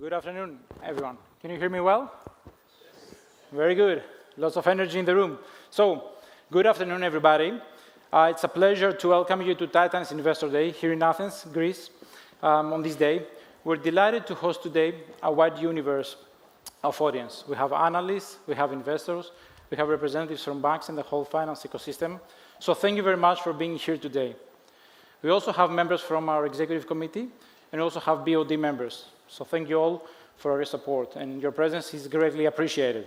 Good afternoon, everyone. Can you hear me well Very good. Lots of energy in the room. Good afternoon, everybody. It's a pleasure to welcome you to Titan's Investor Day here in Athens, Greece, on this day. We're delighted to host today a wide universe of audience. We have analysts, we have investors, we have representatives from banks and the whole finance ecosystem. Thank you very much for being here today. We also have members from our executive committee and also have BOD members. Thank you all for your support, and your presence is greatly appreciated.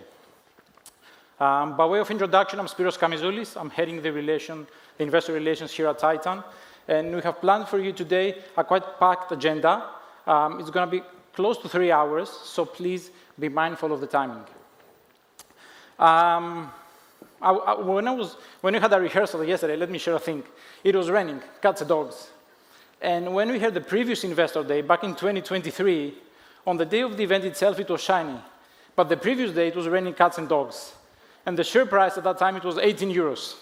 By way of introduction, I'm Spyros Kamizoulis. I'm heading the investor relations here at Titan. We have planned for you today a quite packed agenda. It's going to be close to three hours, so please be mindful of the timing. When I had a rehearsal yesterday, let me share a thing. It was raining, cats and dogs. When we had the previous Investor Day, back in 2023, on the day of the event itself, it was shiny. The previous day, it was raining cats and dogs. The share price at that time, it was 18 euros.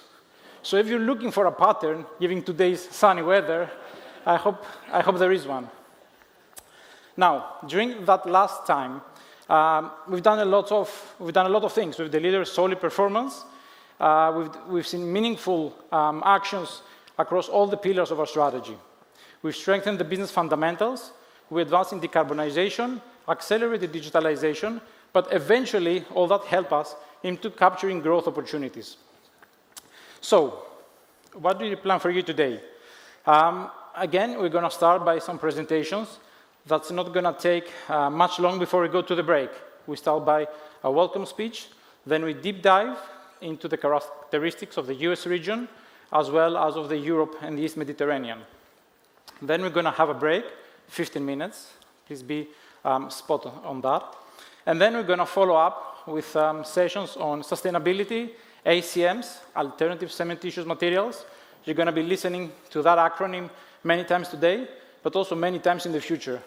If you're looking for a pattern given today's sunny weather, I hope there is one. During that last time, we've done a lot of things with the leader's solid performance. We've seen meaningful actions across all the pillars of our strategy. We've strengthened the business fundamentals. We're advancing decarbonization, accelerating digitalization. Eventually, all that helped us into capturing growth opportunities. What do we plan for you today? Again, we're going to start by some presentations. That's not going to take much longer before we go to the break. We start by a welcome speech. We deep dive into the characteristics of the US region, as well as of Europe and the East Mediterranean. We're going to have a break, 15 minutes. Please be spot on that. We're going to follow up with sessions on sustainability, ACMs, Alternative Cementitious Materials. You're going to be listening to that acronym many times today, but also many times in the future.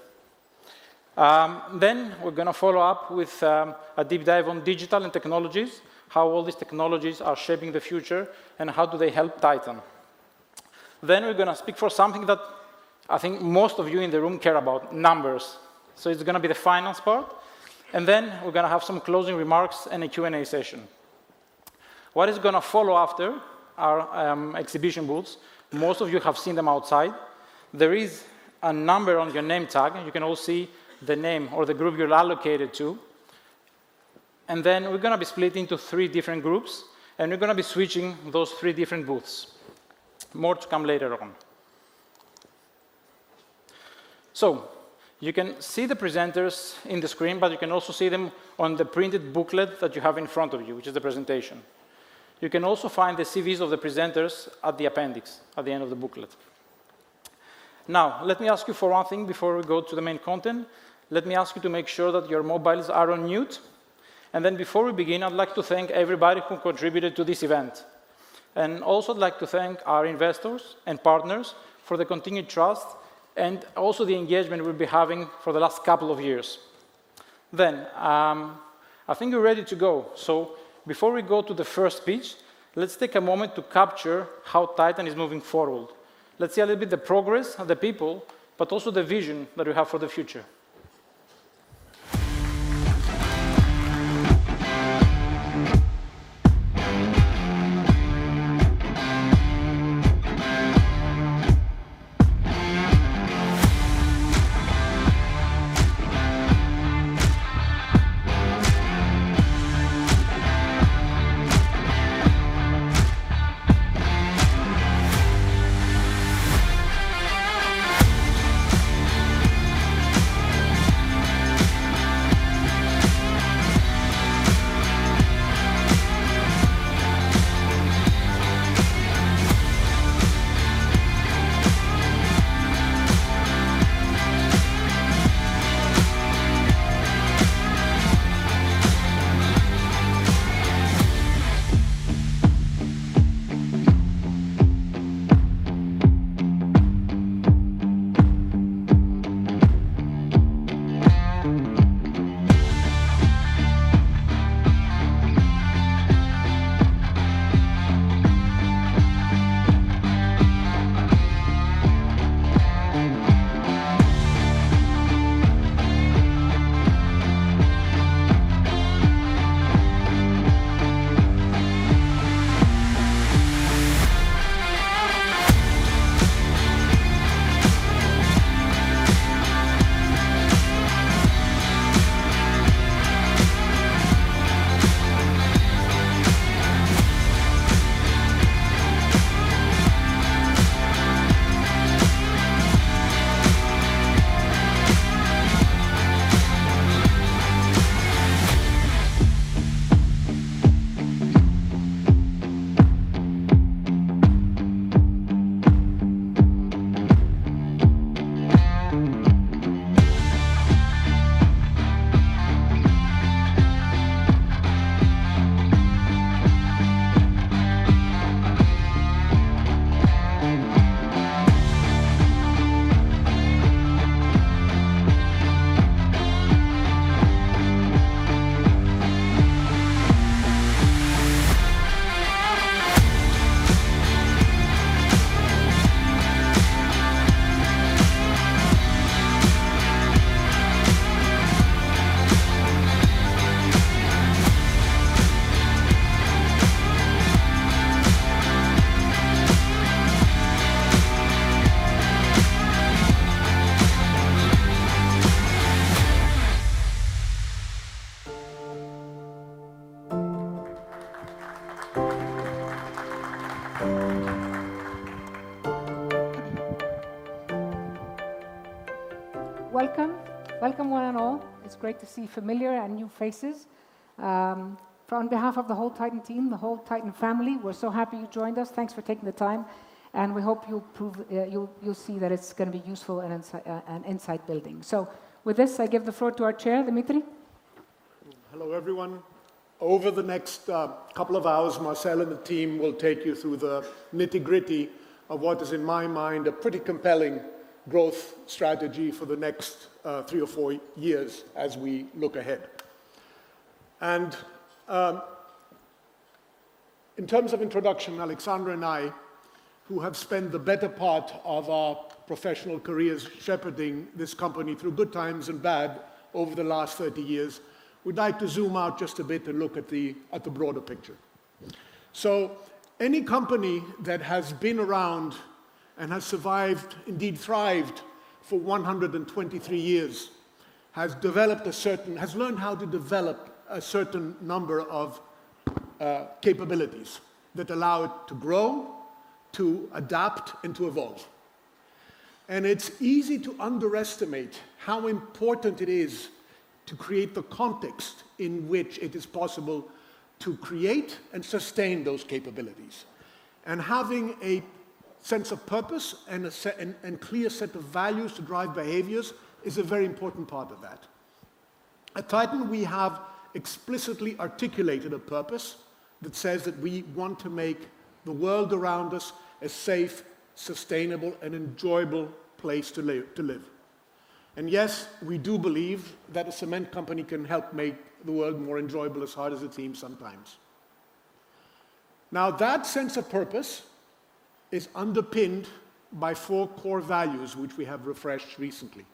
We're going to follow up with a deep dive on digital and technologies, how all these technologies are shaping the future, and how do they help Titan. We're going to speak for something that I think most of you in the room care about, numbers. It's going to be the finance part. We're going to have some closing remarks and a Q&A session. What is going to follow after are exhibition booths. Most of you have seen them outside. There is a number on your name tag. You can all see the name or the group you're allocated to. We are going to be split into three different groups, and we're going to be switching those three different booths. More to come later on. You can see the presenters on the screen, but you can also see them on the printed booklet that you have in front of you, which is the presentation. You can also find the CVs of the presenters at the appendix at the end of the booklet. Now, let me ask you for one thing before we go to the main content. Let me ask you to make sure that your mobiles are on mute. Before we begin, I'd like to thank everybody who contributed to this event. I would like to thank our investors and partners for the continued trust and also the engagement we have been having for the last couple of years. I think we are ready to go. Before we go to the first speech, let's take a moment to capture how Titan is moving forward. Let's see a little bit the progress of the people, but also the vision that we have for the future. Welcome. Welcome, one and all. It's great to see familiar and new faces. On behalf of the whole Titan team, the whole Titan family, we're so happy you joined us. Thanks for taking the time. We hope you'll see that it's going to be useful and insight-building. With this, I give the floor to our Chair, Dimitri. Hello, everyone. Over the next couple of hours, Marcel and the team will take you through the nitty-gritty of what is, in my mind, a pretty compelling growth strategy for the next three or four years as we look ahead. In terms of introduction, Alexandra and I, who have spent the better part of our professional careers shepherding this company through good times and bad over the last 30 years, would like to zoom out just a bit and look at the broader picture. Any company that has been around and has survived, indeed thrived for 123 years, has learned how to develop a certain number of capabilities that allow it to grow, to adapt, and to evolve. It is easy to underestimate how important it is to create the context in which it is possible to create and sustain those capabilities. Having a sense of purpose and a clear set of values to drive behaviors is a very important part of that. At Titan, we have explicitly articulated a purpose that says that we want to make the world around us a safe, sustainable, and enjoyable place to live. Yes, we do believe that a cement company can help make the world more enjoyable as hard as it seems sometimes. That sense of purpose is underpinned by four core values, which we have refreshed recently.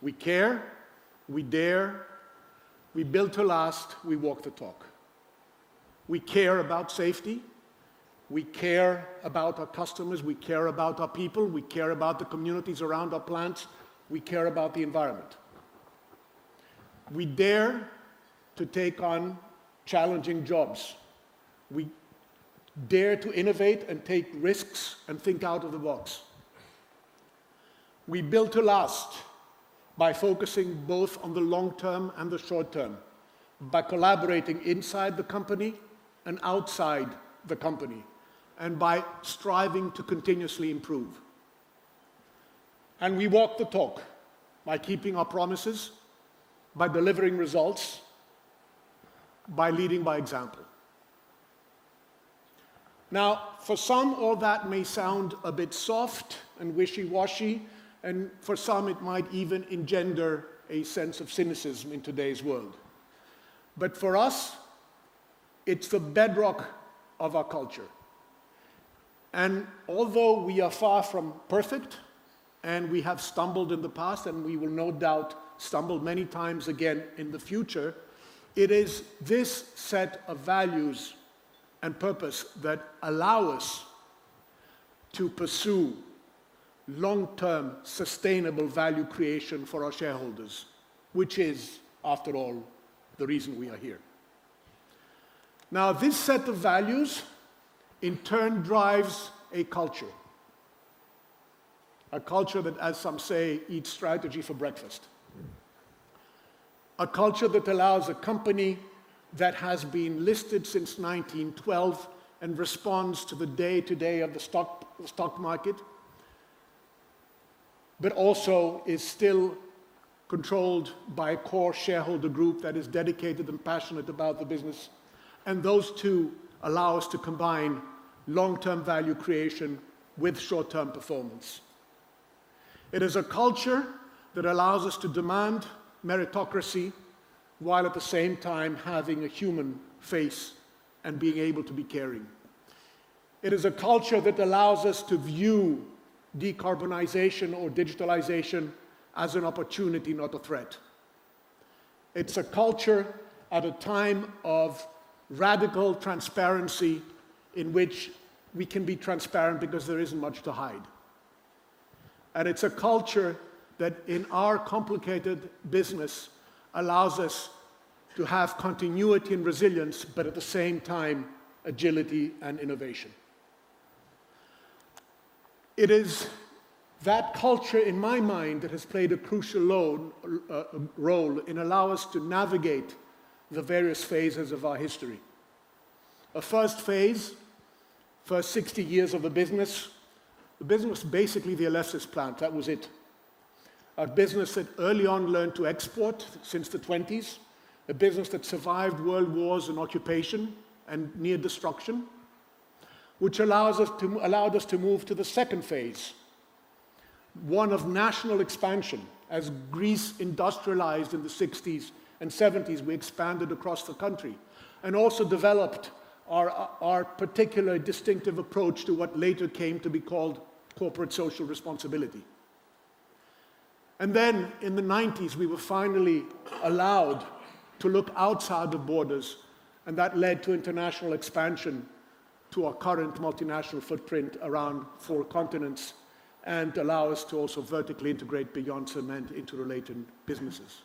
We care, we dare, we build to last, we walk the talk. We care about safety. We care about our customers. We care about our people. We care about the communities around our plants. We care about the environment. We dare to take on challenging jobs. We dare to innovate and take risks and think out of the box. We build to last by focusing both on the long term and the short term, by collaborating inside the company and outside the company, and by striving to continuously improve. We walk the talk by keeping our promises, by delivering results, by leading by example. For some, all that may sound a bit soft and wishy-washy, and for some, it might even engender a sense of cynicism in today's world. For us, it is the bedrock of our culture. Although we are far from perfect, and we have stumbled in the past, and we will no doubt stumble many times again in the future, it is this set of values and purpose that allow us to pursue long-term sustainable value creation for our shareholders, which is, after all, the reason we are here. This set of values, in turn, drives a culture. A culture that, as some say, eats strategy for breakfast. A culture that allows a company that has been listed since 1912 and responds to the day-to-day of the stock market, but also is still controlled by a core shareholder group that is dedicated and passionate about the business. Those two allow us to combine long-term value creation with short-term performance. It is a culture that allows us to demand meritocracy while at the same time having a human face and being able to be caring. It is a culture that allows us to view decarbonization or digitalization as an opportunity, not a threat. It's a culture at a time of radical transparency in which we can be transparent because there isn't much to hide. It's a culture that, in our complicated business, allows us to have continuity and resilience, but at the same time, agility and innovation. It is that culture, in my mind, that has played a crucial role in allowing us to navigate the various phases of our history. A first phase, first 60 years of the business. The business was basically the Alexis plant. That was it. A business that early on learned to export since the 1920s. A business that survived world wars and occupation and near destruction, which allowed us to move to the second phase, one of national expansion. As Greece industrialized in the 1960s and 1970s, we expanded across the country and also developed our particular distinctive approach to what later came to be called corporate social responsibility. In the 1990s, we were finally allowed to look outside the borders. That led to international expansion to our current multinational footprint around four continents and allowed us to also vertically integrate beyond cement into related businesses.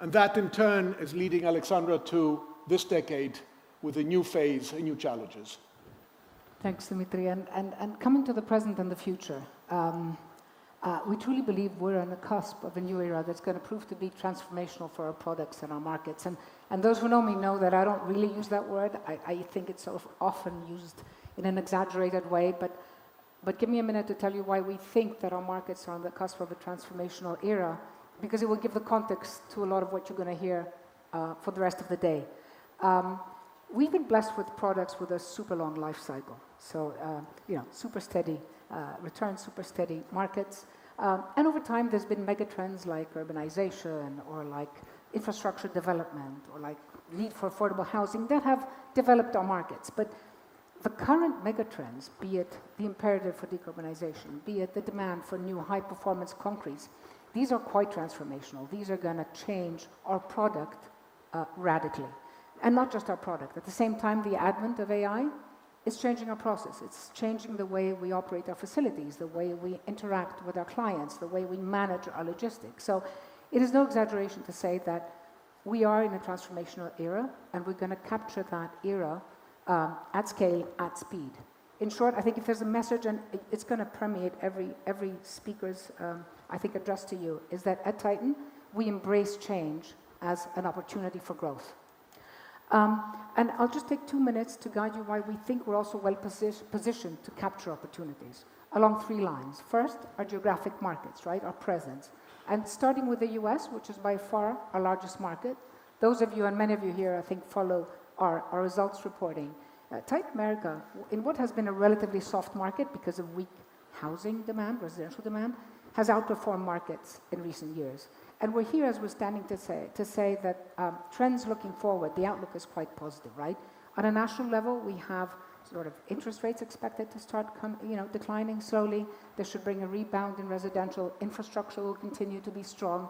That, in turn, is leading Alexandra to this decade with a new phase and new challenges. Thanks, Dimitri. Coming to the present and the future, we truly believe we're on the cusp of a new era that's going to prove to be transformational for our products and our markets. Those who know me know that I don't really use that word. I think it's often used in an exaggerated way. Give me a minute to tell you why we think that our markets are on the cusp of a transformational era, because it will give the context to a lot of what you're going to hear for the rest of the day. We've been blessed with products with a super long life cycle. Super steady returns, super steady markets. Over time, there's been megatrends like urbanization or like infrastructure development or like need for affordable housing that have developed our markets. The current megatrends, be it the imperative for decarbonization, be it the demand for new high-performance concretes, these are quite transformational. These are going to change our product radically. And not just our product. At the same time, the advent of AI is changing our process. It's changing the way we operate our facilities, the way we interact with our clients, the way we manage our logistics. It is no exaggeration to say that we are in a transformational era, and we're going to capture that era at scale, at speed. In short, I think if there's a message, and it's going to permeate every speaker's, I think, address to you, is that at Titan, we embrace change as an opportunity for growth. I'll just take two minutes to guide you why we think we're also well-positioned to capture opportunities along three lines. First, our geographic markets, right, our presence. Starting with the US, which is by far our largest market. Those of you and many of you here, I think, follow our results reporting. Titan America, in what has been a relatively soft market because of weak housing demand, residential demand, has outperformed markets in recent years. We are here, as we are standing, to say that trends looking forward, the outlook is quite positive, right? On a national level, we have sort of interest rates expected to start declining slowly. This should bring a rebound in residential. Infrastructure will continue to be strong.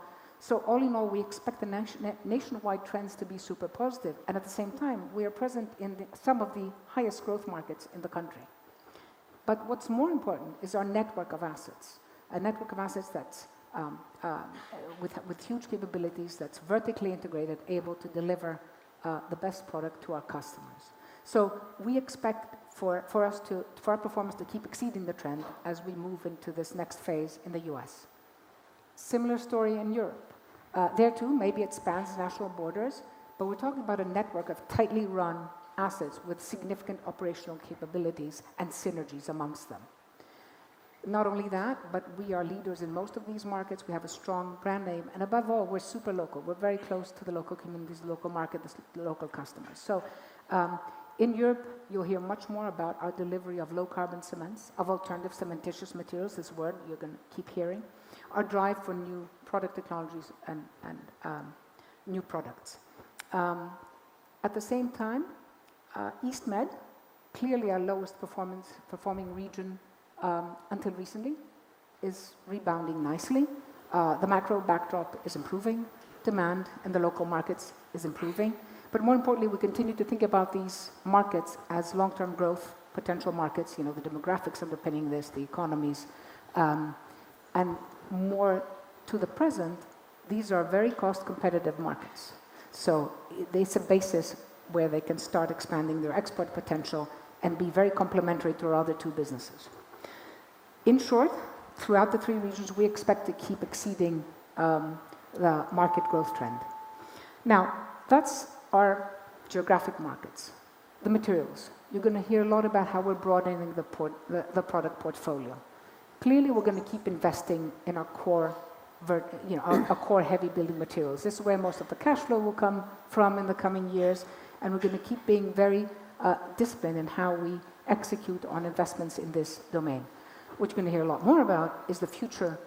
All in all, we expect the nationwide trends to be super positive. At the same time, we are present in some of the highest growth markets in the country. What is more important is our network of assets. A network of assets that's with huge capabilities, that's vertically integrated, able to deliver the best product to our customers. We expect for us to, for our performance to keep exceeding the trend as we move into this next phase in the US. Similar story in Europe. There, too, maybe it spans national borders, but we're talking about a network of tightly run assets with significant operational capabilities and synergies amongst them. Not only that, but we are leaders in most of these markets. We have a strong brand name. Above all, we're super local. We're very close to the local communities, the local market, the local customers. In Europe, you'll hear much more about our delivery of low-carbon cements, of alternative cementitious materials. This word you're going to keep hearing. Our drive for new product technologies and new products. At the same time, East Med, clearly our lowest performing region until recently, is rebounding nicely. The macro backdrop is improving. Demand in the local markets is improving. More importantly, we continue to think about these markets as long-term growth potential markets. You know, the demographics are depending on this, the economies. More to the present, these are very cost-competitive markets. It is a basis where they can start expanding their export potential and be very complementary to our other two businesses. In short, throughout the three regions, we expect to keep exceeding the market growth trend. Now, that is our geographic markets. The materials. You are going to hear a lot about how we are broadening the product portfolio. Clearly, we are going to keep investing in our core heavy-building materials. This is where most of the cash flow will come from in the coming years. We are going to keep being very disciplined in how we execute on investments in this domain. What you are going to hear a lot more about is the future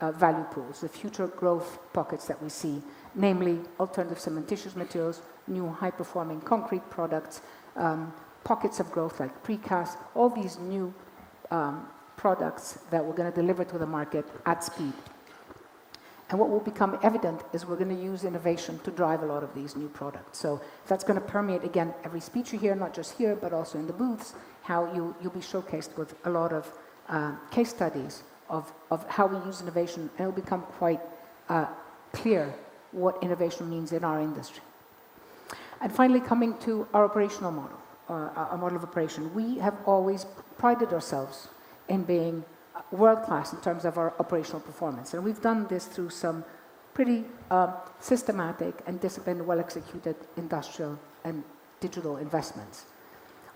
value pools, the future growth pockets that we see, namely alternative cementitious materials, new high-performing concrete products, pockets of growth like precast, all these new products that we are going to deliver to the market at speed. What will become evident is we are going to use innovation to drive a lot of these new products. That is going to permeate, again, every speech you hear, not just here, but also in the booths, how you will be showcased with a lot of case studies of how we use innovation. It will become quite clear what innovation means in our industry. Finally, coming to our operational model, our model of operation. We have always prided ourselves in being world-class in terms of our operational performance. We have done this through some pretty systematic and disciplined, well-executed industrial and digital investments.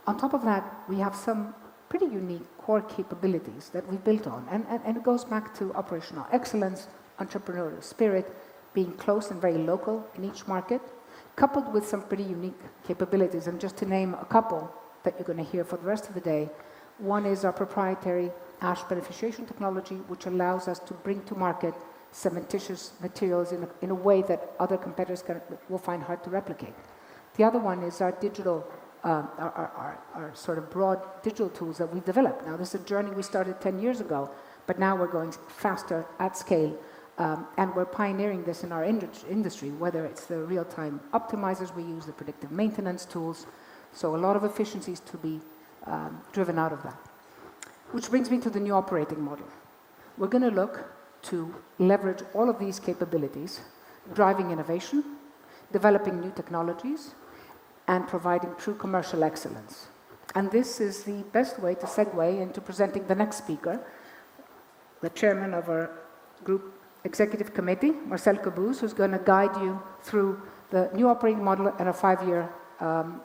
On top of that, we have some pretty unique core capabilities that we have built on. It goes back to operational excellence, entrepreneurial spirit, being close and very local in each market, coupled with some pretty unique capabilities. Just to name a couple that you are going to hear for the rest of the day, one is our proprietary ash beneficiation technology, which allows us to bring to market cementitious materials in a way that other competitors will find hard to replicate. The other one is our digital, our sort of broad digital tools that we have developed. This is a journey we started 10 years ago, but now we are going faster at scale. We're pioneering this in our industry, whether it's the real-time optimizers we use, the predictive maintenance tools. A lot of efficiencies to be driven out of that. This brings me to the new operating model. We're going to look to leverage all of these capabilities, driving innovation, developing new technologies, and providing true commercial excellence. This is the best way to segue into presenting the next speaker, the Chairman of our Group Executive Committee, Marcel Cobuz, who's going to guide you through the new operating model and a five-year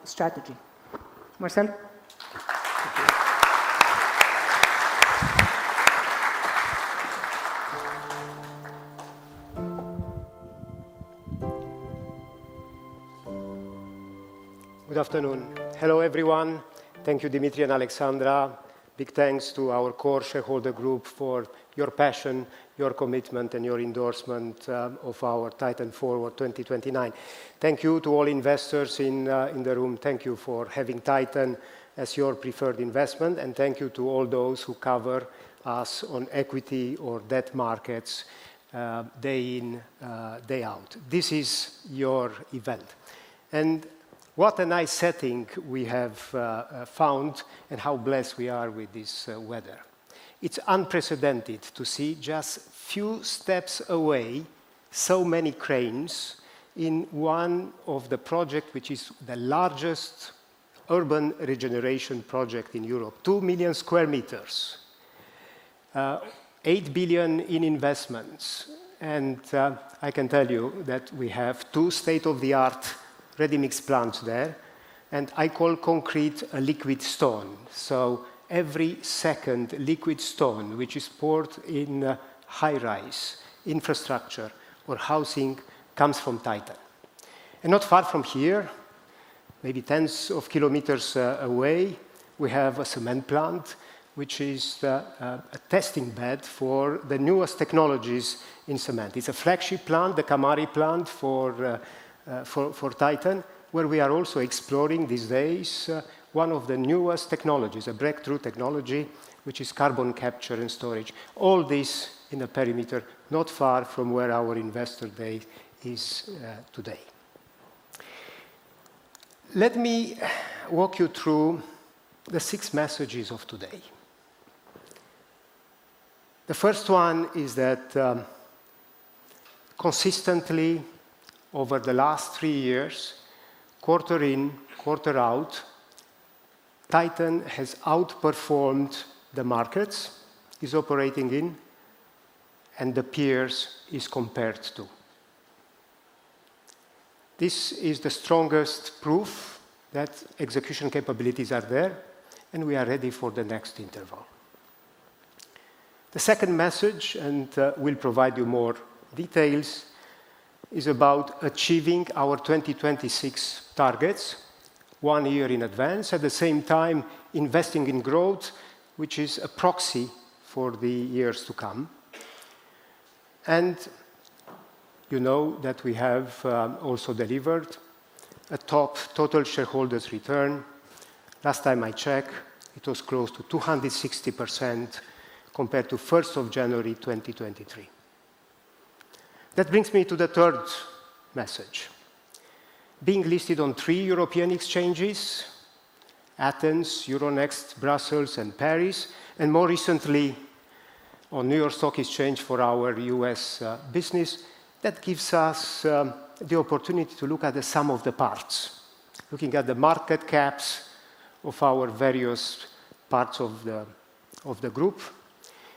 strategy. Marcel. Good afternoon. Hello, everyone. Thank you, Dimitri and Alexandra. Big thanks to our core shareholder group for your passion, your commitment, and your endorsement of our Titan Forward 2029. Thank you to all investors in the room. Thank you for having Titan as your preferred investment. Thank you to all those who cover us on equity or debt markets day in, day out. This is your event. What a nice setting we have found and how blessed we are with this weather. It is unprecedented to see just a few steps away so many cranes in one of the projects, which is the largest urban regeneration project in Europe, 2 million sq m, 8 billion in investments. I can tell you that we have two state-of-the-art ready-mixed plants there. I call concrete a liquid stone. Every second liquid stone, which is poured in high-rise infrastructure or housing, comes from Titan. Not far from here, maybe tens of kilometers away, we have a cement plant, which is a testing bed for the newest technologies in cement. It is a flagship plant, the Kamari plant for Titan, where we are also exploring these days one of the newest technologies, a breakthrough technology, which is carbon capture and storage. All this in the perimeter not far from where our investor day is today. Let me walk you through the six messages of today. The first one is that consistently over the last three years, quarter in, quarter out, Titan has outperformed the markets it is operating in and the peers it is compared to. This is the strongest proof that execution capabilities are there, and we are ready for the next interval. The second message, and we'll provide you more details, is about achieving our 2026 targets one year in advance, at the same time investing in growth, which is a proxy for the years to come. You know that we have also delivered a top total shareholders' return. Last time I checked, it was close to 260% compared to January 1, 2023. That brings me to the third message. Being listed on three European exchanges, Athens, Euronext, Brussels, and Paris, and more recently on New York Stock Exchange for our US business, that gives us the opportunity to look at the sum of the parts, looking at the market caps of our various parts of the group,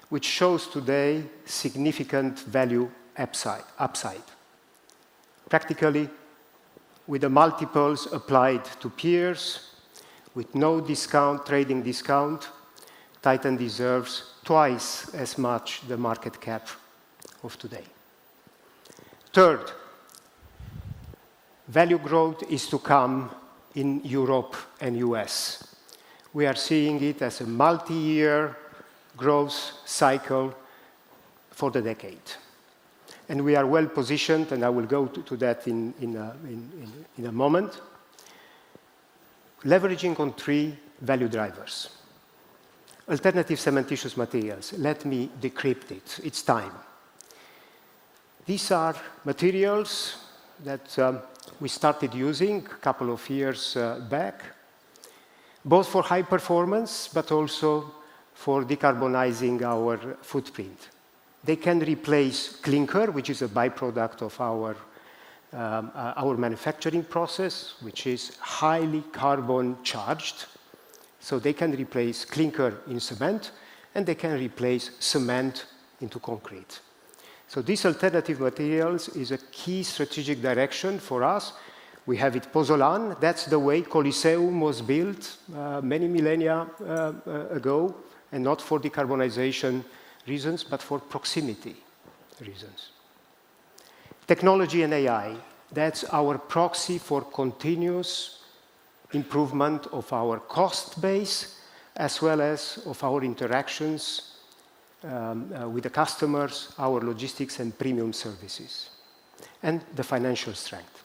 which shows today significant value upside. Practically, with the multiples applied to peers, with no discount, trading discount, Titan deserves twice as much the market cap of today. Third, value growth is to come in Europe and US. We are seeing it as a multi-year growth cycle for the decade. We are well-positioned, and I will go to that in a moment, leveraging on three value drivers. Alternative cementitious materials. Let me decrypt it. It's time. These are materials that we started using a couple of years back, both for high performance, but also for decarbonizing our footprint. They can replace clinker, which is a byproduct of our manufacturing process, which is highly carbon-charged. They can replace clinker in cement, and they can replace cement into concrete. These alternative materials are a key strategic direction for us. We have it Pozzolan. That's the way Coliseum was built many millennia ago, and not for decarbonization reasons, but for proximity reasons. Technology and AI. That's our proxy for continuous improvement of our cost base, as well as of our interactions with the customers, our logistics and premium services, and the financial strength.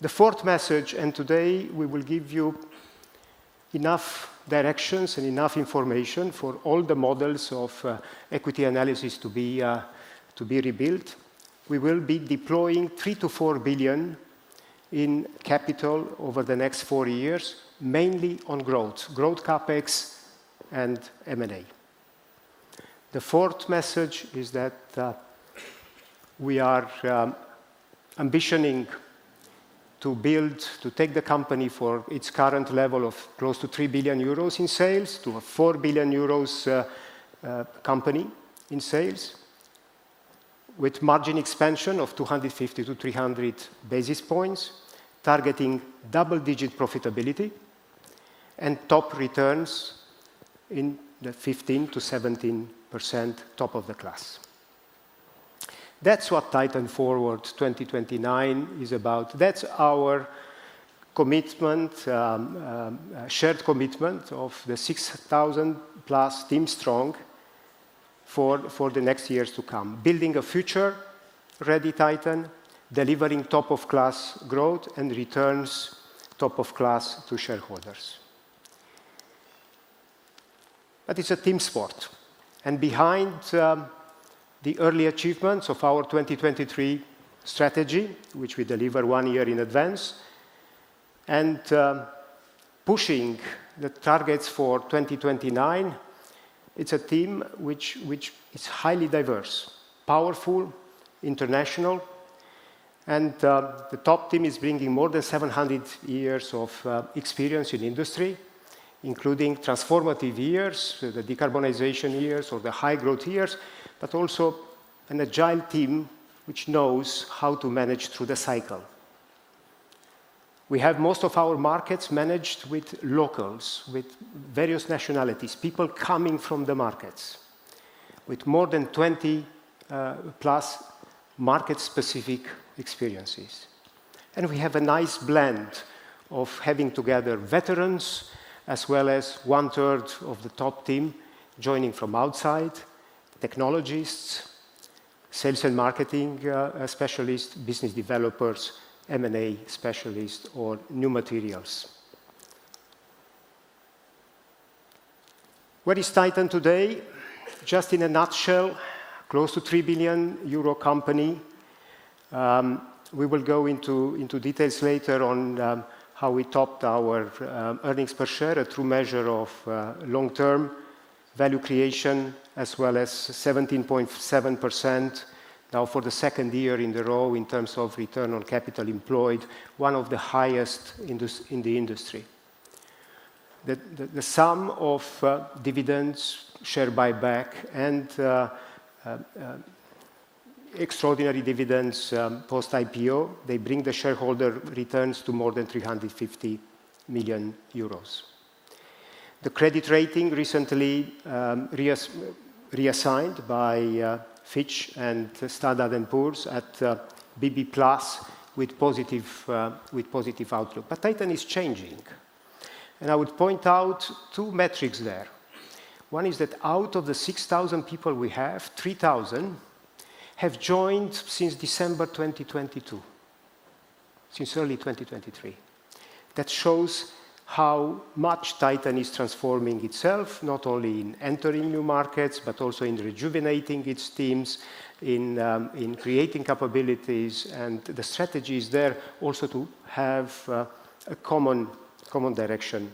The fourth message, and today we will give you enough directions and enough information for all the models of equity analysis to be rebuilt. We will be deploying 3 billion-4 billion in capital over the next four years, mainly on growth, growth CapEx, and M&A. The fourth message is that we are ambitioning to build, to take the company for its current level of close to 3 billion euros in sales, to a 4 billion euros company in sales, with margin expansion of 250-300 basis points, targeting double-digit profitability and top returns in the 15%-17% top of the class. That's what Titan Forward 2029 is about. That's our commitment, shared commitment of the 6,000-plus team strong for the next years to come. Building a future-ready Titan, delivering top-of-class growth and returns top-of-class to shareholders. It is a team sport. Behind the early achievements of our 2023 strategy, which we deliver one year in advance, and pushing the targets for 2029, it is a team which is highly diverse, powerful, international. The top team is bringing more than 700 years of experience in industry, including transformative years, the decarbonization years or the high-growth years, but also an agile team which knows how to manage through the cycle. We have most of our markets managed with locals, with various nationalities, people coming from the markets, with more than 20-plus market-specific experiences. We have a nice blend of having together veterans as well as one-third of the top team joining from outside, technologists, sales and marketing specialists, business developers, M&A specialists, or new materials. Where is Titan today? Just in a nutshell, close to 3 billion euro company. We will go into details later on how we topped our earnings per share, a true measure of long-term value creation, as well as 17.7% now for the second year in a row in terms of return on capital employed, one of the highest in the industry. The sum of dividends shared by BAC and extraordinary dividends post-IPO, they bring the shareholder returns to more than 350 million euros. The credit rating recently reassigned by Fitch and Standard & Poor's at BB Plus with positive outlook. Titan is changing. I would point out two metrics there. One is that out of the 6,000 people we have, 3,000 have joined since December 2022, since early 2023. That shows how much Titan is transforming itself, not only in entering new markets, but also in rejuvenating its teams, in creating capabilities. The strategy is there also to have a common direction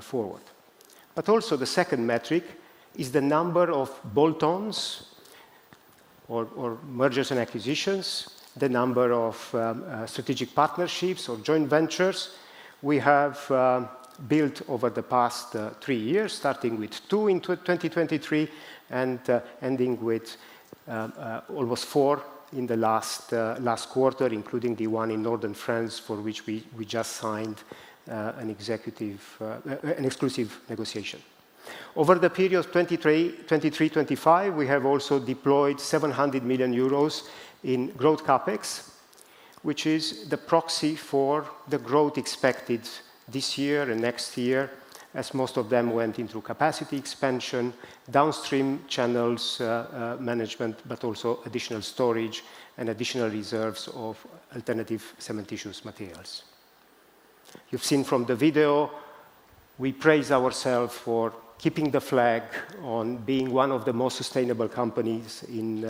forward. The second metric is the number of bolt-ons or mergers and acquisitions, the number of strategic partnerships or joint ventures we have built over the past three years, starting with two in 2023 and ending with almost four in the last quarter, including the one in Northern France for which we just signed an exclusive negotiation. Over the period of 2023-2025, we have also deployed 700 million euros in growth CapEx, which is the proxy for the growth expected this year and next year, as most of them went into capacity expansion, downstream channels management, but also additional storage and additional reserves of alternative cementitious materials. You have seen from the video, we praise ourselves for keeping the flag on being one of the most sustainable companies in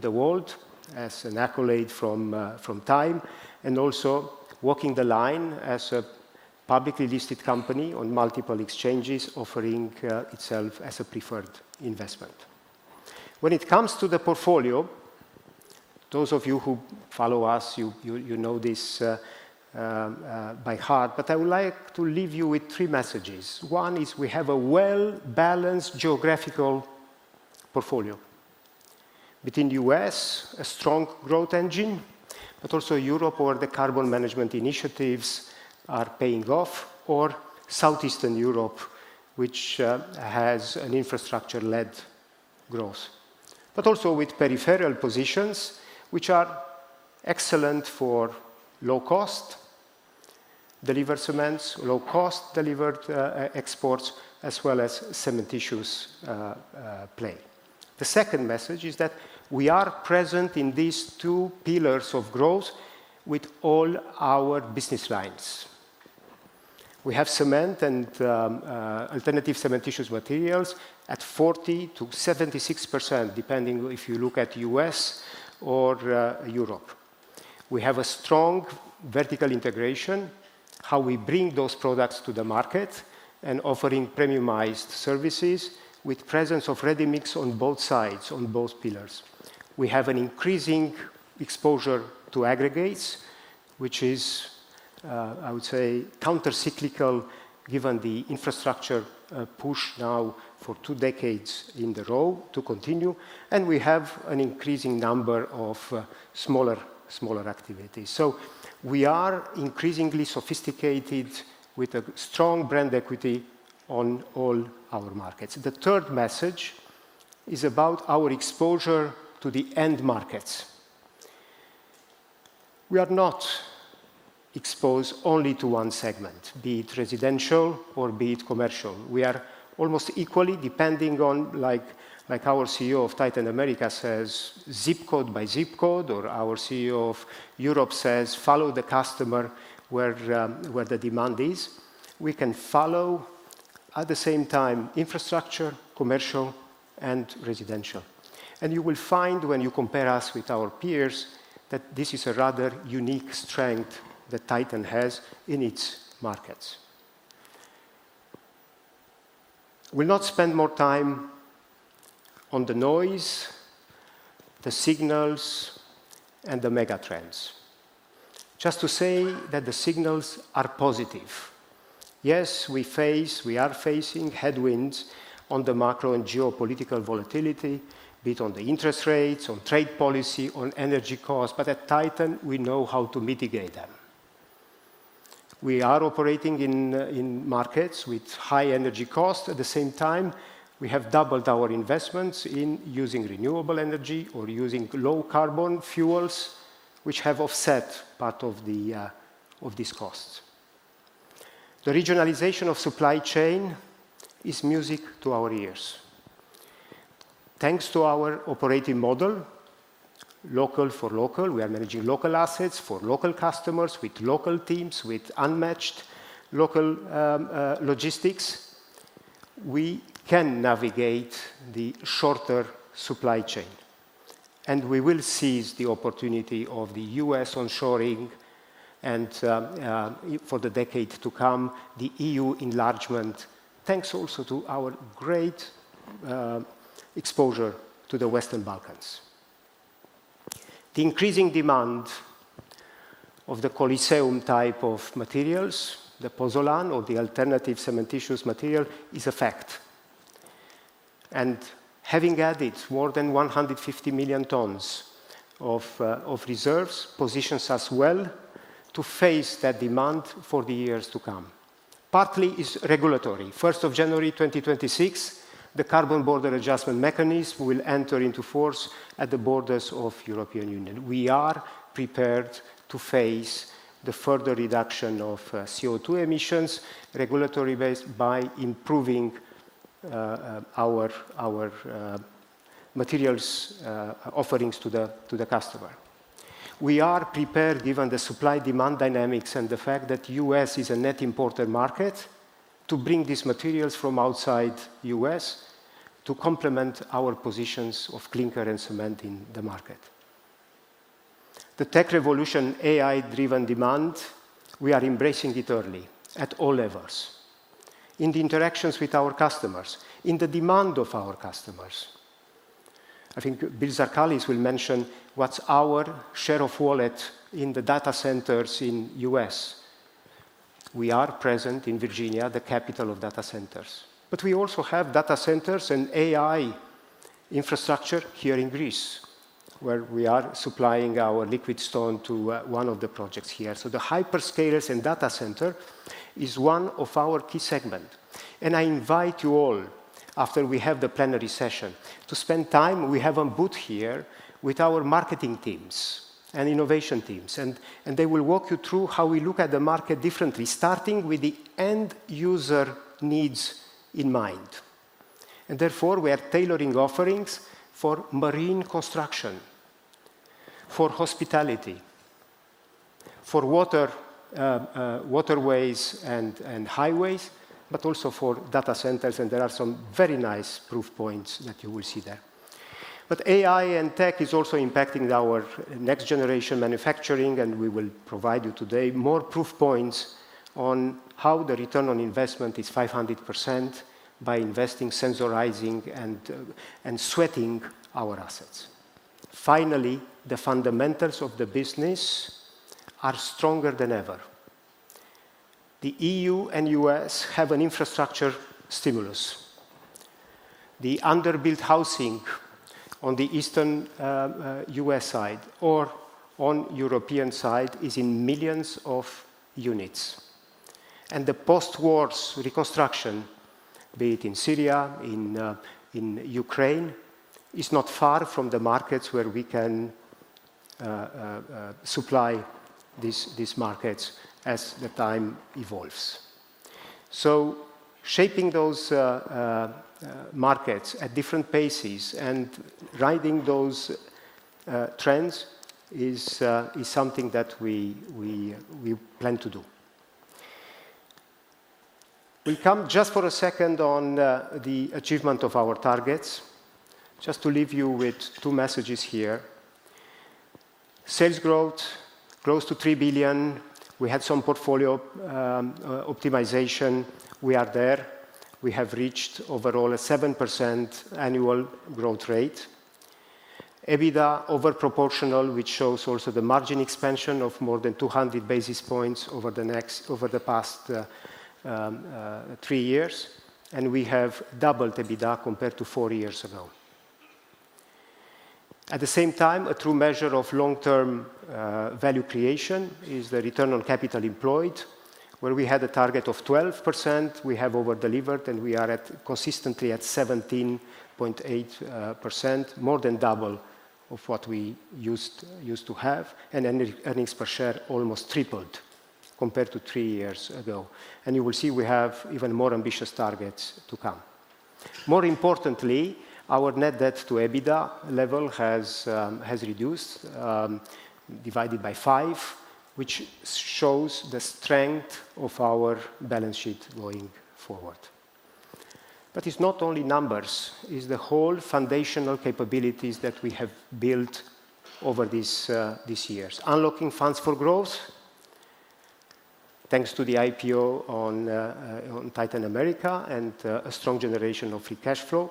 the world as an accolade from Time, and also walking the line as a publicly listed company on multiple exchanges offering itself as a preferred investment. When it comes to the portfolio, those of you who follow us, you know this by heart, but I would like to leave you with three messages. One is we have a well-balanced geographical portfolio between the US, a strong growth engine, but also Europe where the carbon management initiatives are paying off, or Southeastern Europe, which has an infrastructure-led growth, but also with peripheral positions, which are excellent for low-cost delivered cements, low-cost delivered exports, as well as cementitious play. The second message is that we are present in these two pillars of growth with all our business lines. We have cement and alternative cementitious materials at 40%-76%, depending if you look at US or Europe. We have a strong vertical integration, how we bring those products to the market and offering premiumized services with presence of ready-mix on both sides, on both pillars. We have an increasing exposure to aggregates, which is, I would say, countercyclical given the infrastructure push now for two decades in the row to continue. We have an increasing number of smaller activities. We are increasingly sophisticated with a strong brand equity in all our markets. The third message is about our exposure to the end markets. We are not exposed only to one segment, be it residential or be it commercial. We are almost equally, depending on, like our CEO of Titan America says, zip code by zip code, or our CEO of Europe says, follow the customer where the demand is. We can follow at the same time infrastructure, commercial, and residential. You will find when you compare us with our peers that this is a rather unique strength that Titan has in its markets. We will not spend more time on the noise, the signals, and the mega trends. Just to say that the signals are positive. Yes, we face, we are facing headwinds on the macro and geopolitical volatility, be it on the interest rates, on trade policy, on energy costs, but at Titan, we know how to mitigate them. We are operating in markets with high energy costs. At the same time, we have doubled our investments in using renewable energy or using low-carbon fuels, which have offset part of these costs. The regionalization of supply chain is music to our ears. Thanks to our operating model, local for local, we are managing local assets for local customers with local teams, with unmatched local logistics. We can navigate the shorter supply chain. We will seize the opportunity of the US onshoring and for the decade to come, the EU enlargement, thanks also to our great exposure to the Western Balkans. The increasing demand of the Coliseum type of materials, the Pozzolan or the alternative cementitious material is a fact. Having added more than 150 million tons of reserves positions us well to face that demand for the years to come. Partly it is regulatory. On the 1st of January 2026, the Carbon Border Adjustment Mechanism will enter into force at the borders of the European Union. We are prepared to face the further reduction of CO2 emissions regulatory-based by improving our materials offerings to the customer. We are prepared, given the supply-demand dynamics and the fact that the US is a net importer market, to bring these materials from outside the US to complement our positions of clinker and cement in the market. The tech revolution, AI-driven demand, we are embracing it early at all levels. In the interactions with our customers, in the demand of our customers. I think Bill Zarkalis will mention what's our share of wallet in the data centers in the US. We are present in Virginia, the capital of data centers. We also have data centers and AI infrastructure here in Greece, where we are supplying our liquid stone to one of the projects here. The hyperscalers and data center is one of our key segments. I invite you all, after we have the plenary session, to spend time. We have a booth here with our marketing teams and innovation teams. They will walk you through how we look at the market differently, starting with the end user needs in mind. Therefore, we are tailoring offerings for marine construction, for hospitality, for waterways and highways, but also for data centers. There are some very nice proof points that you will see there. AI and tech is also impacting our next-generation manufacturing, and we will provide you today more proof points on how the return on investment is 500% by investing, sensorizing, and sweating our assets. Finally, the fundamentals of the business are stronger than ever. The EU and US have an infrastructure stimulus. The underbuilt housing on the Eastern US side or on the European side is in millions of units. The post-war reconstruction, be it in Syria, in Ukraine, is not far from the markets where we can supply these markets as the time evolves. Shaping those markets at different paces and riding those trends is something that we plan to do. We'll come just for a second on the achievement of our targets, just to leave you with two messages here. Sales growth, close to $3 billion. We had some portfolio optimization. We are there. We have reached overall a 7% annual growth rate. EBITDA overproportional, which shows also the margin expansion of more than 200 basis points over the past three years. We have doubled EBITDA compared to four years ago. At the same time, a true measure of long-term value creation is the return on capital employed, where we had a target of 12%. We have overdelivered, and we are consistently at 17.8%, more than double of what we used to have. Earnings per share almost tripled compared to three years ago. You will see we have even more ambitious targets to come. More importantly, our net debt to EBITDA level has reduced, divided by five, which shows the strength of our balance sheet going forward. It is not only numbers. It is the whole foundational capabilities that we have built over these years. Unlocking funds for growth, thanks to the IPO on Titan America and a strong generation of free cash flow.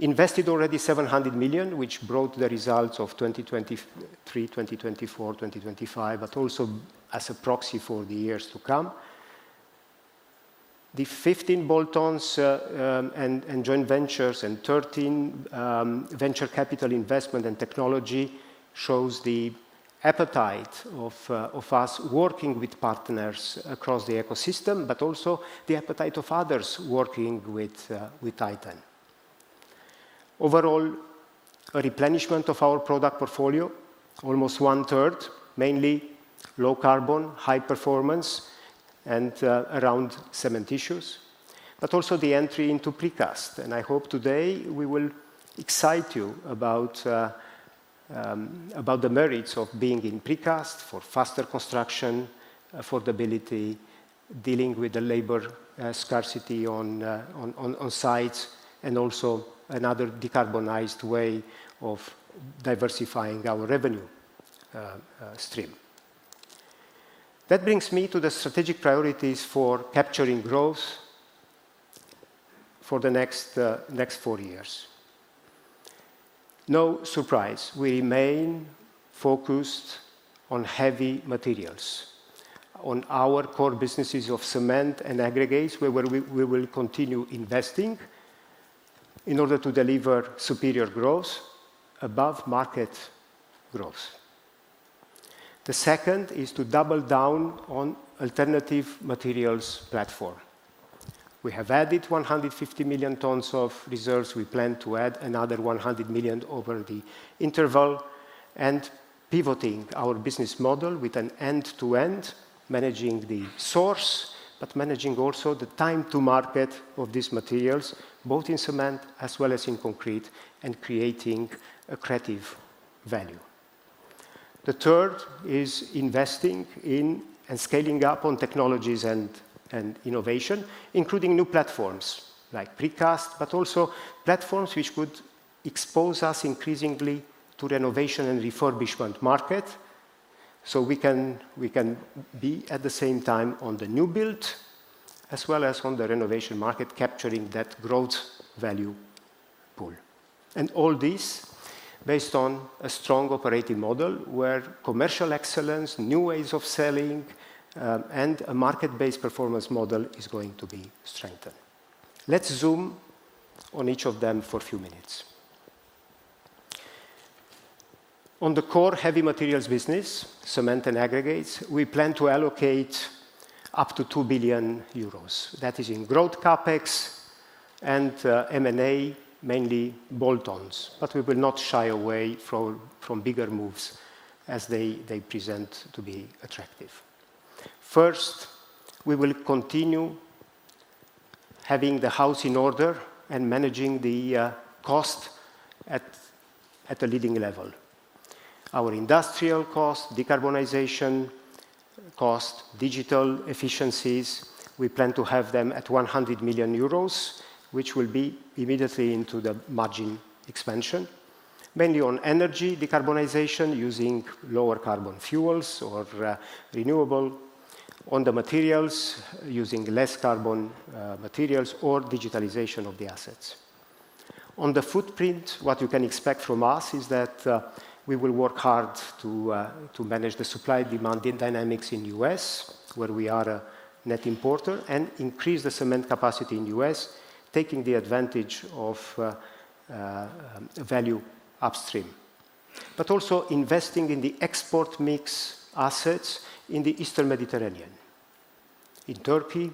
Invested already $700 million, which brought the results of 2023, 2024, 2025, but also as a proxy for the years to come. The 15 boltons and joint ventures and 13 venture capital investment and technology shows the appetite of us working with partners across the ecosystem, but also the appetite of others working with Titan. Overall, a replenishment of our product portfolio, almost one-third, mainly low carbon, high performance, and around cementitious. Also the entry into Precast. I hope today we will excite you about the merits of being in Precast for faster construction, affordability, dealing with the labor scarcity on sites, and also another decarbonized way of diversifying our revenue stream. That brings me to the strategic priorities for capturing growth for the next four years. No surprise. We remain focused on heavy materials, on our core businesses of cement and aggregates, where we will continue investing in order to deliver superior growth above market growth. The second is to double down on alternative materials platform. We have added 150 million tons of reserves. We plan to add another 100 million over the interval and pivoting our business model with an end-to-end, managing the source, but managing also the time to market of these materials, both in cement as well as in concrete, and creating a creative value. The third is investing in and scaling up on technologies and innovation, including new platforms like Precast, but also platforms which would expose us increasingly to the innovation and refurbishment market. We can be at the same time on the new build as well as on the renovation market, capturing that growth value pool. All this is based on a strong operating model where commercial excellence, new ways of selling, and a market-based performance model is going to be strengthened. Let's zoom on each of them for a few minutes. On the core heavy materials business, cement and aggregates, we plan to allocate up to 2 billion euros. That is in growth CapEx and M&A, mainly bolt-ons. We will not shy away from bigger moves as they present to be attractive. First, we will continue having the house in order and managing the cost at a leading level. Our industrial cost, decarbonization cost, digital efficiencies, we plan to have them at 100 million euros, which will be immediately into the margin expansion. Mainly on energy decarbonization using lower carbon fuels or renewable, on the materials using less carbon materials or digitalization of the assets. On the footprint, what you can expect from us is that we will work hard to manage the supply-demand dynamics in the US, where we are a net importer, and increase the cement capacity in the US, taking the advantage of value upstream. Also investing in the export mix assets in the Eastern Mediterranean, in Turkey,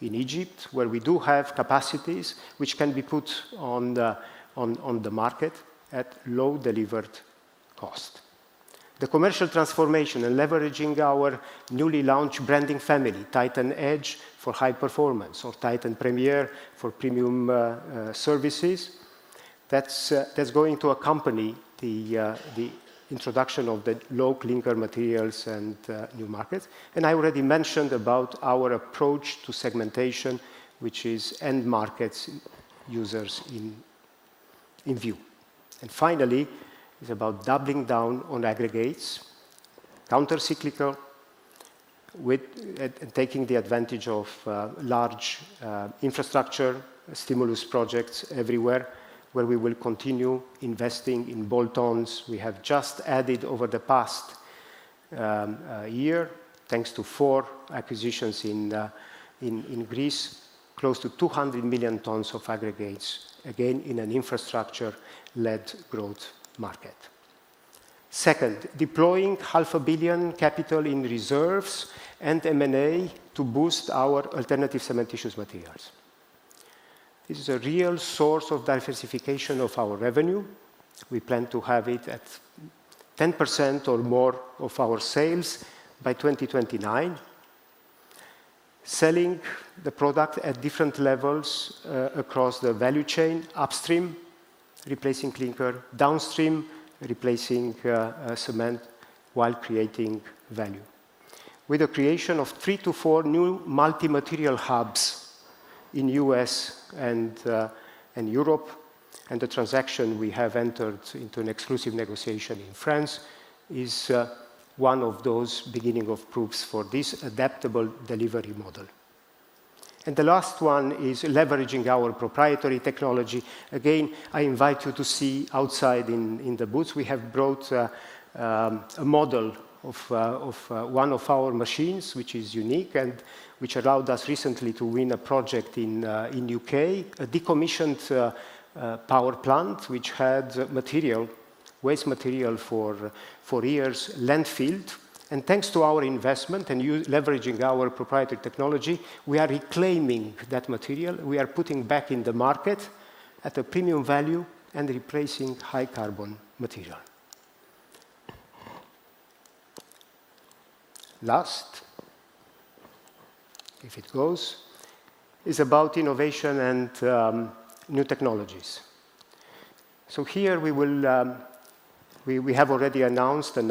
in Egypt, where we do have capacities which can be put on the market at low delivered cost. The commercial transformation and leveraging our newly launched branding family, Titan Edge for high performance or Titan Premier for premium services, that's going to accompany the introduction of the low clinker materials and new markets. I already mentioned about our approach to segmentation, which is end markets users in view. Finally, it's about doubling down on aggregates, countercyclical, taking the advantage of large infrastructure stimulus projects everywhere where we will continue investing in bolt-ons. We have just added over the past year, thanks to four acquisitions in Greece, close to 200 million tons of aggregates, again in an infrastructure-led growth market. Second, deploying $500,000,000 capital in reserves and M&A to boost our alternative cementitious materials. This is a real source of diversification of our revenue. We plan to have it at 10% or more of our sales by 2029, selling the product at different levels across the value chain upstream, replacing clinker, downstream, replacing cement while creating value. With the creation of three to four new multi-material hubs in the US and Europe, and the transaction we have entered into an exclusive negotiation in France is one of those beginning of proofs for this adaptable delivery model. The last one is leveraging our proprietary technology. Again, I invite you to see outside in the booths. We have brought a model of one of our machines, which is unique and which allowed us recently to win a project in the U.K., a decommissioned power plant which had waste material for years, landfilled. Thanks to our investment and leveraging our proprietary technology, we are reclaiming that material. We are putting it back in the market at a premium value and replacing high carbon material. Last, if it goes, is about innovation and new technologies. Here we have already announced a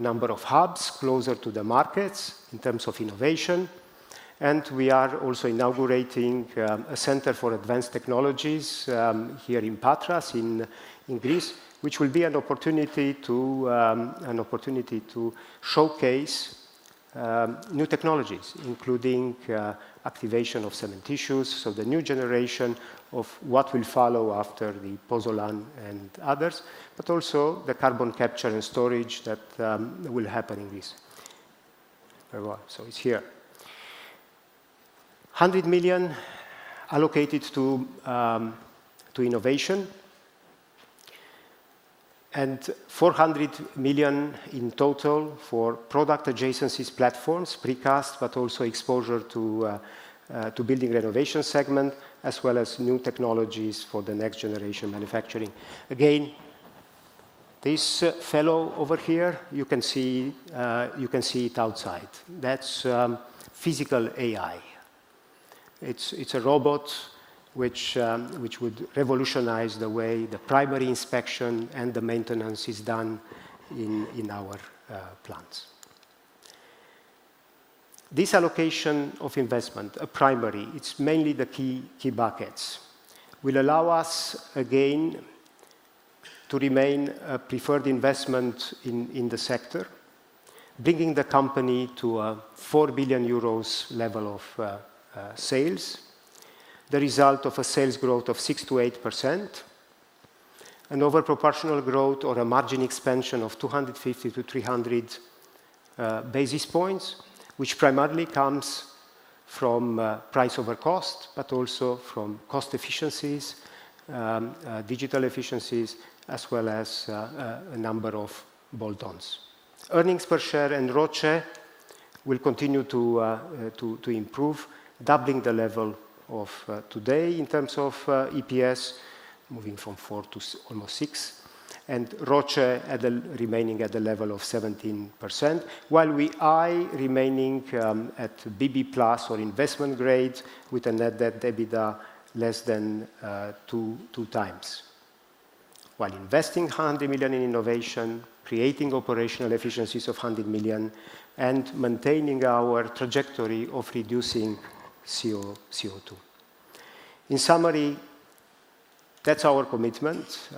number of hubs closer to the markets in terms of innovation. We are also inaugurating a center for advanced technologies here in Patras in Greece, which will be an opportunity to showcase new technologies, including activation of cementitious. The new generation of what will follow after the Pozzolan and others, but also the carbon capture and storage that will happen in Greece. It is here. EUR 100 million allocated to innovation and 400 million in total for product adjacencies platforms, Precast, but also exposure to building renovation segment, as well as new technologies for the next generation manufacturing. Again, this fellow over here, you can see it outside. That is physical AI. It is a robot which would revolutionize the way the primary inspection and the maintenance is done in our plants. This allocation of investment, a primary, it's mainly the key buckets, will allow us again to remain a preferred investment in the sector, bringing the company to a 4 billion euros level of sales, the result of a sales growth of 6%-8%, an overproportional growth or a margin expansion of 250-300 basis points, which primarily comes from price over cost, but also from cost efficiencies, digital efficiencies, as well as a number of boltons. Earnings per share and ROCE will continue to improve, doubling the level of today in terms of EPS, moving from 4 to almost 6, and ROCE remaining at the level of 17%, while we are remaining at BB plus or investment grade with a net debt EBITDA less than two times, while investing 100 million in innovation, creating operational efficiencies of 100 million, and maintaining our trajectory of reducing CO2. In summary, that's our commitment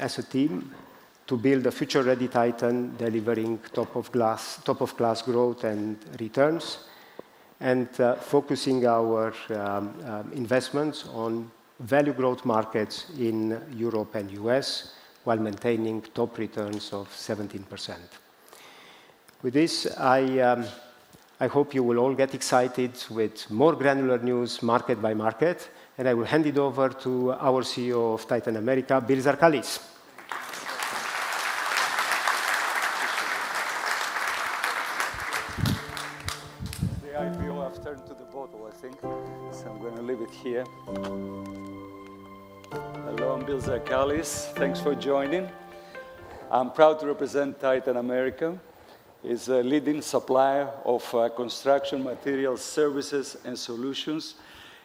as a team to build a future-ready Titan, delivering top-of-class growth and returns, and focusing our investments on value growth markets in Europe and the US, while maintaining top returns of 17%. With this, I hope you will all get excited with more granular news market by market, and I will hand it over to our CEO of Titan America, Bill Zarkalis. The IPO has turned to the bottle, I think. I'm going to leave it here. Hello, I'm Bill Zarkalis. Thanks for joining. I'm proud to represent Titan America. It's a leading supplier of construction materials, services, and solutions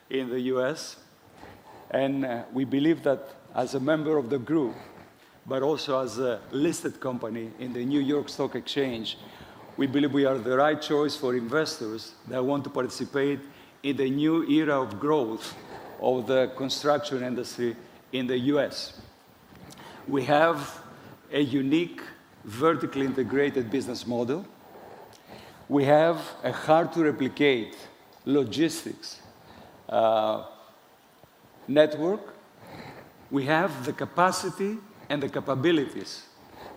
in the US. We believe that as a member of the group, but also as a listed company in the New York Stock Exchange, we believe we are the right choice for investors that want to participate in the new era of growth of the construction industry in the US. We have a unique vertically integrated business model. We have a hard-to-replicate logistics network. We have the capacity and the capabilities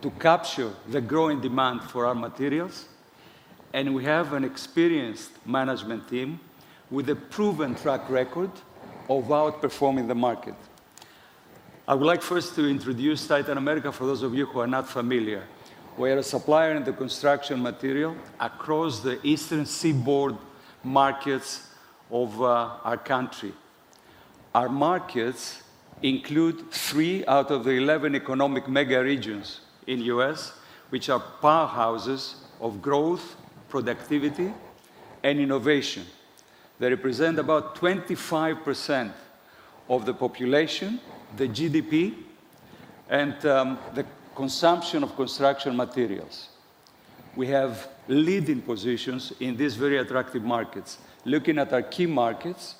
to capture the growing demand for our materials. We have an experienced management team with a proven track record of outperforming the market. I would like first to introduce Titan America for those of you who are not familiar. We are a supplier in the construction material across the Eastern Seaboard markets of our country. Our markets include three out of the 11 economic mega regions in the US, which are powerhouses of growth, productivity, and innovation. They represent about 25% of the population, the GDP, and the consumption of construction materials. We have leading positions in these very attractive markets. Looking at our key markets,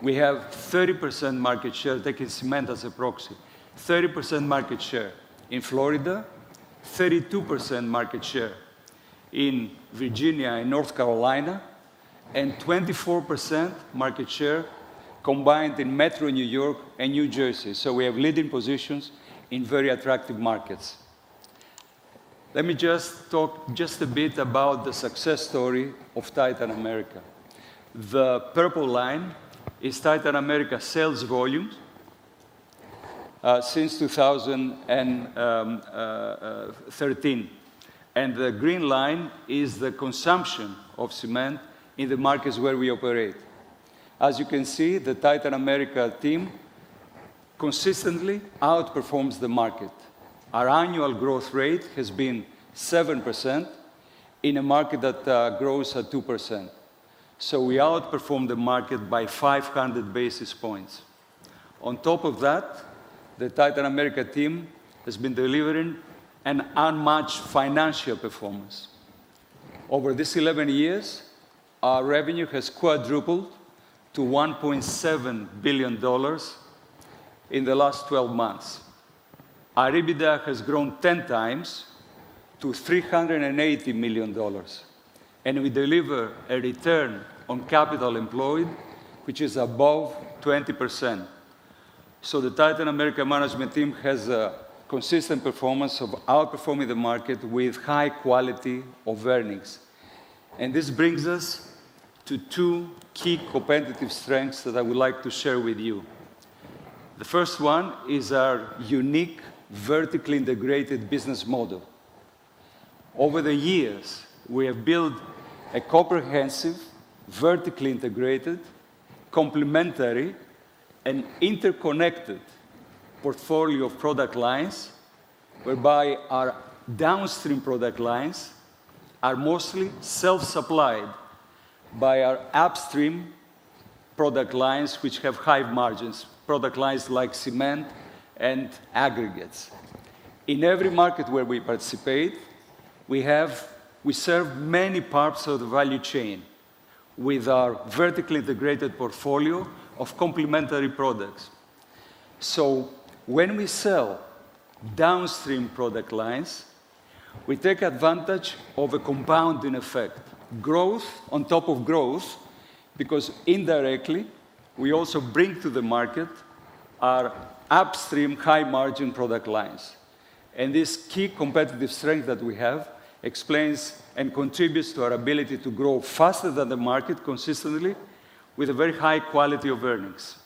we have 30% market share taking cement as a proxy, 30% market share in Florida, 32% market share in Virginia and North Carolina, and 24% market share combined in Metro New York and New Jersey. We have leading positions in very attractive markets. Let me just talk just a bit about the success story of Titan America. The purple line is Titan America's sales volume since 2013. The green line is the consumption of cement in the markets where we operate. As you can see, the Titan America team consistently outperforms the market. Our annual growth rate has been 7% in a market that grows at 2%. We outperform the market by 500 basis points. On top of that, the Titan America team has been delivering an unmatched financial performance. Over these 11 years, our revenue has quadrupled to $1.7 billion in the last 12 months. Our EBITDA has grown 10x to $380 million. We deliver a return on capital employed, which is above 20%. The Titan America management team has a consistent performance of outperforming the market with high quality of earnings. This brings us to two key competitive strengths that I would like to share with you. The first one is our unique vertically integrated business model. Over the years, we have built a comprehensive vertically integrated, complementary, and interconnected portfolio of product lines, whereby our downstream product lines are mostly self-supplied by our upstream product lines, which have high margins, product lines like cement and aggregates. In every market where we participate, we serve many parts of the value chain with our vertically integrated portfolio of complementary products. When we sell downstream product lines, we take advantage of a compounding effect, growth on top of growth, because indirectly, we also bring to the market our upstream high-margin product lines. This key competitive strength that we have explains and contributes to our ability to grow faster than the market consistently with a very high quality of earnings.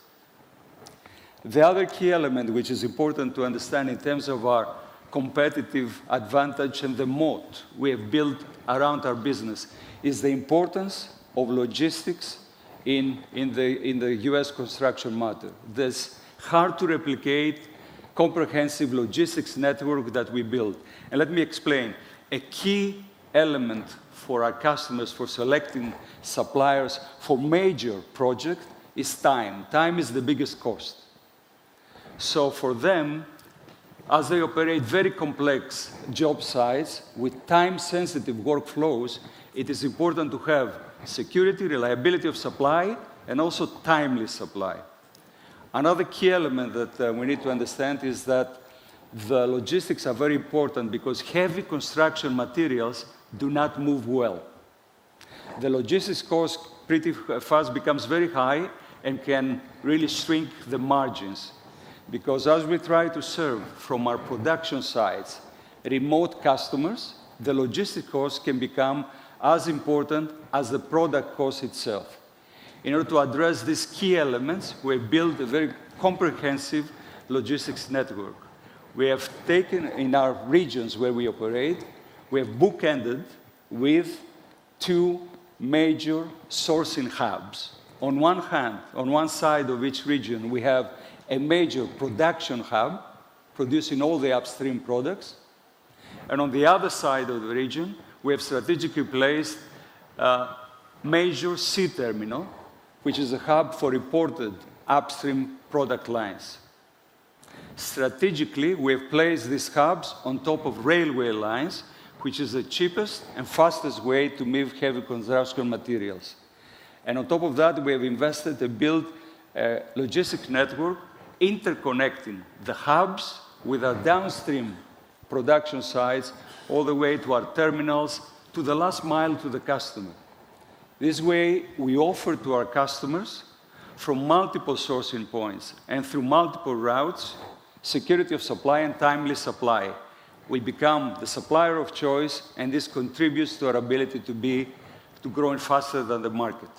The other key element, which is important to understand in terms of our competitive advantage and the moat we have built around our business, is the importance of logistics in the US construction market. This hard-to-replicate comprehensive logistics network that we built. Let me explain. A key element for our customers for selecting suppliers for major projects is time. Time is the biggest cost. For them, as they operate very complex job sites with time-sensitive workflows, it is important to have security, reliability of supply, and also timely supply. Another key element that we need to understand is that the logistics are very important because heavy construction materials do not move well. The logistics cost pretty fast becomes very high and can really shrink the margins. As we try to serve from our production sites remote customers, the logistics cost can become as important as the product cost itself. In order to address these key elements, we have built a very comprehensive logistics network. We have taken in our regions where we operate, we have bookended with two major sourcing hubs. On one side of each region, we have a major production hub producing all the upstream products. On the other side of the region, we have strategically placed a major sea terminal, which is a hub for imported upstream product lines. Strategically, we have placed these hubs on top of railway lines, which is the cheapest and fastest way to move heavy construction materials. On top of that, we have invested and built a logistics network interconnecting the hubs with our downstream production sites all the way to our terminals, to the last mile to the customer. This way, we offer to our customers from multiple sourcing points and through multiple routes, security of supply and timely supply. We become the supplier of choice, and this contributes to our ability to grow faster than the market.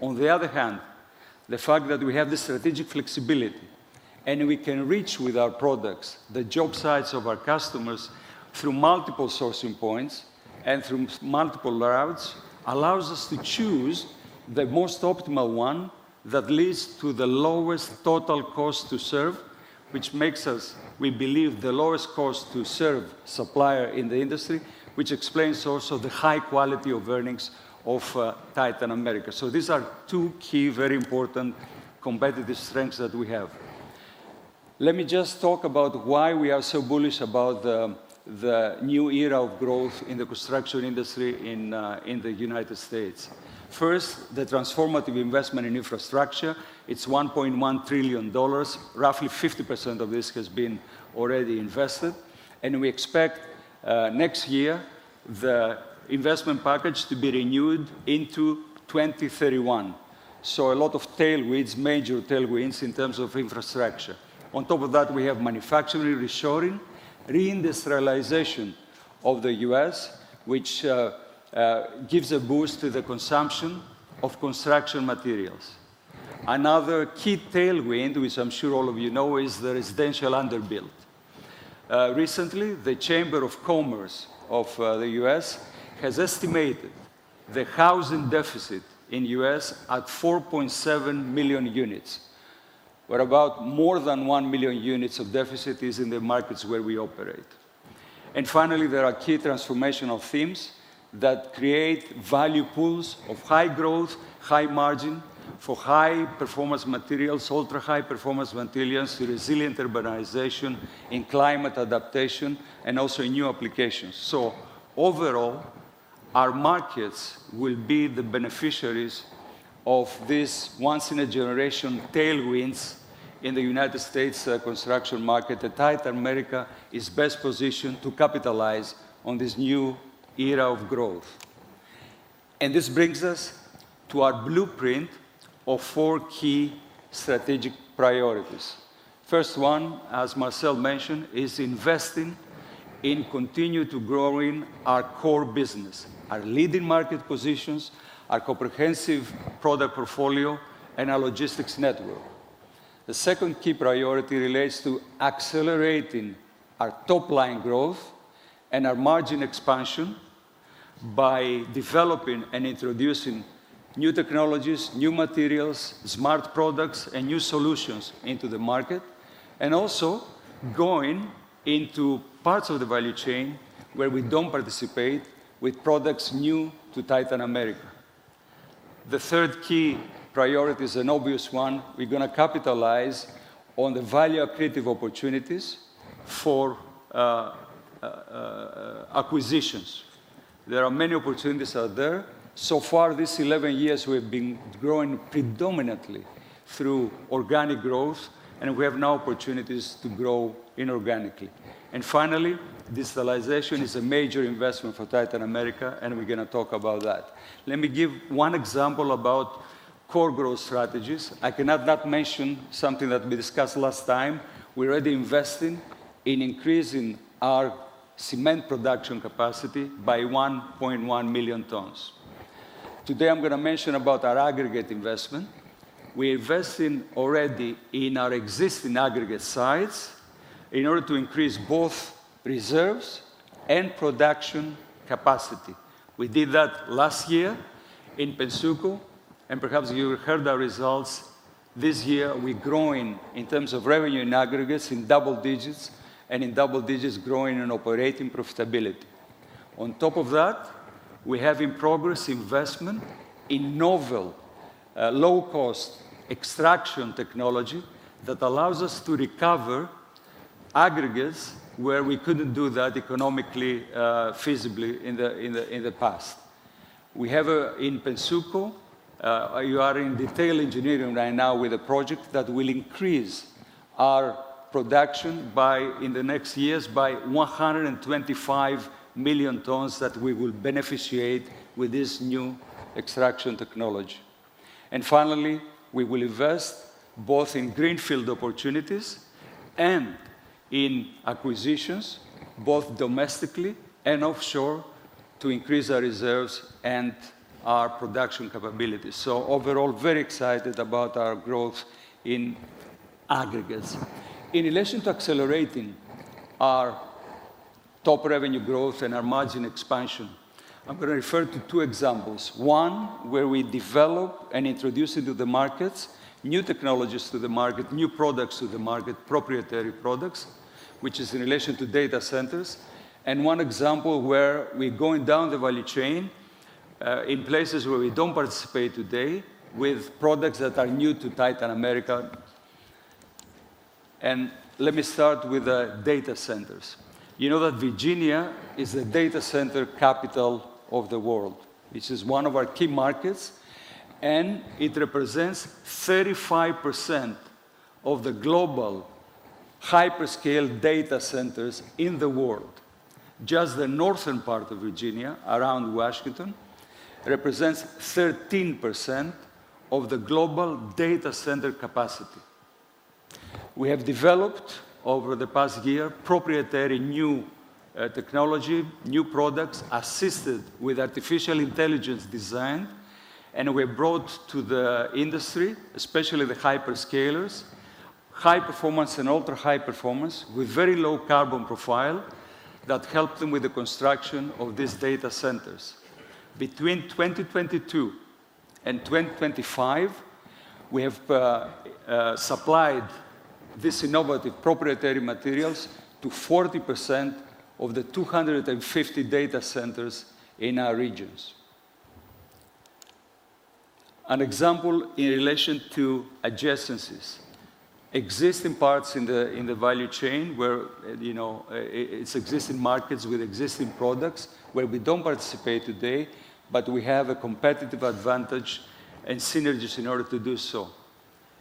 On the other hand, the fact that we have this strategic flexibility and we can reach with our products the job sites of our customers through multiple sourcing points and through multiple routes allows us to choose the most optimal one that leads to the lowest total cost to serve, which makes us, we believe, the lowest cost to serve supplier in the industry, which explains also the high quality of earnings of Titan America. These are two key, very important competitive strengths that we have. Let me just talk about why we are so bullish about the new era of growth in the construction industry in the United States. First, the transformative investment in infrastructure. It is $1.1 trillion. Roughly 50% of this has been already invested. We expect next year the investment package to be renewed into 2031. A lot of tailwinds, major tailwinds in terms of infrastructure. On top of that, we have manufacturing, reshoring, reindustrialization of the US, which gives a boost to the consumption of construction materials. Another key tailwind, which I'm sure all of you know, is the residential underbuilt. Recently, the Chamber of Commerce of the US has estimated the housing deficit in the US at 4.7 million units, where more than 1 million units of deficit is in the markets where we operate. Finally, there are key transformational themes that create value pools of high growth, high margin for high-performance materials, ultra-high-performance materials, resilient urbanization in climate adaptation, and also in new applications. Overall, our markets will be the beneficiaries of these once-in-a-generation tailwinds in the US construction market. Titan America is best positioned to capitalize on this new era of growth. This brings us to our blueprint of four key strategic priorities. The first one, as Marcel mentioned, is investing in continuing to grow our core business, our leading market positions, our comprehensive product portfolio, and our logistics network. The second key priority relates to accelerating our top-line growth and our margin expansion by developing and introducing new technologies, new materials, smart products, and new solutions into the market, and also going into parts of the value chain where we do not participate with products new to Titan America. The third key priority is an obvious one. We are going to capitalize on the value-accretive opportunities for acquisitions. There are many opportunities out there. So far, these 11 years, we have been growing predominantly through organic growth, and we have now opportunities to grow inorganically. Finally, digitalization is a major investment for Titan America, and we are going to talk about that. Let me give one example about core growth strategies. I cannot not mention something that we discussed last time. We're already investing in increasing our cement production capacity by 1.1 million tons. Today, I'm going to mention about our aggregate investment. We're investing already in our existing aggregate sites in order to increase both reserves and production capacity. We did that last year in Pensuco, and perhaps you heard our results this year. We're growing in terms of revenue in aggregates in double digits and in double digits growing in operating profitability. On top of that, we have in progress investment in novel low-cost extraction technology that allows us to recover aggregates where we couldn't do that economically feasibly in the past. We have in Pensuco, you are in detail engineering right now with a project that will increase our production in the next years by 1.25 million tons that we will beneficiate with this new extraction technology. Finally, we will invest both in greenfield opportunities and in acquisitions, both domestically and offshore, to increase our reserves and our production capabilities. Overall, very excited about our growth in aggregates. In relation to accelerating our top revenue growth and our margin expansion, I'm going to refer to two examples. One, where we develop and introduce into the markets new technologies to the market, new products to the market, proprietary products, which is in relation to data centers. One example where we're going down the value chain in places where we don't participate today with products that are new to Titan America. Let me start with data centers. You know that Virginia is the data center capital of the world, which is one of our key markets, and it represents 35% of the global hyperscale data centers in the world. Just the northern part of Virginia, around Washington, represents 13% of the global data center capacity. We have developed over the past year proprietary new technology, new products assisted with artificial intelligence design, and we have brought to the industry, especially the hyperscalers, high performance and ultra-high performance with very low carbon profile that helped them with the construction of these data centers. Between 2022 and 2025, we have supplied these innovative proprietary materials to 40% of the 250 data centers in our regions. An example in relation to adjacencies. Existing parts in the value chain where it is existing markets with existing products where we do not participate today, but we have a competitive advantage and synergies in order to do so.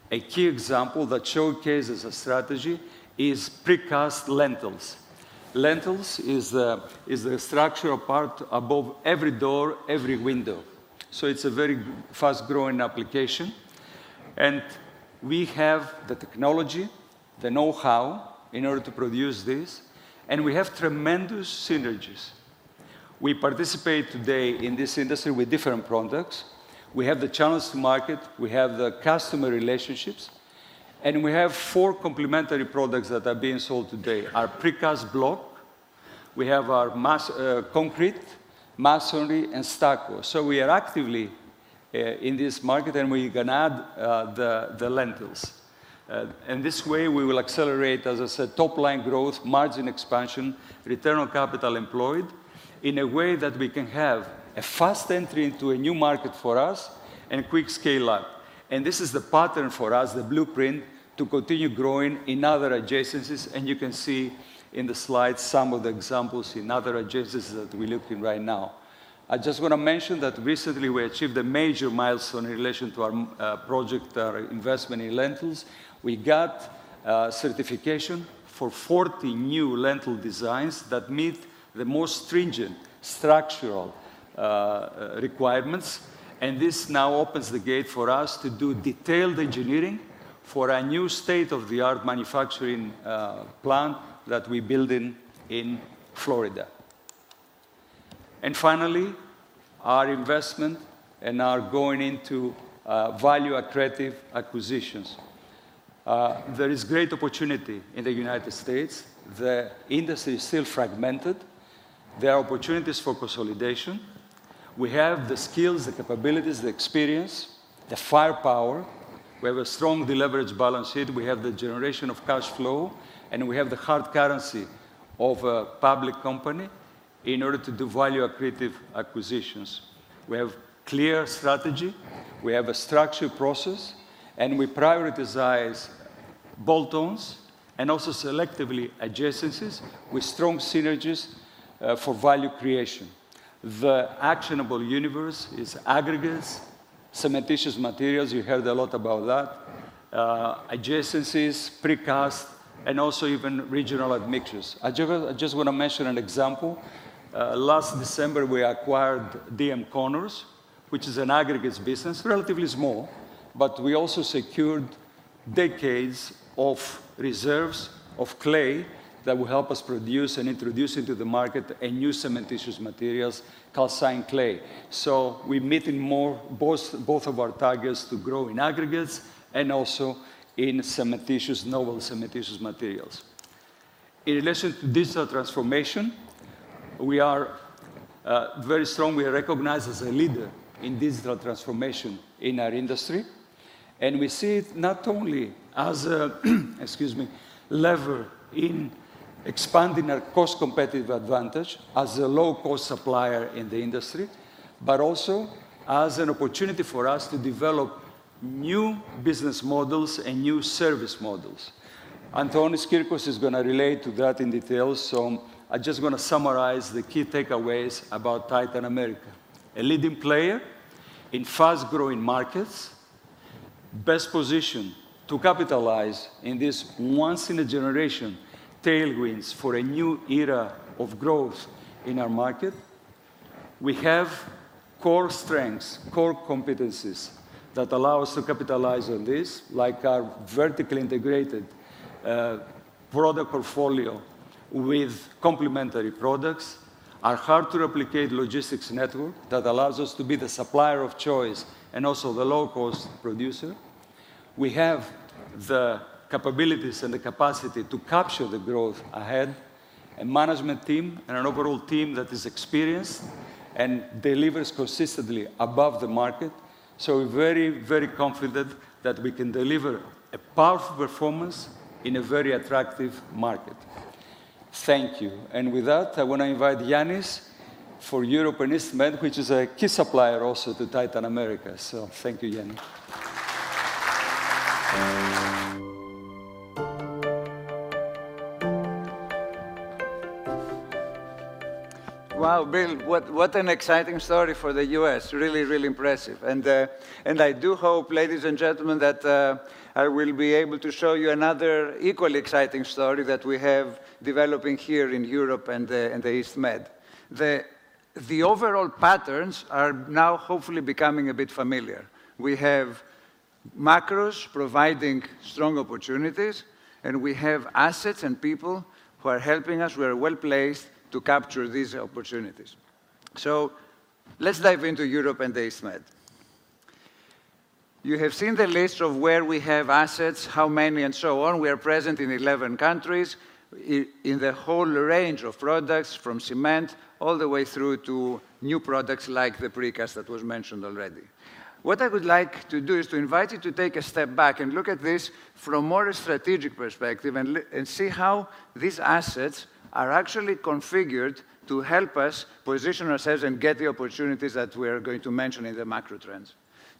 A key example that showcases a strategy is precast lentils. Lentils is the structural part above every door, every window. It is a very fast-growing application. We have the technology, the know-how in order to produce this, and we have tremendous synergies. We participate today in this industry with different products. We have the channels to market. We have the customer relationships. We have four complementary products that are being sold today. Our precast block, we have our concrete, masonry, and stucco. We are actively in this market, and we are going to add the lentils. This way, we will accelerate, as I said, top-line growth, margin expansion, return on capital employed in a way that we can have a fast entry into a new market for us and quick scale-up. This is the pattern for us, the blueprint to continue growing in other adjacencies. You can see in the slides some of the examples in other adjacencies that we're looking at right now. I just want to mention that recently, we achieved a major milestone in relation to our project, our investment in lentils. We got certification for 40 new lentil designs that meet the most stringent structural requirements. This now opens the gate for us to do detailed engineering for our new state-of-the-art manufacturing plant that we're building in Florida. Finally, our investment and our going into value-accretive acquisitions. There is great opportunity in the United States. The industry is still fragmented. There are opportunities for consolidation. We have the skills, the capabilities, the experience, the firepower. We have a strong deleveraged balance sheet. We have the generation of cash flow, and we have the hard currency of a public company in order to do value-accretive acquisitions. We have a clear strategy. We have a structured process, and we prioritize bolt-ons and also selectively adjacencies with strong synergies for value creation. The actionable universe is aggregates, cementitious materials. You heard a lot about that. Adjacencies, precast, and also even regional admixtures. I just want to mention an example. Last December, we acquired DM Connors, which is an aggregates business, relatively small, but we also secured decades of reserves of clay that will help us produce and introduce into the market a new cementitious material, calcine clay. We are meeting both of our targets to grow in aggregates and also in cementitious, novel cementitious materials. In relation to digital transformation, we are very strong. We are recognized as a leader in digital transformation in our industry. We see it not only as, excuse me, a lever in expanding our cost-competitive advantage as a low-cost supplier in the industry, but also as an opportunity for us to develop new business models and new service models. Antonis Kyrkos is going to relate to that in detail. I am just going to summarize the key takeaways about Titan America. A leading player in fast-growing markets, best positioned to capitalize in this once-in-a-generation tailwind for a new era of growth in our market. We have core strengths, core competencies that allow us to capitalize on this, like our vertically integrated product portfolio with complementary products, our hard-to-replicate logistics network that allows us to be the supplier of choice and also the low-cost producer. We have the capabilities and the capacity to capture the growth ahead, a management team, and an overall team that is experienced and delivers consistently above the market. We are very, very confident that we can deliver a powerful performance in a very attractive market. Thank you. With that, I want to invite Yiannis for European East Med, which is a key supplier also to Titan America. Thank you, Yiannis. Wow, Bill, what an exciting story for the US. Really, really impressive. I do hope, ladies and gentlemen, that I will be able to show you another equally exciting story that we have developing here in Europe and the East Med. The overall patterns are now hopefully becoming a bit familiar. We have macros providing strong opportunities, and we have assets and people who are helping us. We are well placed to capture these opportunities. Let's dive into Europe and the East Med. You have seen the list of where we have assets, how many, and so on. We are present in 11 countries in the whole range of products, from cement all the way through to new products like the precast that was mentioned already. What I would like to do is to invite you to take a step back and look at this from a more strategic perspective and see how these assets are actually configured to help us position ourselves and get the opportunities that we are going to mention in the macro trends.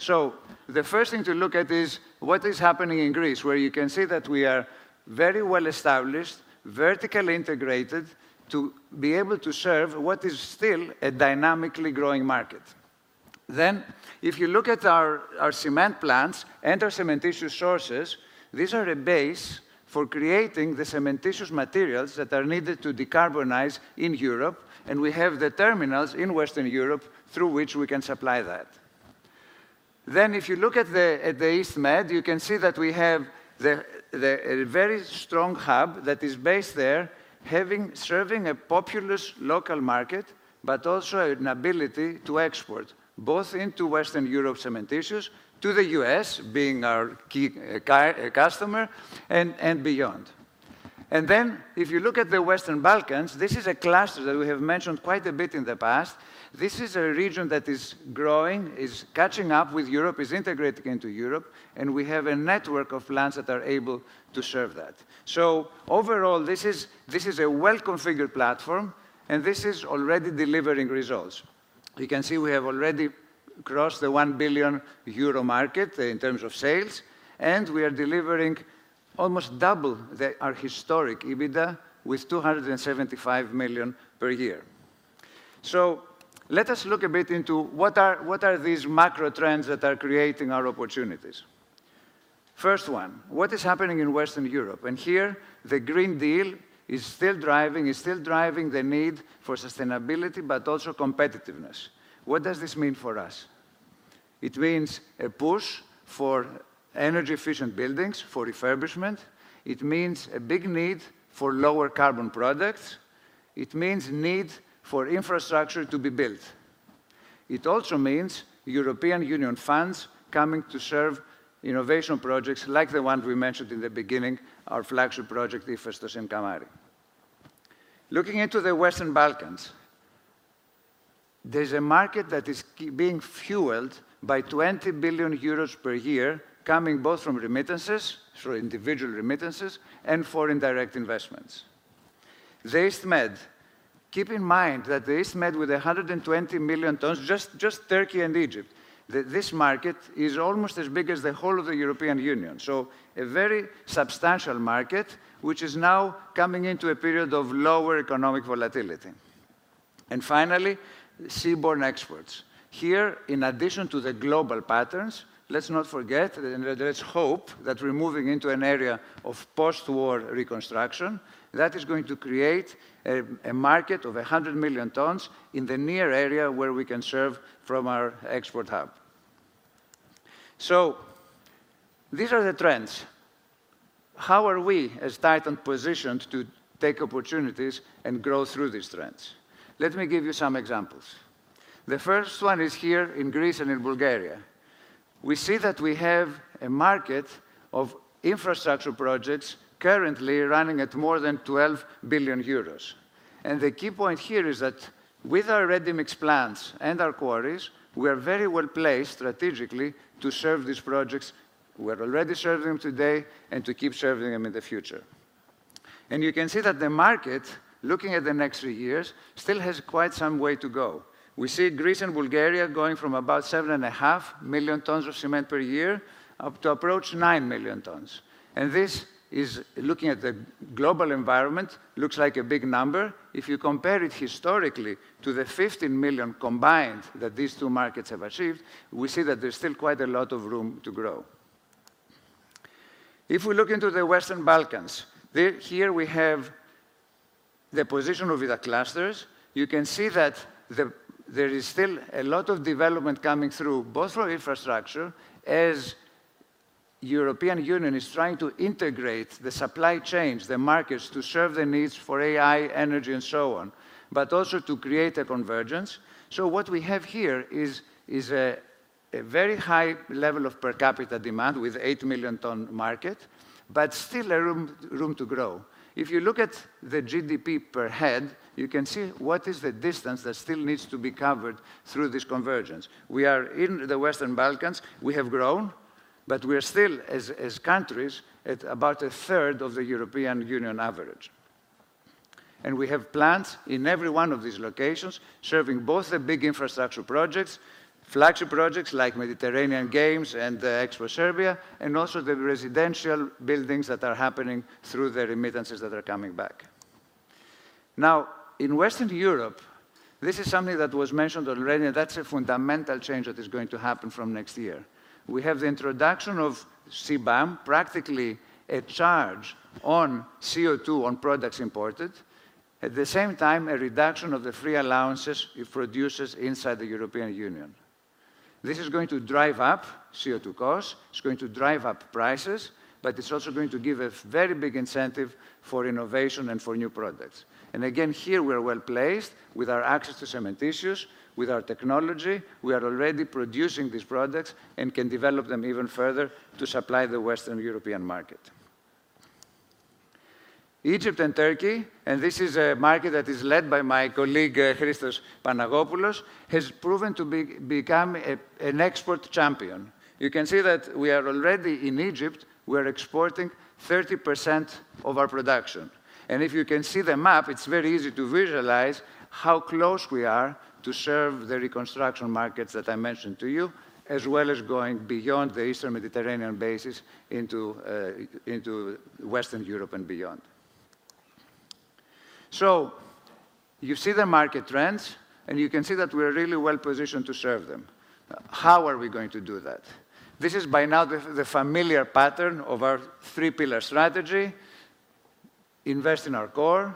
The first thing to look at is what is happening in Greece, where you can see that we are very well established, vertically integrated to be able to serve what is still a dynamically growing market. If you look at our cement plants and our cementitious sources, these are a base for creating the cementitious materials that are needed to decarbonize in Europe. We have the terminals in Western Europe through which we can supply that. If you look at the East Med, you can see that we have a very strong hub that is based there, serving a populous local market, but also an ability to export both into Western Europe cementitious to the US, being our key customer, and beyond. If you look at the Western Balkans, this is a cluster that we have mentioned quite a bit in the past. This is a region that is growing, is catching up with Europe, is integrating into Europe, and we have a network of plants that are able to serve that. Overall, this is a well-configured platform, and this is already delivering results. You can see we have already crossed the 1 billion euro mark in terms of sales, and we are delivering almost double our historic EBITDA with 275 million per year. Let us look a bit into what are these macro trends that are creating our opportunities. First one, what is happening in Western Europe? Here, the Green Deal is still driving the need for sustainability, but also competitiveness. What does this mean for us? It means a push for energy-efficient buildings for refurbishment. It means a big need for lower carbon products. It means a need for infrastructure to be built. It also means European Union funds coming to serve innovation projects like the one we mentioned in the beginning, our flagship project, IPHESTOS in Kamari. Looking into the Western Balkans, there is a market that is being fueled by 20 billion euros per year, coming both from remittances, so individual remittances, and foreign direct investments. The East Med, keep in mind that the East Med, with 120 million tons, just Turkey and Egypt, this market is almost as big as the whole of the European Union. A very substantial market, which is now coming into a period of lower economic volatility. Finally, seaborn exports. Here, in addition to the global patterns, let's not forget, and let's hope that we're moving into an area of post-war reconstruction that is going to create a market of 100 million tons in the near area where we can serve from our export hub. These are the trends. How are we as Titan positioned to take opportunities and grow through these trends? Let me give you some examples. The first one is here in Greece and in Bulgaria. We see that we have a market of infrastructure projects currently running at more than 12 billion euros. The key point here is that with our ready-mix plants and our quarries, we are very well placed strategically to serve these projects. We are already serving them today and to keep serving them in the future. You can see that the market, looking at the next three years, still has quite some way to go. We see Greece and Bulgaria going from about 7.5 million tons of cement per year up to approach 9 million tons. This, looking at the global environment, looks like a big number. If you compare it historically to the 15 million combined that these two markets have achieved, we see that there is still quite a lot of room to grow. If we look into the Western Balkans, here we have the position of the clusters. You can see that there is still a lot of development coming through, both for infrastructure, as the European Union is trying to integrate the supply chains, the markets to serve the needs for AI, energy, and so on, but also to create a convergence. What we have here is a very high level of per capita demand with an 8 million ton market, but still room to grow. If you look at the GDP per head, you can see what is the distance that still needs to be covered through this convergence. We are in the Western Balkans. We have grown, but we are still, as countries, at about a third of the European Union average. We have plants in every one of these locations serving both the big infrastructure projects, flagship projects like Mediterranean Games and Expo Serbia, and also the residential buildings that are happening through the remittances that are coming back. In Western Europe, this is something that was mentioned already, and that is a fundamental change that is going to happen from next year. We have the introduction of CBAM, practically a charge on CO2 on products imported. At the same time, a reduction of the free allowances it produces inside the European Union. This is going to drive up CO2 costs. It is going to drive up prices, but it is also going to give a very big incentive for innovation and for new products. Again, here, we are well placed with our access to cementitious, with our technology. We are already producing these products and can develop them even further to supply the Western European market. Egypt and Turkey, and this is a market that is led by my colleague Chrystos Panagopoulos, has proven to become an export champion. You can see that we are already in Egypt. We are exporting 30% of our production. If you can see the map, it is very easy to visualize how close we are to serve the reconstruction markets that I mentioned to you, as well as going beyond the Eastern Mediterranean bases into Western Europe and beyond. You see the market trends, and you can see that we are really well positioned to serve them. How are we going to do that? This is by now the familiar pattern of our three-pillar strategy: invest in our core,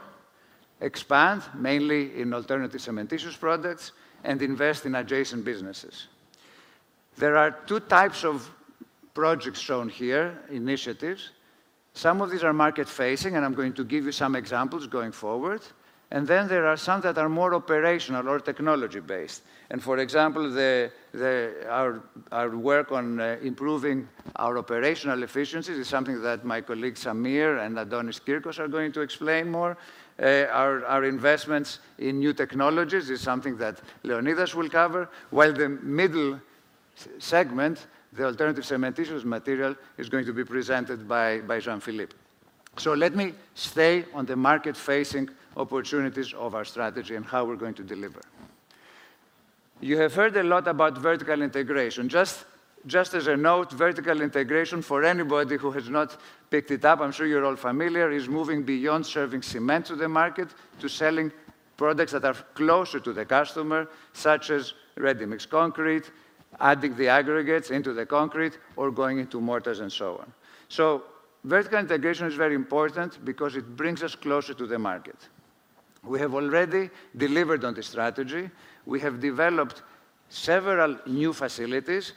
expand mainly in alternative cementitious products, and invest in adjacent businesses. There are two types of projects shown here, initiatives. Some of these are market-facing, and I'm going to give you some examples going forward. There are some that are more operational or technology-based. For example, our work on improving our operational efficiencies is something that my colleagues Samir and Antonis Kyrkos are going to explain more. Our investments in new technologies is something that Leonidas will cover. The middle segment, the alternative cementitious material, is going to be presented by Jean-Philippe. Let me stay on the market-facing opportunities of our strategy and how we're going to deliver. You have heard a lot about vertical integration. Just as a note, vertical integration, for anybody who has not picked it up, I'm sure you're all familiar, is moving beyond serving cement to the market to selling products that are closer to the customer, such as ready-mix concrete, adding the aggregates into the concrete, or going into mortars and so on. Vertical integration is very important because it brings us closer to the market. We have already delivered on the strategy. We have developed several new facilities.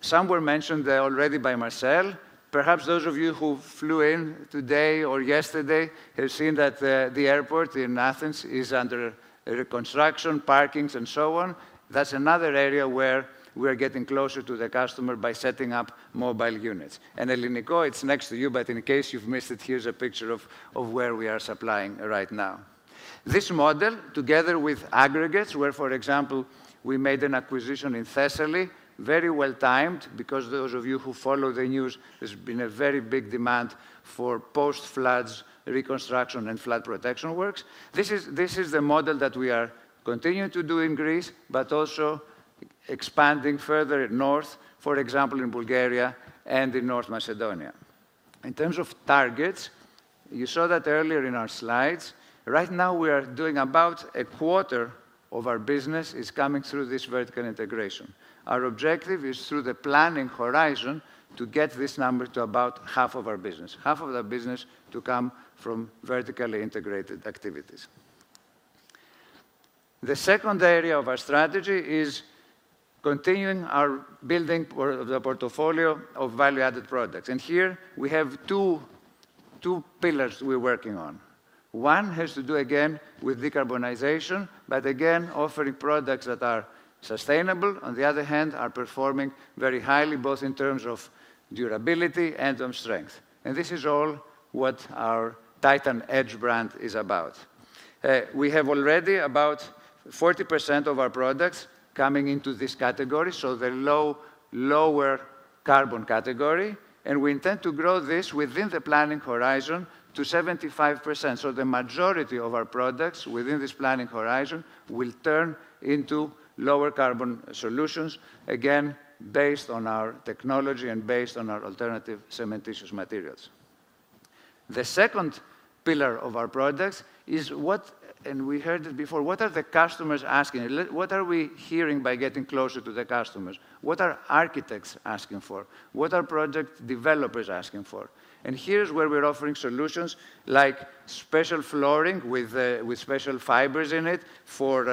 Some were mentioned already by Marcel. Perhaps those of you who flew in today or yesterday have seen that the airport in Athens is under reconstruction, parkings, and so on. That is another area where we are getting closer to the customer by setting up mobile units. Elliniko, it's next to you, but in case you've missed it, here's a picture of where we are supplying right now. This model, together with aggregates, where, for example, we made an acquisition in Thessaly, very well timed because those of you who follow the news, there's been a very big demand for post-floods reconstruction and flood protection works. This is the model that we are continuing to do in Greece, but also expanding further north, for example, in Bulgaria and in North Macedonia. In terms of targets, you saw that earlier in our slides. Right now, we are doing about a quarter of our business is coming through this vertical integration. Our objective is, through the planning horizon, to get this number to about half of our business, half of the business to come from vertically integrated activities. The second area of our strategy is continuing our building of the portfolio of value-added products. And here, we have two pillars we're working on. One has to do, again, with decarbonization, but again, offering products that are sustainable, on the other hand, are performing very highly, both in terms of durability and strength. This is all what our Titan Edge brand is about. We have already about 40% of our products coming into this category, so the lower carbon category. We intend to grow this within the planning horizon to 75%. The majority of our products within this planning horizon will turn into lower carbon solutions, again, based on our technology and based on our alternative cementitious materials. The second pillar of our products is what, and we heard it before, what are the customers asking? What are we hearing by getting closer to the customers? What are architects asking for? What are project developers asking for? Here's where we're offering solutions like special flooring with special fibers in it for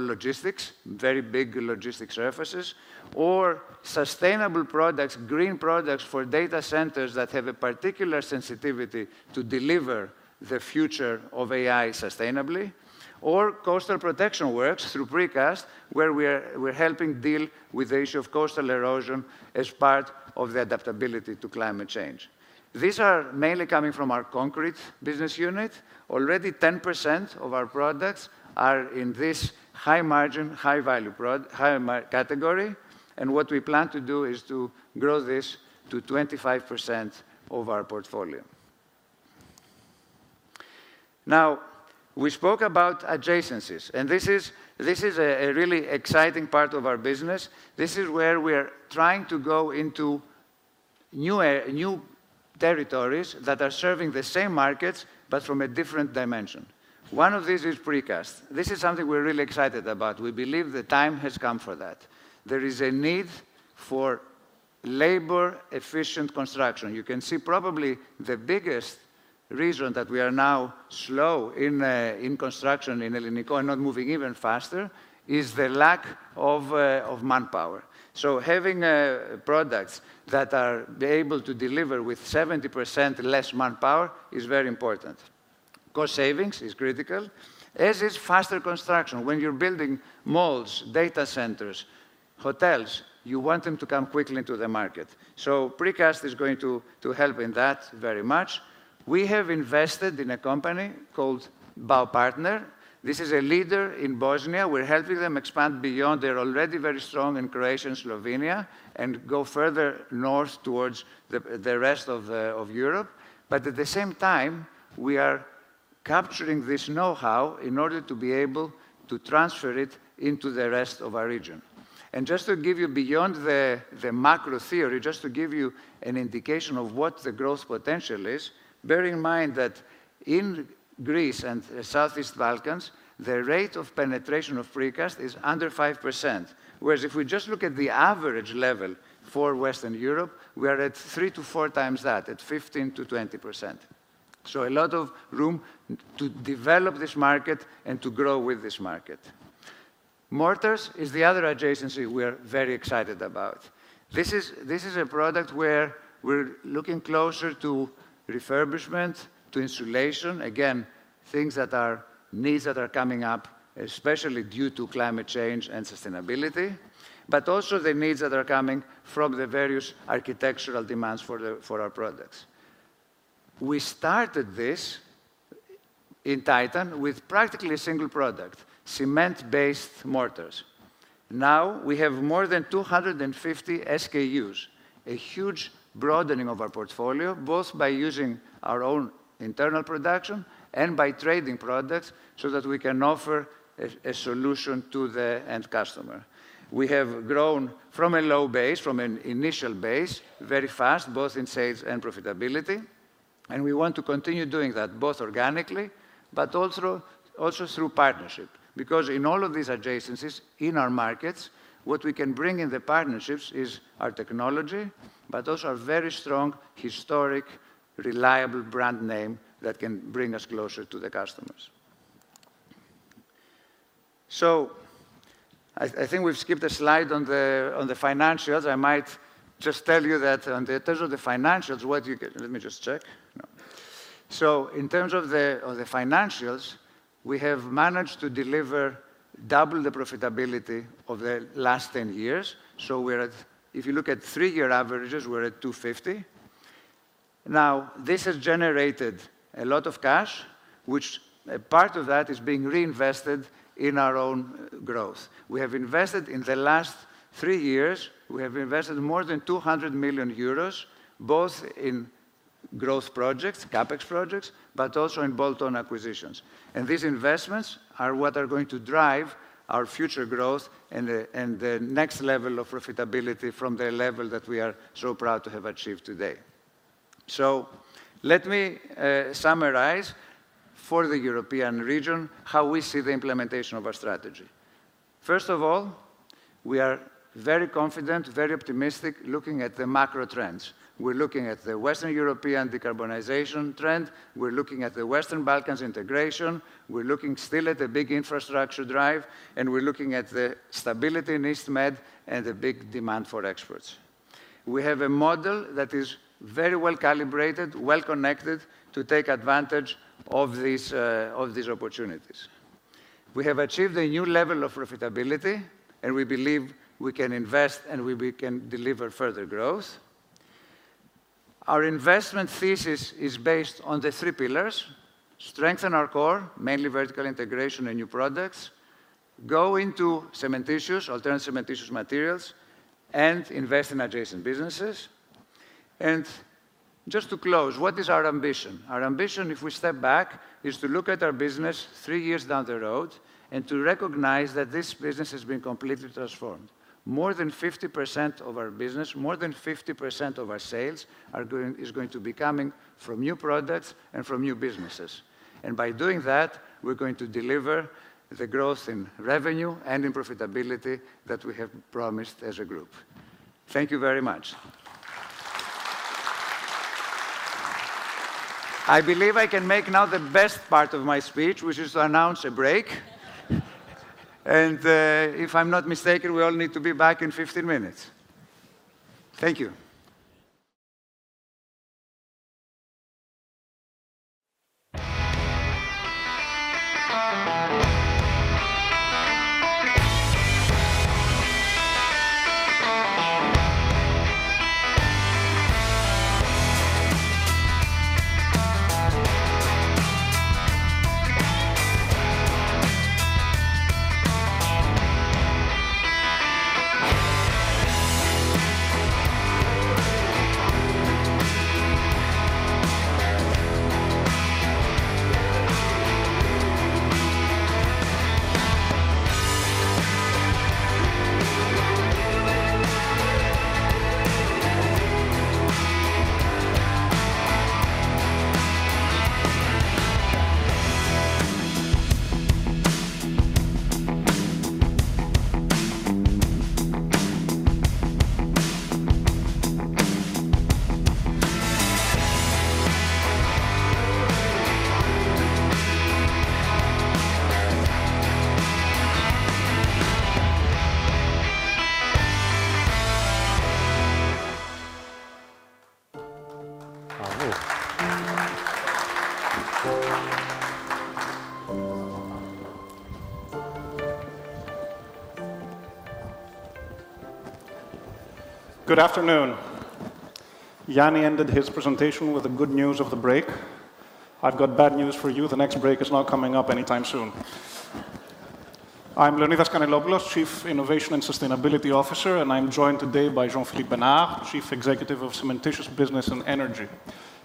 logistics, very big logistics surfaces, or sustainable products, green products for data centers that have a particular sensitivity to deliver the future of AI sustainably, or coastal protection works through precast, where we're helping deal with the issue of coastal erosion as part of the adaptability to climate change. These are mainly coming from our concrete business unit. Already, 10% of our products are in this high-margin, high-value category. What we plan to do is to grow this to 25% of our portfolio. We spoke about adjacencies, and this is a really exciting part of our business. This is where we are trying to go into new territories that are serving the same markets, but from a different dimension. One of these is precast. This is something we're really excited about. We believe the time has come for that. There is a need for labor-efficient construction. You can see probably the biggest reason that we are now slow in construction in Elliniko and not moving even faster is the lack of manpower. Having products that are able to deliver with 70% less manpower is very important. Cost savings is critical, as is faster construction. When you're building malls, data centers, hotels, you want them to come quickly into the market. Precast is going to help in that very much. We have invested in a company called Bao Partner. This is a leader in Bosnia. We're helping them expand beyond their already very strong in Croatia and Slovenia and go further north towards the rest of Europe. At the same time, we are capturing this know-how in order to be able to transfer it into the rest of our region. Just to give you, beyond the macro theory, just to give you an indication of what the growth potential is, bear in mind that in Greece and the Southeast Balkans, the rate of penetration of precast is under 5%. Whereas if we just look at the average level for Western Europe, we are at 3-4x that, at 15%-20%. A lot of room to develop this market and to grow with this market. Mortars is the other adjacency we are very excited about. This is a product where we're looking closer to refurbishment, to insulation, again, things that are needs that are coming up, especially due to climate change and sustainability, but also the needs that are coming from the various architectural demands for our products. We started this in Titan with practically a single product, cement-based mortars. Now we have more than 250 SKUs, a huge broadening of our portfolio, both by using our own internal production and by trading products so that we can offer a solution to the end customer. We have grown from a low base, from an initial base, very fast, both in sales and profitability. We want to continue doing that, both organically, but also through partnership. Because in all of these adjacencies in our markets, what we can bring in the partnerships is our technology, but also our very strong, historic, reliable brand name that can bring us closer to the customers. I think we've skipped a slide on the financials. I might just tell you that in terms of the financials, let me just check. In terms of the financials, we have managed to deliver double the profitability of the last 10 years. If you look at three-year averages, we're at 250 million. This has generated a lot of cash, which part of that is being reinvested in our own growth. We have invested in the last three years, we have invested more than 200 million euros, both in growth projects, CapEx projects, but also in bolt-on acquisitions. These investments are what are going to drive our future growth and the next level of profitability from the level that we are so proud to have achieved today. Let me summarize for the European region how we see the implementation of our strategy. First of all, we are very confident, very optimistic looking at the macro trends. We're looking at the Western European decarbonization trend. We're looking at the Western Balkans integration. We're looking still at a big infrastructure drive, and we're looking at the stability in EastMed and the big demand for experts. We have a model that is very well calibrated, well connected to take advantage of these opportunities. We have achieved a new level of profitability, and we believe we can invest and we can deliver further growth. Our investment thesis is based on the three pillars: strengthen our core, mainly vertical integration and new products, go into cementitious, alternative cementitious materials, and invest in adjacent businesses. Just to close, what is our ambition? Our ambition, if we step back, is to look at our business three years down the road and to recognize that this business has been completely transformed. More than 50% of our business, more than 50% of our sales is going to be coming from new products and from new businesses. By doing that, we are going to deliver the growth in revenue and in profitability that we have promised as a group. Thank you very much. I believe I can make now the best part of my speech, which is to announce a break. If I am not mistaken, we all need to be back in 15 minutes. Thank you. Good afternoon. Yiannis ended his presentation with the good news of the break. I've got bad news for you. The next break is not coming up anytime soon. I'm Leonidas Canellopoulos, Chief Innovation and Sustainability Officer, and I'm joined today by Jean-Philippe Bénard, Chief Executive of Cementitious Business and Energy.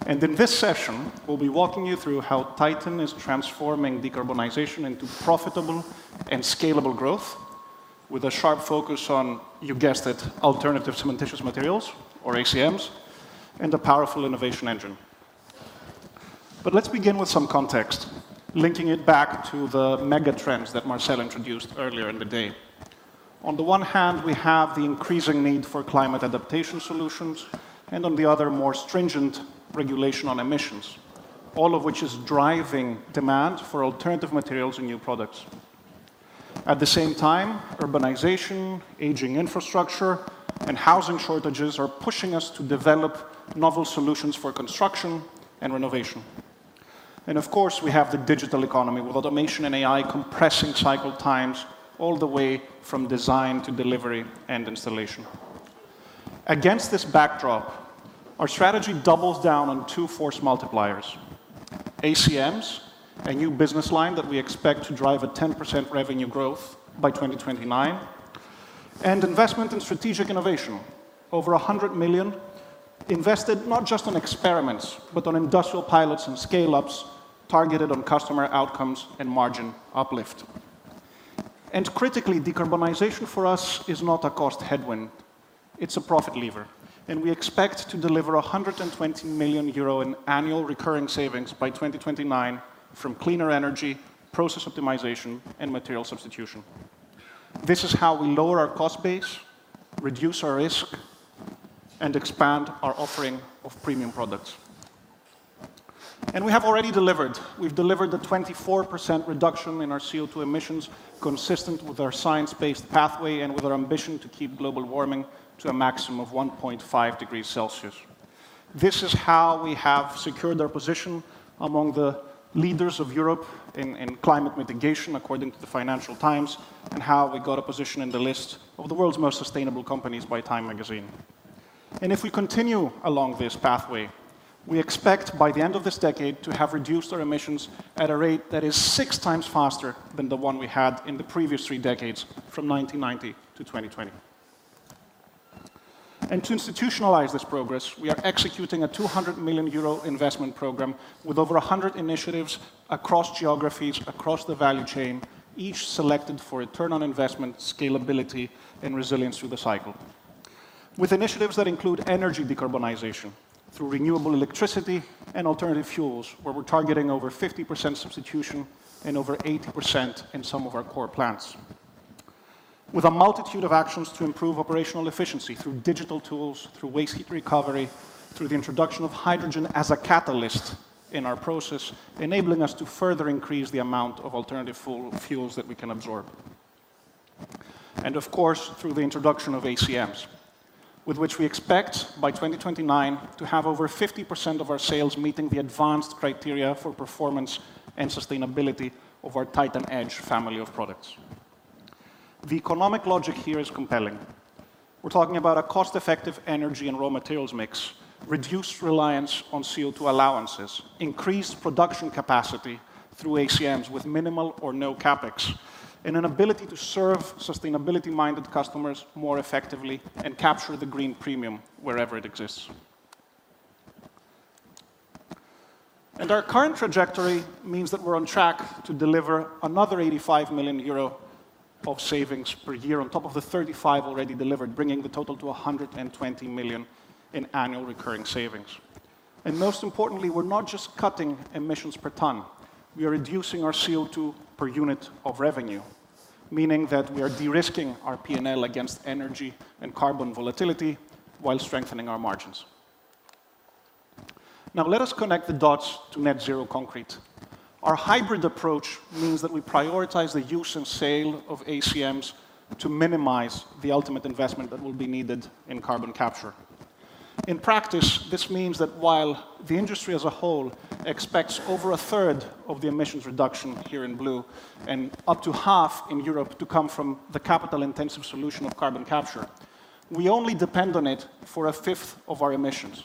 In this session, we'll be walking you through how Titan is transforming decarbonization into profitable and scalable growth with a sharp focus on, you guessed it, alternative cementitious materials, or ACMs, and a powerful innovation engine. Let's begin with some context, linking it back to the mega trends that Marcel introduced earlier in the day. On the one hand, we have the increasing need for climate adaptation solutions, and on the other, more stringent regulation on emissions, all of which is driving demand for alternative materials and new products. At the same time, urbanization, aging infrastructure, and housing shortages are pushing us to develop novel solutions for construction and renovation. Of course, we have the digital economy with automation and AI compressing cycle times all the way from design to delivery and installation. Against this backdrop, our strategy doubles down on two force multipliers: ACMs, a new business line that we expect to drive a 10% revenue growth by 2029, and investment in strategic innovation, over 100 million invested not just in experiments, but on industrial pilots and scale-ups targeted on customer outcomes and margin uplift. Critically, decarbonization for us is not a cost headwind. It is a profit lever. We expect to deliver 120 million euro in annual recurring savings by 2029 from cleaner energy, process optimization, and material substitution. This is how we lower our cost base, reduce our risk, and expand our offering of premium products. We have already delivered. We've delivered a 24% reduction in our CO2 emissions, consistent with our science-based pathway and with our ambition to keep global warming to a maximum of 1.5 degrees Celsius. This is how we have secured our position among the leaders of Europe in climate mitigation, according to the Financial Times, and how we got a position in the list of the world's most sustainable companies by Time Magazine. If we continue along this pathway, we expect by the end of this decade to have reduced our emissions at a rate that is six times faster than the one we had in the previous three decades from 1990 to 2020. To institutionalize this progress, we are executing a 200 million euro investment program with over 100 initiatives across geographies, across the value chain, each selected for return on investment, scalability, and resilience through the cycle, with initiatives that include energy decarbonization through renewable electricity and alternative fuels, where we're targeting over 50% substitution and over 80% in some of our core plants, with a multitude of actions to improve operational efficiency through digital tools, through waste heat recovery, through the introduction of hydrogen as a catalyst in our process, enabling us to further increase the amount of alternative fuels that we can absorb. Of course, through the introduction of ACMs, with which we expect by 2029 to have over 50% of our sales meeting the advanced criteria for performance and sustainability of our Titan Edge family of products. The economic logic here is compelling. We're talking about a cost-effective energy and raw materials mix, reduced reliance on CO2 allowances, increased production capacity through ACMs with minimal or no CapEx, and an ability to serve sustainability-minded customers more effectively and capture the green premium wherever it exists. Our current trajectory means that we're on track to deliver another 85 million euro of savings per year on top of the 35 million already delivered, bringing the total to 120 million in annual recurring savings. Most importantly, we're not just cutting emissions per ton. We are reducing our CO2 per unit of revenue, meaning that we are de-risking our P&L against energy and carbon volatility while strengthening our margins. Now, let us connect the dots to net zero concrete. Our hybrid approach means that we prioritize the use and sale of ACMs to minimize the ultimate investment that will be needed in carbon capture. In practice, this means that while the industry as a whole expects over a third of the emissions reduction here in blue and up to half in Europe to come from the capital-intensive solution of carbon capture, we only depend on it for a fifth of our emissions.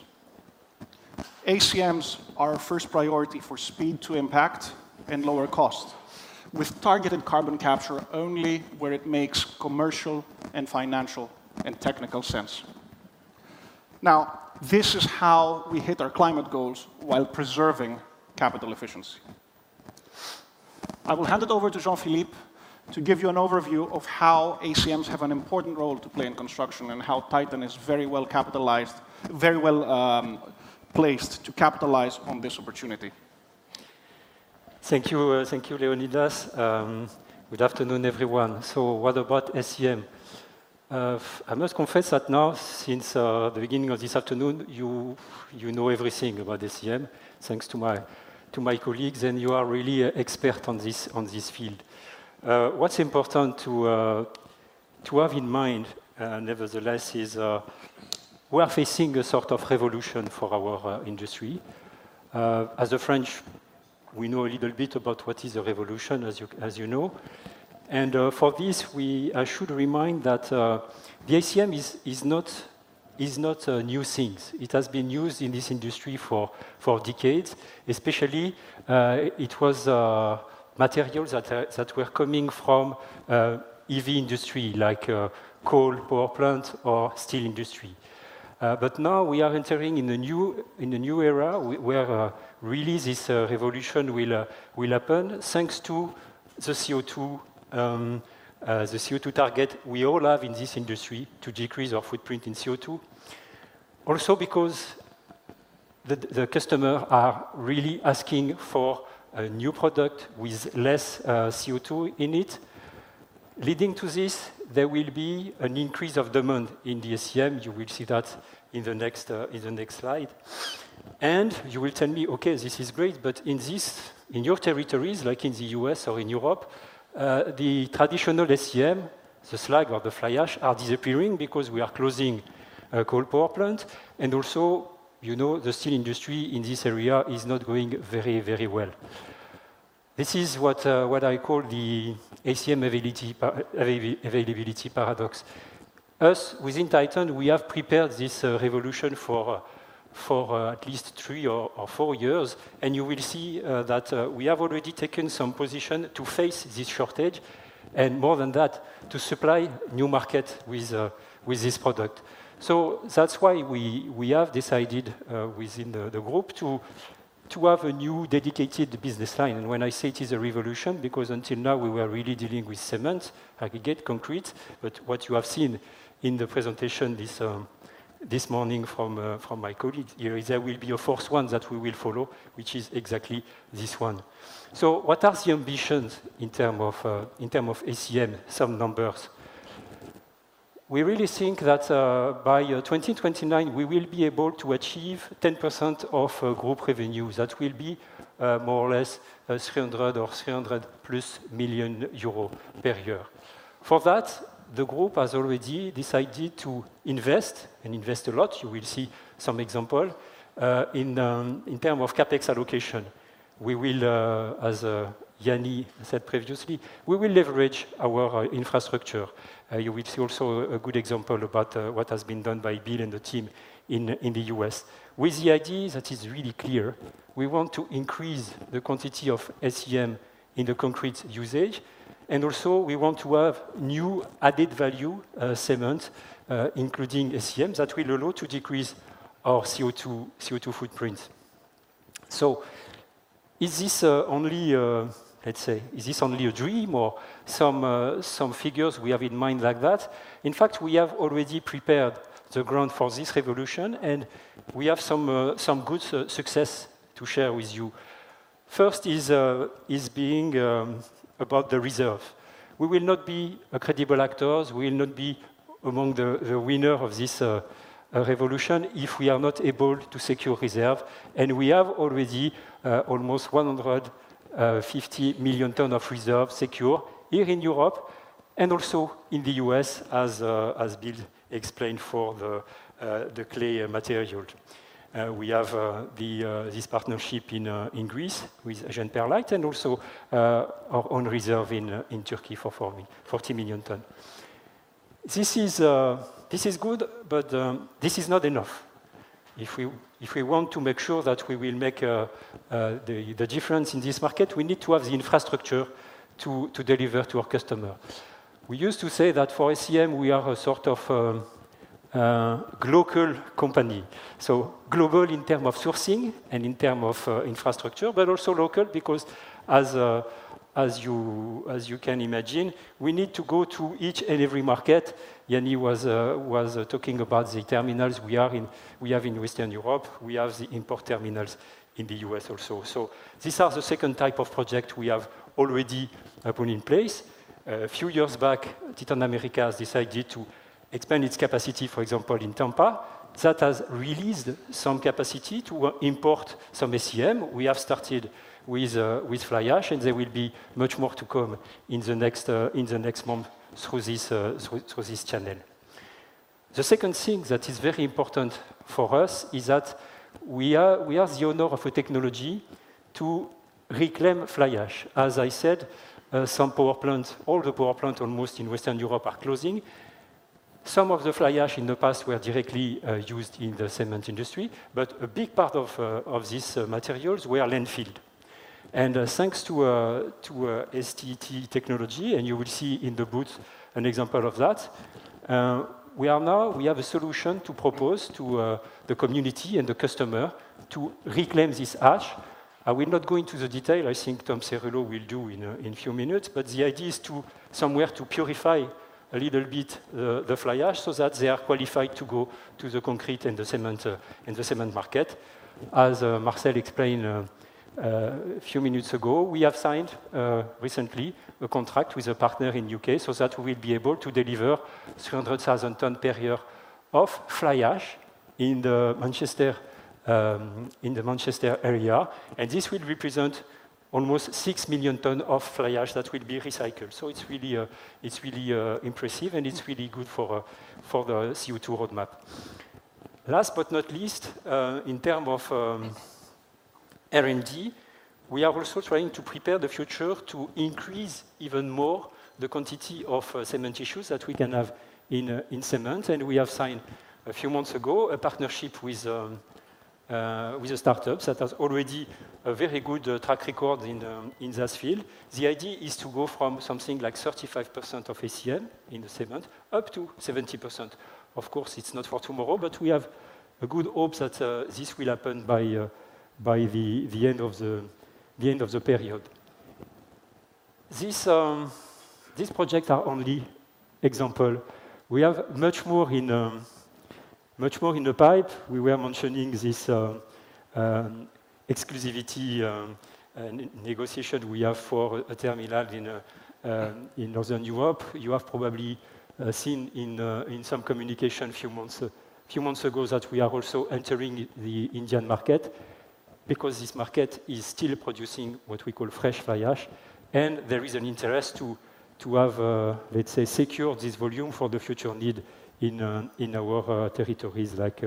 ACMs are our first priority for speed to impact and lower cost, with targeted carbon capture only where it makes commercial and financial and technical sense. Now, this is how we hit our climate goals while preserving capital efficiency. I will hand it over to Jean-Philippe to give you an overview of how ACMs have an important role to play in construction and how Titan is very well capitalized, very well placed to capitalize on this opportunity. Thank you, Leonidas. Good afternoon, everyone. So what about SEM? I must confess that now, since the beginning of this afternoon, you know everything about SEM, thanks to my colleagues, and you are really an expert on this field. What's important to have in mind, nevertheless, is we are facing a sort of revolution for our industry. As a French, we know a little bit about what is a revolution, as you know. For this, I should remind that the ACM is not new things. It has been used in this industry for decades. Especially, it was materials that were coming from EV industry, like coal, power plant, or steel industry. Now we are entering in a new era where really this revolution will happen thanks to the CO2 target we all have in this industry to decrease our footprint in CO2. Also, because the customers are really asking for a new product with less CO2 in it, leading to this, there will be an increase of demand in the SEM. You will see that in the next slide. You will tell me, "Okay, this is great, but in your territories, like in the US or in Europe, the traditional SEM, the slag or the fly ash, are disappearing because we are closing a coal power plant." Also, the steel industry in this area is not going very, very well. This is what I call the ACM availability paradox. Us, within Titan, we have prepared this revolution for at least three or four years, and you will see that we have already taken some position to face this shortage and, more than that, to supply new markets with this product. That is why we have decided within the group to have a new dedicated business line. When I say it is a revolution, it is because until now, we were really dealing with cement, aggregate, concrete, but what you have seen in the presentation this morning from my colleague, there will be a fourth one that we will follow, which is exactly this one. What are the ambitions in terms of ACM, some numbers? We really think that by 2029, we will be able to achieve 10% of group revenue. That will be more or less 300 million or 300 million euros plus per year. For that, the group has already decided to invest and invest a lot. You will see some examples in terms of CapEx allocation. As Yannis said previously, we will leverage our infrastructure. You will see also a good example about what has been done by Bill and the team in the US with the idea that it is really clear. We want to increase the quantity of SEM in the concrete usage, and also we want to have new added value cement, including SEMs, that will allow us to decrease our CO2 footprint. Is this only, let's say, is this only a dream or some figures we have in mind like that? In fact, we have already prepared the ground for this revolution, and we have some good success to share with you. First is being about the reserve. We will not be credible actors. We will not be among the winners of this revolution if we are not able to secure reserve. We have already almost 150 million tons of reserve secured here in Europe and also in the US, as Bill explained for the clay material. We have this partnership in Greece with GenPerlite and also our own reserve in Turkey for 40 million tons. This is good, but this is not enough. If we want to make sure that we will make the difference in this market, we need to have the infrastructure to deliver to our customers. We used to say that for SEM, we are a sort of global company, so global in terms of sourcing and in terms of infrastructure, but also local because, as you can imagine, we need to go to each and every market. Yanni was talking about the terminals we have in Western Europe. We have the import terminals in the US also. These are the second type of projects we have already put in place. A few years back, Titan America decided to expand its capacity, for example, in Tampa. That has released some capacity to import some SEM. We have started with fly ash, and there will be much more to come in the next months through this channel. The second thing that is very important for us is that we are the owner of a technology to reclaim fly ash. As I said, some power plants, all the power plants almost in Western Europe are closing. Some of the fly ash in the past were directly used in the cement industry, but a big part of these materials were landfilled. Thanks to STT technology, and you will see in the booth an example of that, we have a solution to propose to the community and the customer to reclaim this ash. I will not go into the detail. I think Tom Cerullo will do in a few minutes, but the idea is somewhere to purify a little bit the fly ash so that they are qualified to go to the concrete and the cement market. As Marcel explained a few minutes ago, we have signed recently a contract with a partner in the U.K. so that we will be able to deliver 300,000 tons per year of fly ash in the Manchester area. This will represent almost 6 million tons of fly ash that will be recycled. It is really impressive, and it is really good for the CO2 roadmap. Last but not least, in terms of R&D, we are also trying to prepare the future to increase even more the quantity of cement issues that we can have in cement. We have signed a few months ago a partnership with a startup that has already a very good track record in this field. The idea is to go from something like 35% of ACM in the cement up to 70%. Of course, it's not for tomorrow, but we have a good hope that this will happen by the end of the period. These projects are only examples. We have much more in the pipe. We were mentioning this exclusivity negotiation we have for a terminal in Northern Europe. You have probably seen in some communication a few months ago that we are also entering the Indian market because this market is still producing what we call fresh fly ash, and there is an interest to have, let's say, secured this volume for the future need in our territories like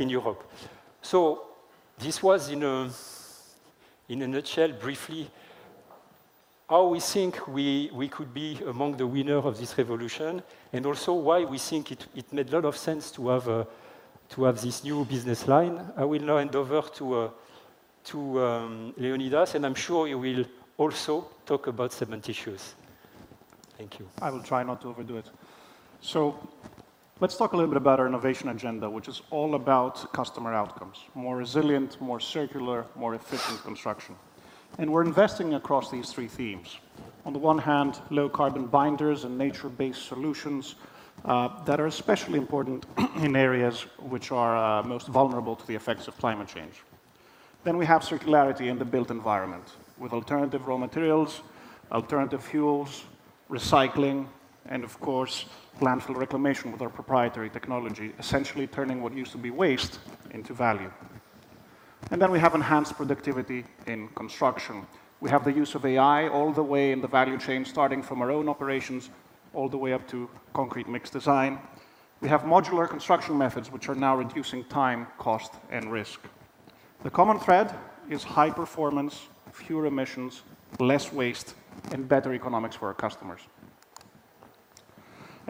in Europe. This was, in a nutshell, briefly, how we think we could be among the winners of this revolution and also why we think it made a lot of sense to have this new business line. I will now hand over to Leonidas, and I'm sure you will also talk about cement issues. Thank you. I will try not to overdo it. Let's talk a little bit about our innovation agenda, which is all about customer outcomes: more resilient, more circular, more efficient construction. We are investing across these three themes. On the one hand, low carbon binders and nature-based solutions that are especially important in areas which are most vulnerable to the effects of climate change. We have circularity in the built environment with alternative raw materials, alternative fuels, recycling, and of course, landfill reclamation with our proprietary technology, essentially turning what used to be waste into value. We have enhanced productivity in construction. We have the use of AI all the way in the value chain, starting from our own operations all the way up to concrete mix design. We have modular construction methods, which are now reducing time, cost, and risk. The common thread is high performance, fewer emissions, less waste, and better economics for our customers.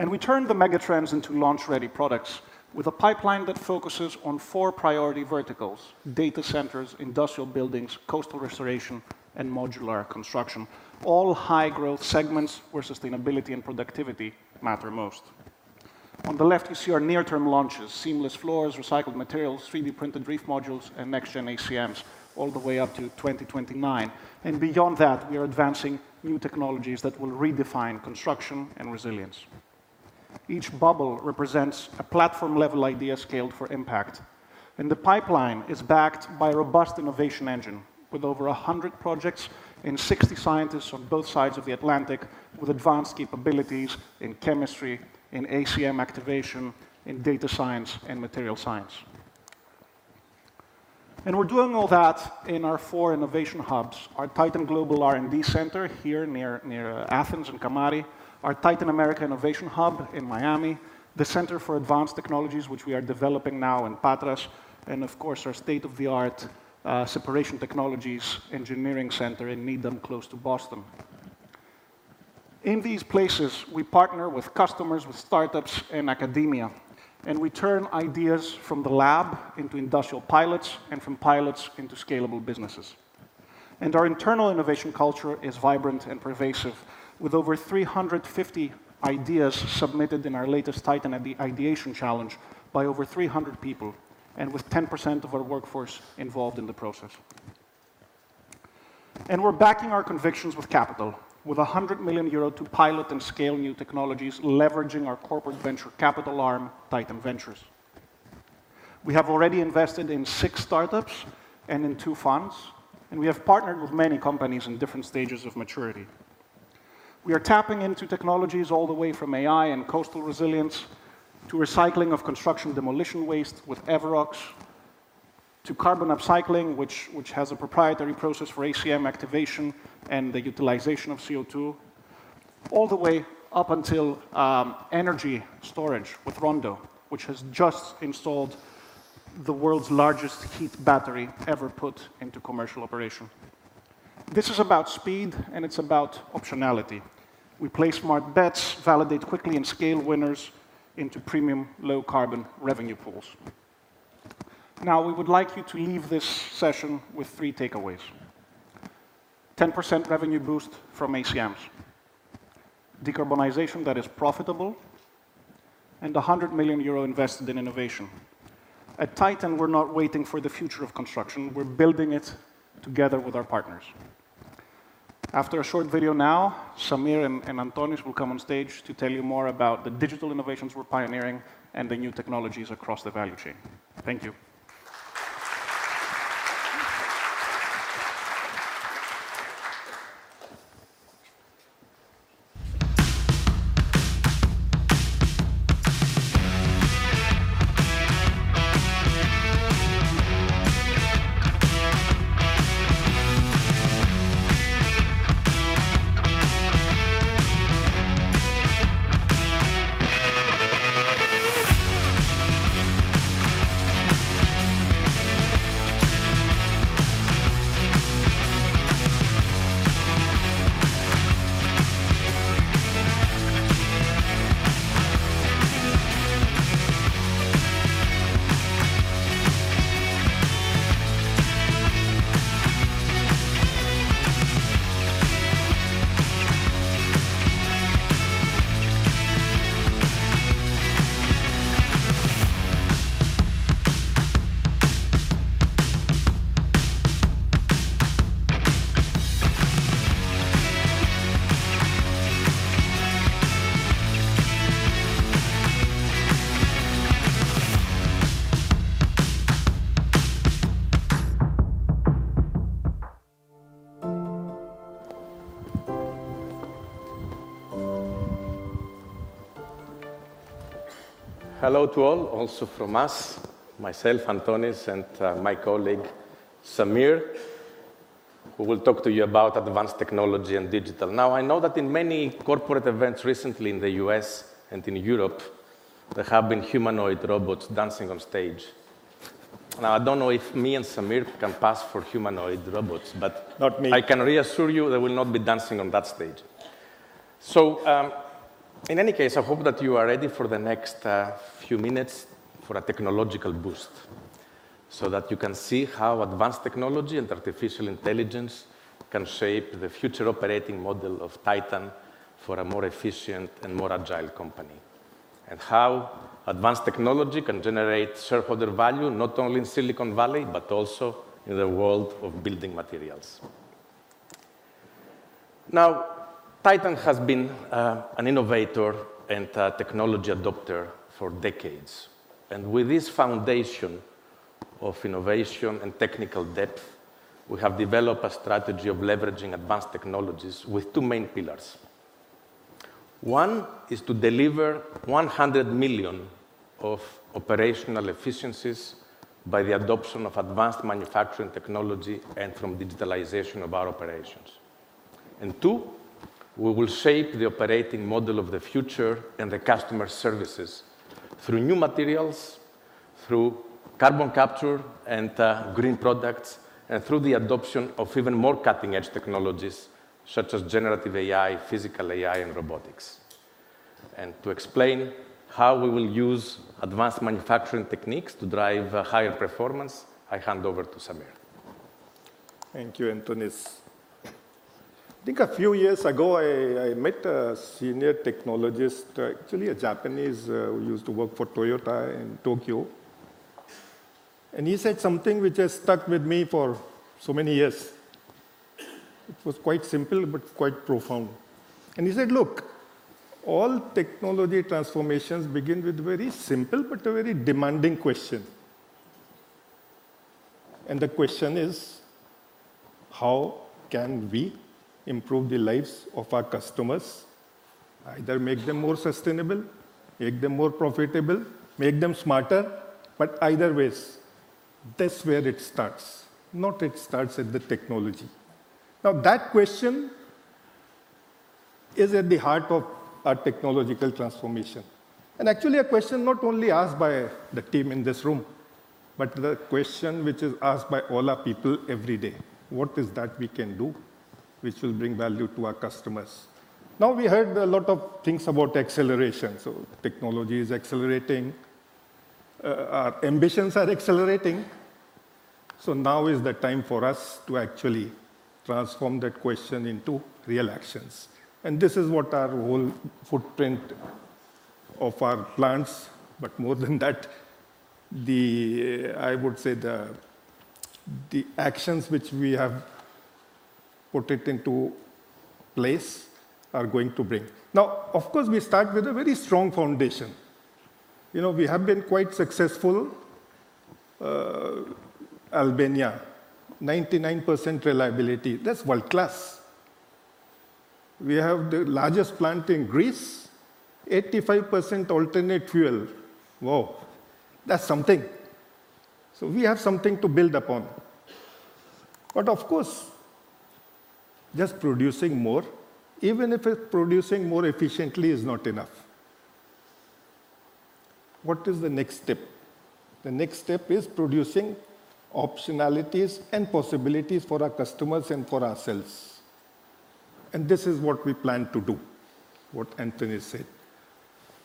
We turned the megatrends into launch-ready products with a pipeline that focuses on four priority verticals: data centers, industrial buildings, coastal restoration, and modular construction, all high-growth segments where sustainability and productivity matter most. On the left, you see our near-term launches: seamless floors, recycled materials, 3D-printed reef modules, and next-gen ACMs all the way up to 2029. Beyond that, we are advancing new technologies that will redefine construction and resilience. Each bubble represents a platform-level idea scaled for impact. The pipeline is backed by a robust innovation engine with over 100 projects and 60 scientists on both sides of the Atlantic with advanced capabilities in chemistry, in ACM activation, in data science, and material science. We are doing all that in our four innovation hubs: our Titan Global R&D Center here near Athens and Kamari, our Titan America Innovation Hub in Miami, the Center for Advanced Technologies, which we are developing now in Patras, and of course, our state-of-the-art Separation Technologies Engineering Center in Needham, close to Boston. In these places, we partner with customers, with startups, and academia, and we turn ideas from the lab into industrial pilots and from pilots into scalable businesses. Our internal innovation culture is vibrant and pervasive, with over 350 ideas submitted in our latest Titan Ideation Challenge by over 300 people and with 10% of our workforce involved in the process. We are backing our convictions with capital, with 100 million euros to pilot and scale new technologies, leveraging our corporate venture capital arm, Titan Ventures. We have already invested in six startups and in two funds, and we have partnered with many companies in different stages of maturity. We are tapping into technologies all the way from AI and coastal resilience to recycling of construction demolition waste with Everox to carbon upcycling, which has a proprietary process for ACM activation and the utilization of CO2, all the way up until energy storage with Rondo, which has just installed the world's largest heat battery ever put into commercial operation. This is about speed, and it's about optionality. We play smart bets, validate quickly, and scale winners into premium low-carbon revenue pools. Now, we would like you to leave this session with three takeaways: 10% revenue boost from ACMs, decarbonization that is profitable, and 100 million euro invested in innovation. At Titan, we're not waiting for the future of construction. We're building it together with our partners. After a short video now, Samir and Antonis will come on stage to tell you more about the digital innovations we're pioneering and the new technologies across the value chain. Thank you. Hello to all, also from us, myself, Antonis, and my colleague Samir, who will talk to you about advanced technology and digital. Now, I know that in many corporate events recently in the US and in Europe, there have been humanoid robots dancing on stage. Now, I don't know if me and Samir can pass for humanoid robots, but not me. I can reassure you there will not be dancing on that stage. In any case, I hope that you are ready for the next few minutes for a technological boost so that you can see how advanced technology and artificial intelligence can shape the future operating model of Titan for a more efficient and more agile company, and how advanced technology can generate shareholder value not only in Silicon Valley, but also in the world of building materials. Now, Titan has been an innovator and a technology adopter for decades. With this foundation of innovation and technical depth, we have developed a strategy of leveraging advanced technologies with two main pillars. One is to deliver $100 million of operational efficiencies by the adoption of advanced manufacturing technology and from digitalization of our operations. Two, we will shape the operating model of the future and the customer services through new materials, through carbon capture and green products, and through the adoption of even more cutting-edge technologies such as generative AI, physical AI, and robotics. To explain how we will use advanced manufacturing techniques to drive higher performance, I hand over to Samir. Thank you, Antonis. I think a few years ago, I met a senior technologist, actually a Japanese who used to work for Toyota in Tokyo. He said something which has stuck with me for so many years. It was quite simple, but quite profound. He said, "Look, all technology transformations begin with a very simple, but a very demanding question. The question is, how can we improve the lives of our customers? Either make them more sustainable, make them more profitable, make them smarter, but either way, that's where it starts. Not it starts at the technology. Now, that question is at the heart of our technological transformation. And actually, a question not only asked by the team in this room, but the question which is asked by all our people every day: what is it that we can do which will bring value to our customers? Now, we heard a lot of things about acceleration. Technology is accelerating. Our ambitions are accelerating. Now is the time for us to actually transform that question into real actions. This is what our whole footprint of our plants, but more than that, I would say the actions which we have put into place are going to bring. Now, of course, we start with a very strong foundation. We have been quite successful. Albania, 99% reliability. That's world-class. We have the largest plant in Greece, 85% alternate fuel. Whoa, that's something. We have something to build upon. Of course, just producing more, even if it's producing more efficiently, is not enough. What is the next step? The next step is producing optionalities and possibilities for our customers and for ourselves. This is what we plan to do, what Antonis said.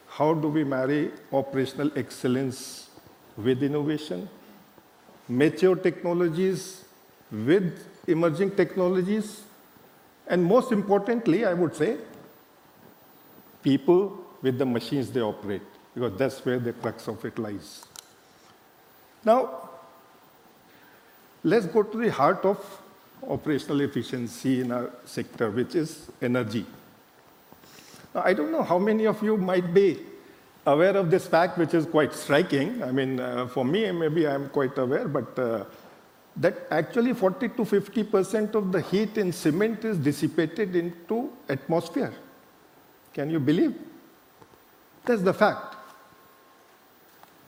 How do we marry operational excellence with innovation, mature technologies with emerging technologies? Most importantly, I would say, people with the machines they operate, because that's where the crux of it lies. Now, let's go to the heart of operational efficiency in our sector, which is energy. I don't know how many of you might be aware of this fact, which is quite striking. I mean, for me, maybe I'm quite aware, but that actually 40%-50% of the heat in cement is dissipated into atmosphere. Can you believe? That's the fact.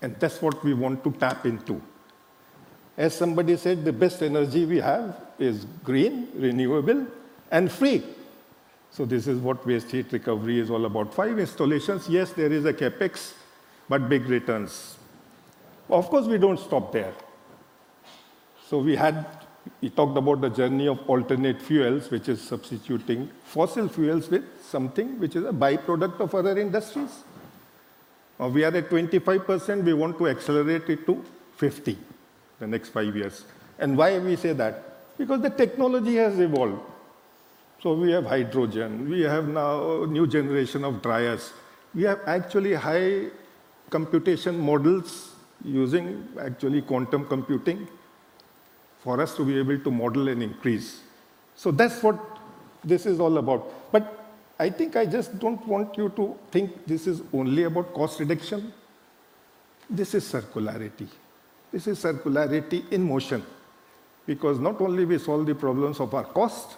And that's what we want to tap into. As somebody said, the best energy we have is green, renewable, and free. This is what waste heat recovery is all about. Five installations. Yes, there is a CapEx, but big returns. Of course, we don't stop there. We talked about the journey of alternate fuels, which is substituting fossil fuels with something which is a byproduct of other industries. We are at 25%. We want to accelerate it to 50% the next five years. Why we say that? Because the technology has evolved. We have hydrogen. We have now a new generation of dryers. We have actually high computation models using actually quantum computing for us to be able to model and increase. That is what this is all about. I just do not want you to think this is only about cost reduction. This is circularity. This is circularity in motion. Because not only do we solve the problems of our cost,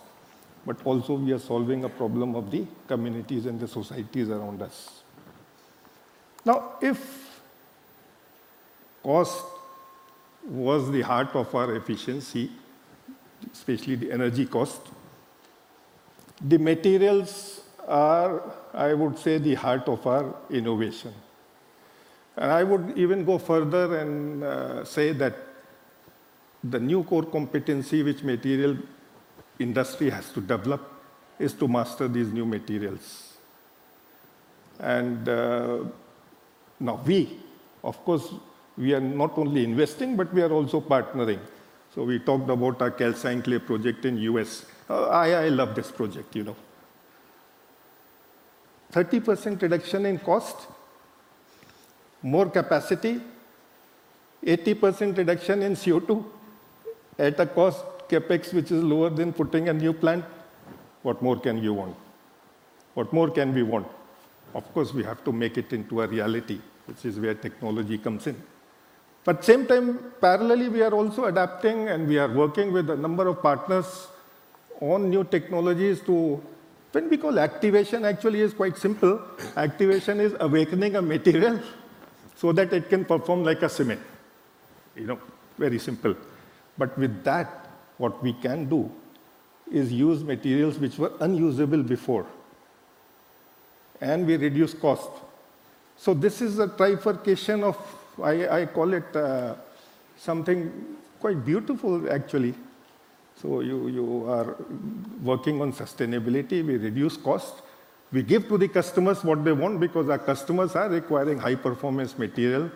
but also we are solving a problem of the communities and the societies around us. Now, if cost was the heart of our efficiency, especially the energy cost, the materials are, I would say, the heart of our innovation. I would even go further and say that the new core competency which material industry has to develop is to master these new materials. Now we, of course, we are not only investing, but we are also partnering. We talked about our Calcine Clay project in the US. I love this project. 30% reduction in cost, more capacity, 80% reduction in CO2 at a CapEx cost which is lower than putting a new plant. What more can you want? What more can we want? Of course, we have to make it into a reality, which is where technology comes in. At the same time, parallelly, we are also adapting and we are working with a number of partners on new technologies to, when we call activation, actually is quite simple. Activation is awakening a material so that it can perform like a cement. Very simple. With that, what we can do is use materials which were unusable before. We reduce cost. This is a trifurcation of, I call it something quite beautiful, actually. You are working on sustainability. We reduce cost. We give to the customers what they want because our customers are requiring high-performance material.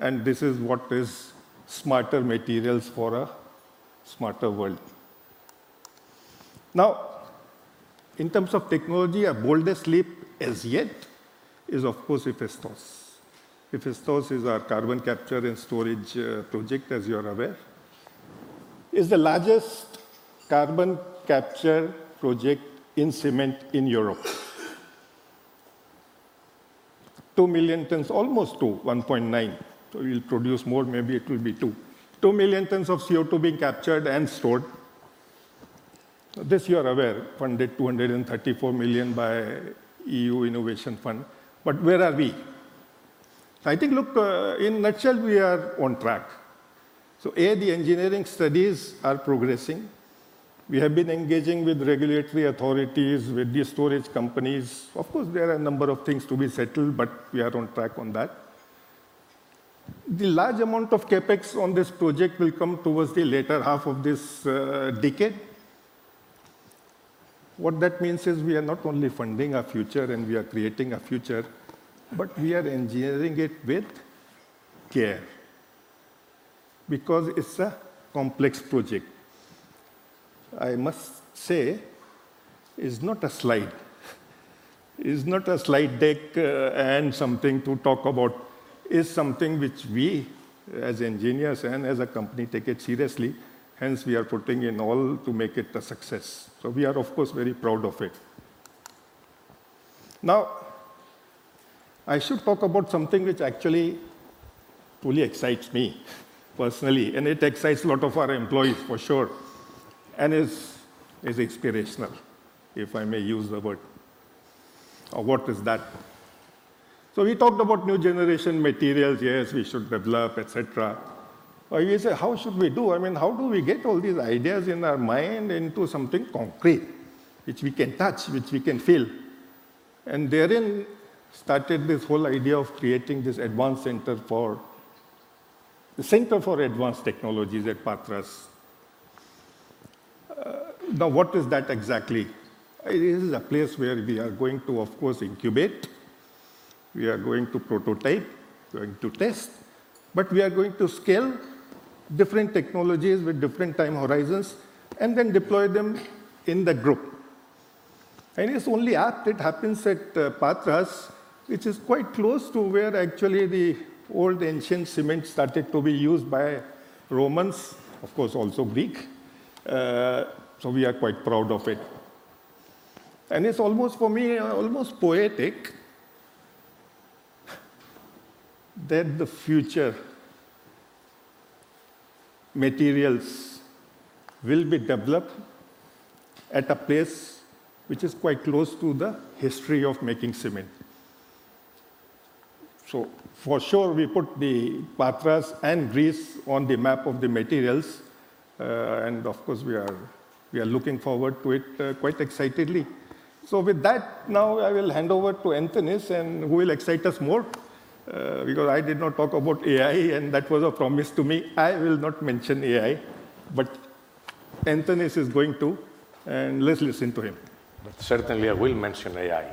This is what is smarter materials for a smarter world. In terms of technology, our boldest leap as yet is, of course, IPHESTOS. IPHESTOS is our carbon capture and storage project, as you are aware. It is the largest carbon capture project in cement in Europe. Two million tons, almost two, 1.9. We will produce more. Maybe it will be two. Two million tons of CO2 being captured and stored. This you are aware, funded 234 million by the EU Innovation Fund. Where are we? I think, look, in a nutshell, we are on track. A, the engineering studies are progressing. We have been engaging with regulatory authorities, with the storage companies. There are a number of things to be settled, but we are on track on that. The large amount of CapEx on this project will come towards the later half of this decade. What that means is we are not only funding our future and we are creating our future, but we are engineering it with care. Because it's a complex project. I must say, it's not a slide. It's not a slide deck and something to talk about. It's something which we, as engineers and as a company, take it seriously. Hence, we are putting in all to make it a success. We are, of course, very proud of it. Now, I should talk about something which actually fully excites me personally, and it excites a lot of our employees, for sure, and is inspirational, if I may use the word. What is that? We talked about new generation materials, yes, we should develop, et cetera. We said, how should we do? I mean, how do we get all these ideas in our mind into something concrete which we can touch, which we can feel? Therein started this whole idea of creating this advanced center for the Center for Advanced Technologies at Patras. Now, what is that exactly? This is a place where we are going to, of course, incubate. We are going to prototype, going to test, but we are going to scale different technologies with different time horizons and then deploy them in the group. It is only apt it happens at Patras, which is quite close to where actually the old ancient cement started to be used by Romans, of course, also Greek. We are quite proud of it. It is almost, for me, almost poetic that the future materials will be developed at a place which is quite close to the history of making cement. For sure, we put Patras and Greece on the map of the materials. Of course, we are looking forward to it quite excitedly. With that, now I will hand over to Antonis, who will excite us more. I did not talk about AI, and that was a promise to me. I will not mention AI, but Antonis is going to, and let's listen to him. Certainly, I will mention AI.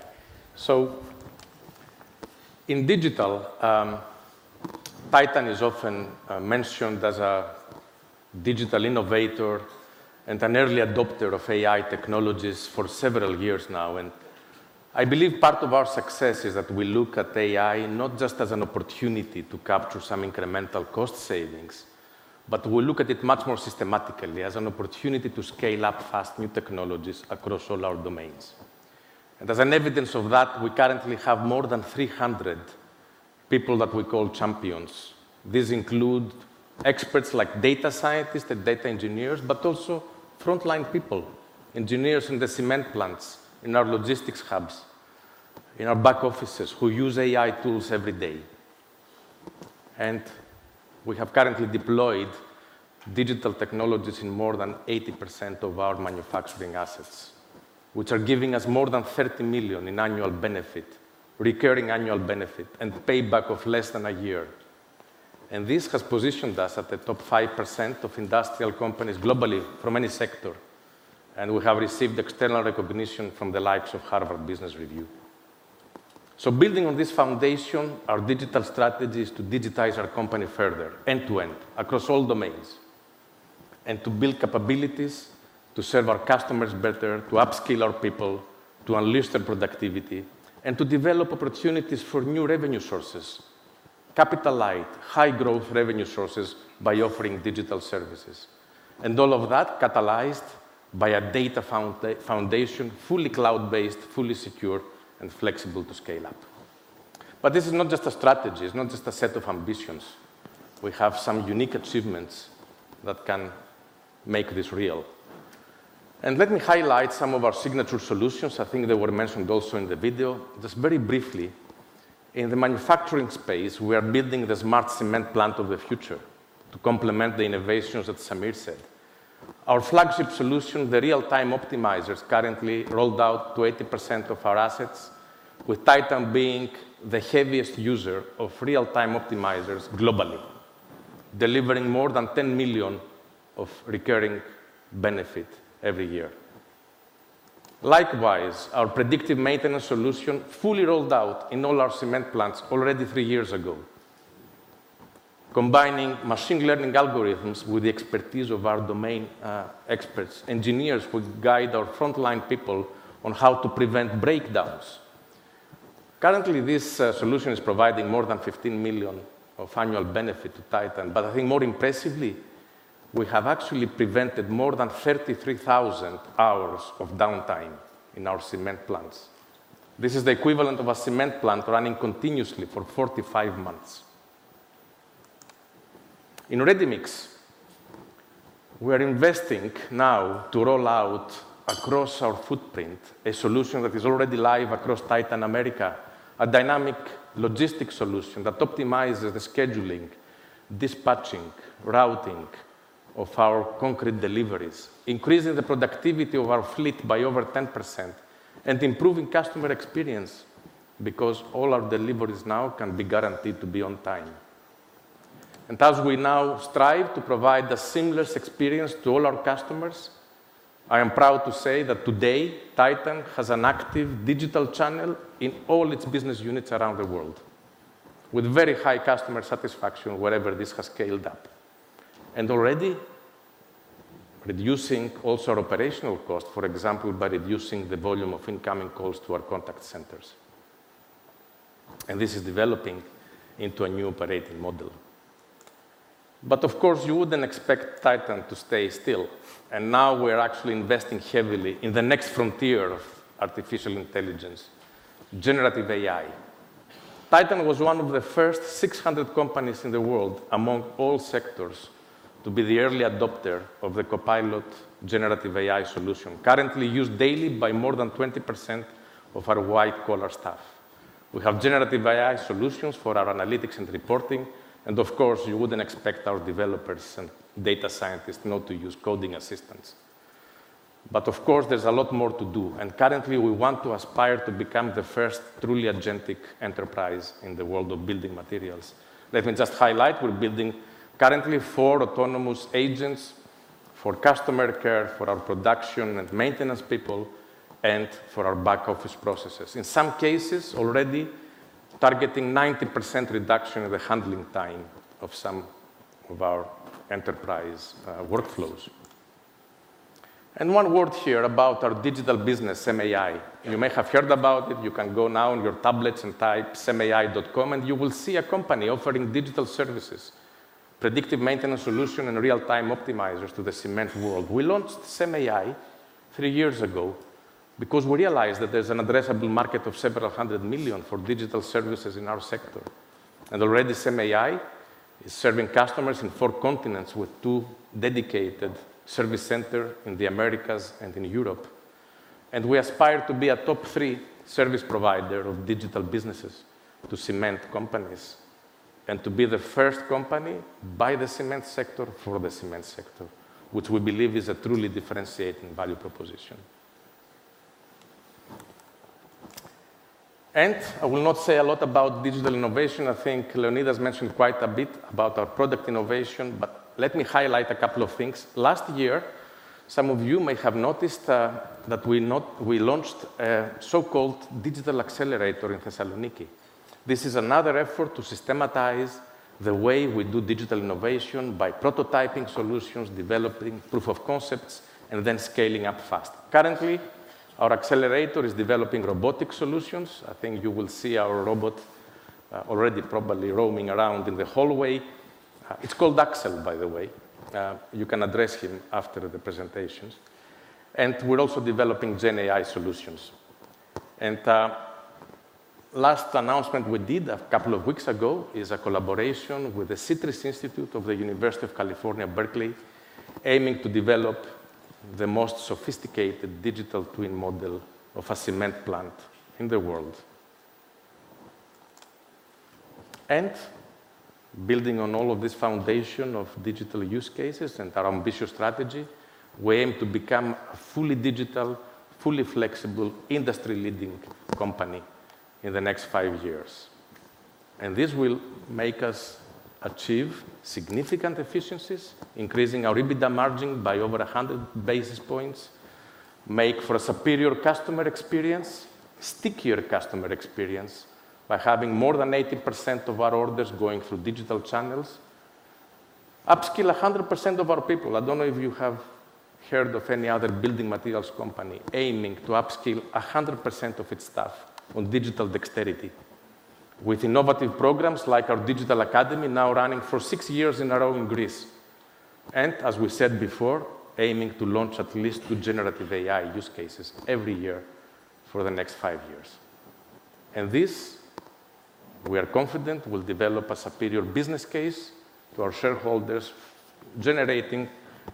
In digital, Titan is often mentioned as a digital innovator and an early adopter of AI technologies for several years now. I believe part of our success is that we look at AI not just as an opportunity to capture some incremental cost savings, but we look at it much more systematically as an opportunity to scale up fast new technologies across all our domains. As an evidence of that, we currently have more than 300 people that we call champions. These include experts like data scientists and data engineers, but also frontline people, engineers in the cement plants, in our logistics hubs, in our back offices who use AI tools every day. We have currently deployed digital technologies in more than 80% of our manufacturing assets, which are giving us more than $30 million in annual benefit, recurring annual benefit, and payback of less than a year. This has positioned us at the top 5% of industrial companies globally from any sector. We have received external recognition from the likes of Harvard Business Review. Building on this foundation, our digital strategy is to digitize our company further, end to end, across all domains, and to build capabilities to serve our customers better, to upskill our people, to unleash their productivity, and to develop opportunities for new revenue sources, capitalize high-growth revenue sources by offering digital services. All of that is catalyzed by a data foundation, fully cloud-based, fully secure, and flexible to scale up. This is not just a strategy. It is not just a set of ambitions. We have some unique achievements that can make this real. Let me highlight some of our signature solutions. I think they were mentioned also in the video. Just very briefly, in the manufacturing space, we are building the smart cement plant of the future to complement the innovations that Samir said. Our flagship solution, the real-time optimizers, currently rolled out to 80% of our assets, with Titan being the heaviest user of real-time optimizers globally, delivering more than $10 million of recurring benefit every year. Likewise, our predictive maintenance solution fully rolled out in all our cement plants already three years ago, combining machine learning algorithms with the expertise of our domain experts, engineers who guide our frontline people on how to prevent breakdowns. Currently, this solution is providing more than $15 million of annual benefit to Titan. I think more impressively, we have actually prevented more than 33,000 hours of downtime in our cement plants. This is the equivalent of a cement plant running continuously for 45 months. In Readymix, we are investing now to roll out across our footprint a solution that is already live across Titan America, a dynamic logistics solution that optimizes the scheduling, dispatching, routing of our concrete deliveries, increasing the productivity of our fleet by over 10% and improving customer experience because all our deliveries now can be guaranteed to be on time. As we now strive to provide a seamless experience to all our customers, I am proud to say that today, Titan has an active digital channel in all its business units around the world, with very high customer satisfaction wherever this has scaled up, and already reducing also our operational cost, for example, by reducing the volume of incoming calls to our contact centers. This is developing into a new operating model. Of course, you would not expect Titan to stay still. Now we are actually investing heavily in the next frontier of artificial intelligence, generative AI. Titan was one of the first 600 companies in the world, among all sectors, to be the early adopter of the Copilot generative AI solution, currently used daily by more than 20% of our white-collar staff. We have generative AI solutions for our analytics and reporting. Of course, you would not expect our developers and data scientists not to use coding assistants. There is a lot more to do. Currently, we want to aspire to become the first truly agentic enterprise in the world of building materials. Let me just highlight we are building currently four autonomous agents for customer care, for our production and maintenance people, and for our back office processes. In some cases, already targeting 90% reduction in the handling time of some of our enterprise workflows. One word here about our digital business, SEM AI. You may have heard about it. You can go now on your tablets and type semai.com, and you will see a company offering digital services, predictive maintenance solutions, and real-time optimizers to the cement world. We launched SEM AI three years ago because we realized that there is an addressable market of several hundred million for digital services in our sector. Already, SEM AI is serving customers in four continents with two dedicated service centers in the Americas and in Europe. We aspire to be a top three service provider of digital businesses to cement companies and to be the first company by the cement sector for the cement sector, which we believe is a truly differentiating value proposition. I will not say a lot about digital innovation. I think Leonidas mentioned quite a bit about our product innovation, but let me highlight a couple of things. Last year, some of you may have noticed that we launched a so-called digital accelerator in Thessaloniki. This is another effort to systematize the way we do digital innovation by prototyping solutions, developing proof of concepts, and then scaling up fast. Currently, our accelerator is developing robotic solutions. I think you will see our robot already probably roaming around in the hallway. It's called Axel, by the way. You can address him after the presentations. We're also developing Gen AI solutions. The last announcement we did a couple of weeks ago is a collaboration with the Citrus Institute of the University of California, Berkeley, aiming to develop the most sophisticated digital twin model of a cement plant in the world. Building on all of this foundation of digital use cases and our ambitious strategy, we aim to become a fully digital, fully flexible, industry-leading company in the next five years. This will make us achieve significant efficiencies, increasing our EBITDA margin by over 100 basis points, make for a superior customer experience, stickier customer experience by having more than 80% of our orders going through digital channels, upskill 100% of our people. I do not know if you have heard of any other building materials company aiming to upskill 100% of its staff on digital dexterity with innovative programs like our Digital Academy now running for six years in our own Greece. As we said before, aiming to launch at least two generative AI use cases every year for the next five years. This, we are confident, will develop a superior business case to our shareholders, generating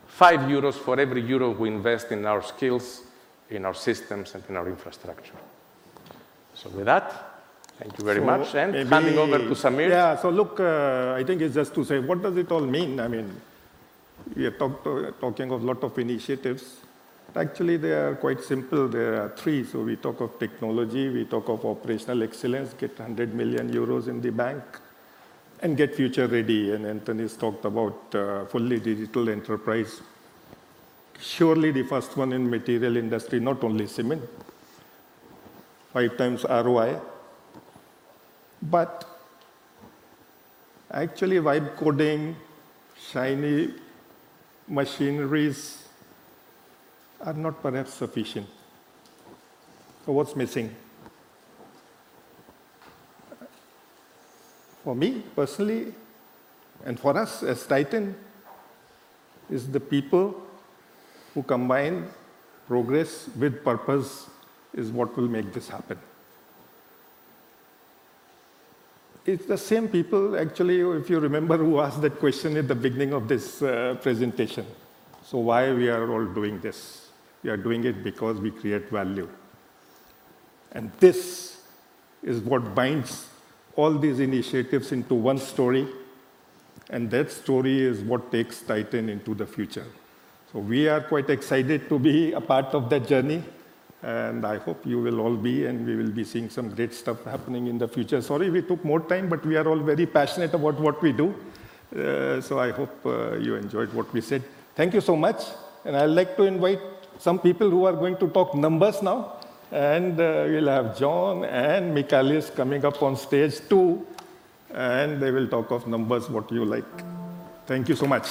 5 euros for every euro we invest in our skills, in our systems, and in our infrastructure. With that, thank you very much. Handing over to Samir. Yeah, look, I think it's just to say, what does it all mean? I mean, we are talking of a lot of initiatives. Actually, they are quite simple. There are three. We talk of technology, we talk of operational excellence, get 100 million euros in the bank, and get future ready. Antonis talked about fully digital enterprise. Surely the first one in the material industry, not only cement, five times ROI. Actually, vibe coding, shiny machineries are not perhaps sufficient. What's missing? For me personally, and for us as Titan, it is the people who combine progress with purpose that will make this happen. It is the same people, actually, if you remember, who asked that question at the beginning of this presentation. Why are we all doing this? We are doing it because we create value. This is what binds all these initiatives into one story. That story is what takes Titan into the future. We are quite excited to be a part of that journey. I hope you will all be, and we will be seeing some great stuff happening in the future. Sorry we took more time, but we are all very passionate about what we do. I hope you enjoyed what we said. Thank you so much. I would like to invite some people who are going to talk numbers now. We'll have John and Michalis coming up on stage too, and they will talk of numbers what you like. Thank you so much.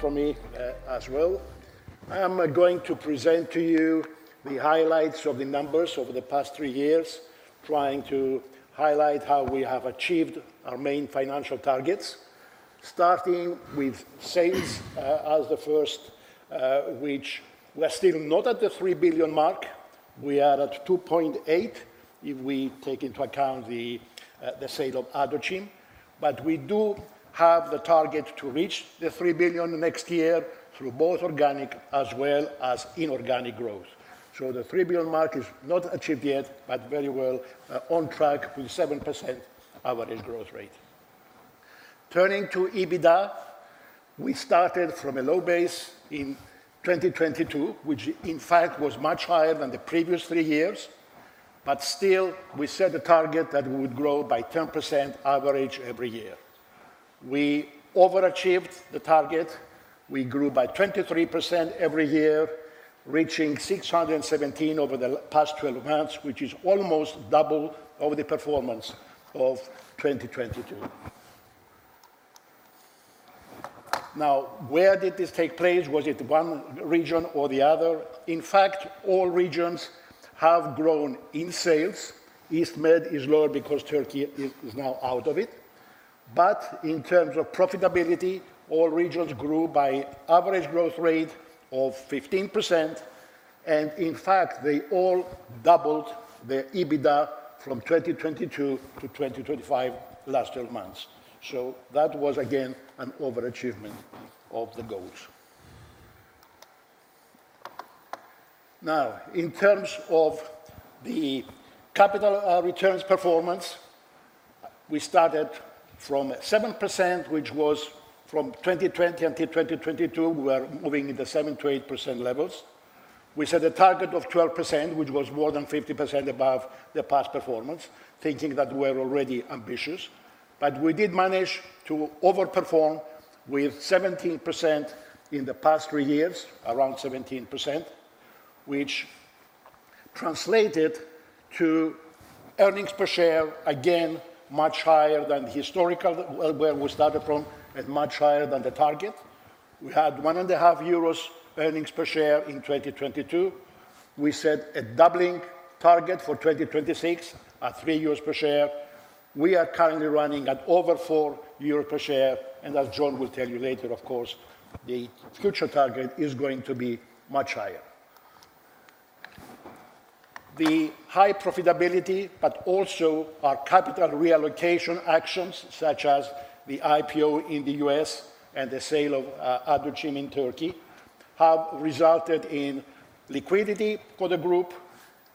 Good afternoon from me as well. I am going to present to you the highlights of the numbers over the past three years, trying to highlight how we have achieved our main financial targets, starting with sales as the first, which we're still not at the $3 billion mark. We are at $2.8 billion if we take into account the sale of Ado Chim. We do have the target to reach the $3 billion next year through both organic as well as inorganic growth. The $3 billion mark is not achieved yet, but very well on track with 7% average growth rate. Turning to EBITDA, we started from a low base in 2022, which in fact was much higher than the previous three years. Still, we set a target that we would grow by 10% average every year. We overachieved the target. We grew by 23% every year, reaching 617 over the past 12 months, which is almost double of the performance of 2022. Now, where did this take place? Was it one region or the other? In fact, all regions have grown in sales. East Med is lower because Turkey is now out of it. In terms of profitability, all regions grew by average growth rate of 15%. In fact, they all doubled their EBITDA from 2022 to 2025 last 12 months. That was, again, an overachievement of the goals. In terms of the capital returns performance, we started from 7%, which was from 2020 until 2022. We were moving in the 7-8% levels. We set a target of 12%, which was more than 50% above the past performance, thinking that we were already ambitious. We did manage to overperform with 17% in the past three years, around 17%, which translated to earnings per share, again, much higher than historical where we started from and much higher than the target. We had 1.5 euros earnings per share in 2022. We set a doubling target for 2026 at 3 euros per share. We are currently running at over 4 euros per share. As John will tell you later, of course, the future target is going to be much higher. The high profitability, but also our capital reallocation actions, such as the IPO in the US and the sale of Ado Chim in Turkey, have resulted in liquidity for the group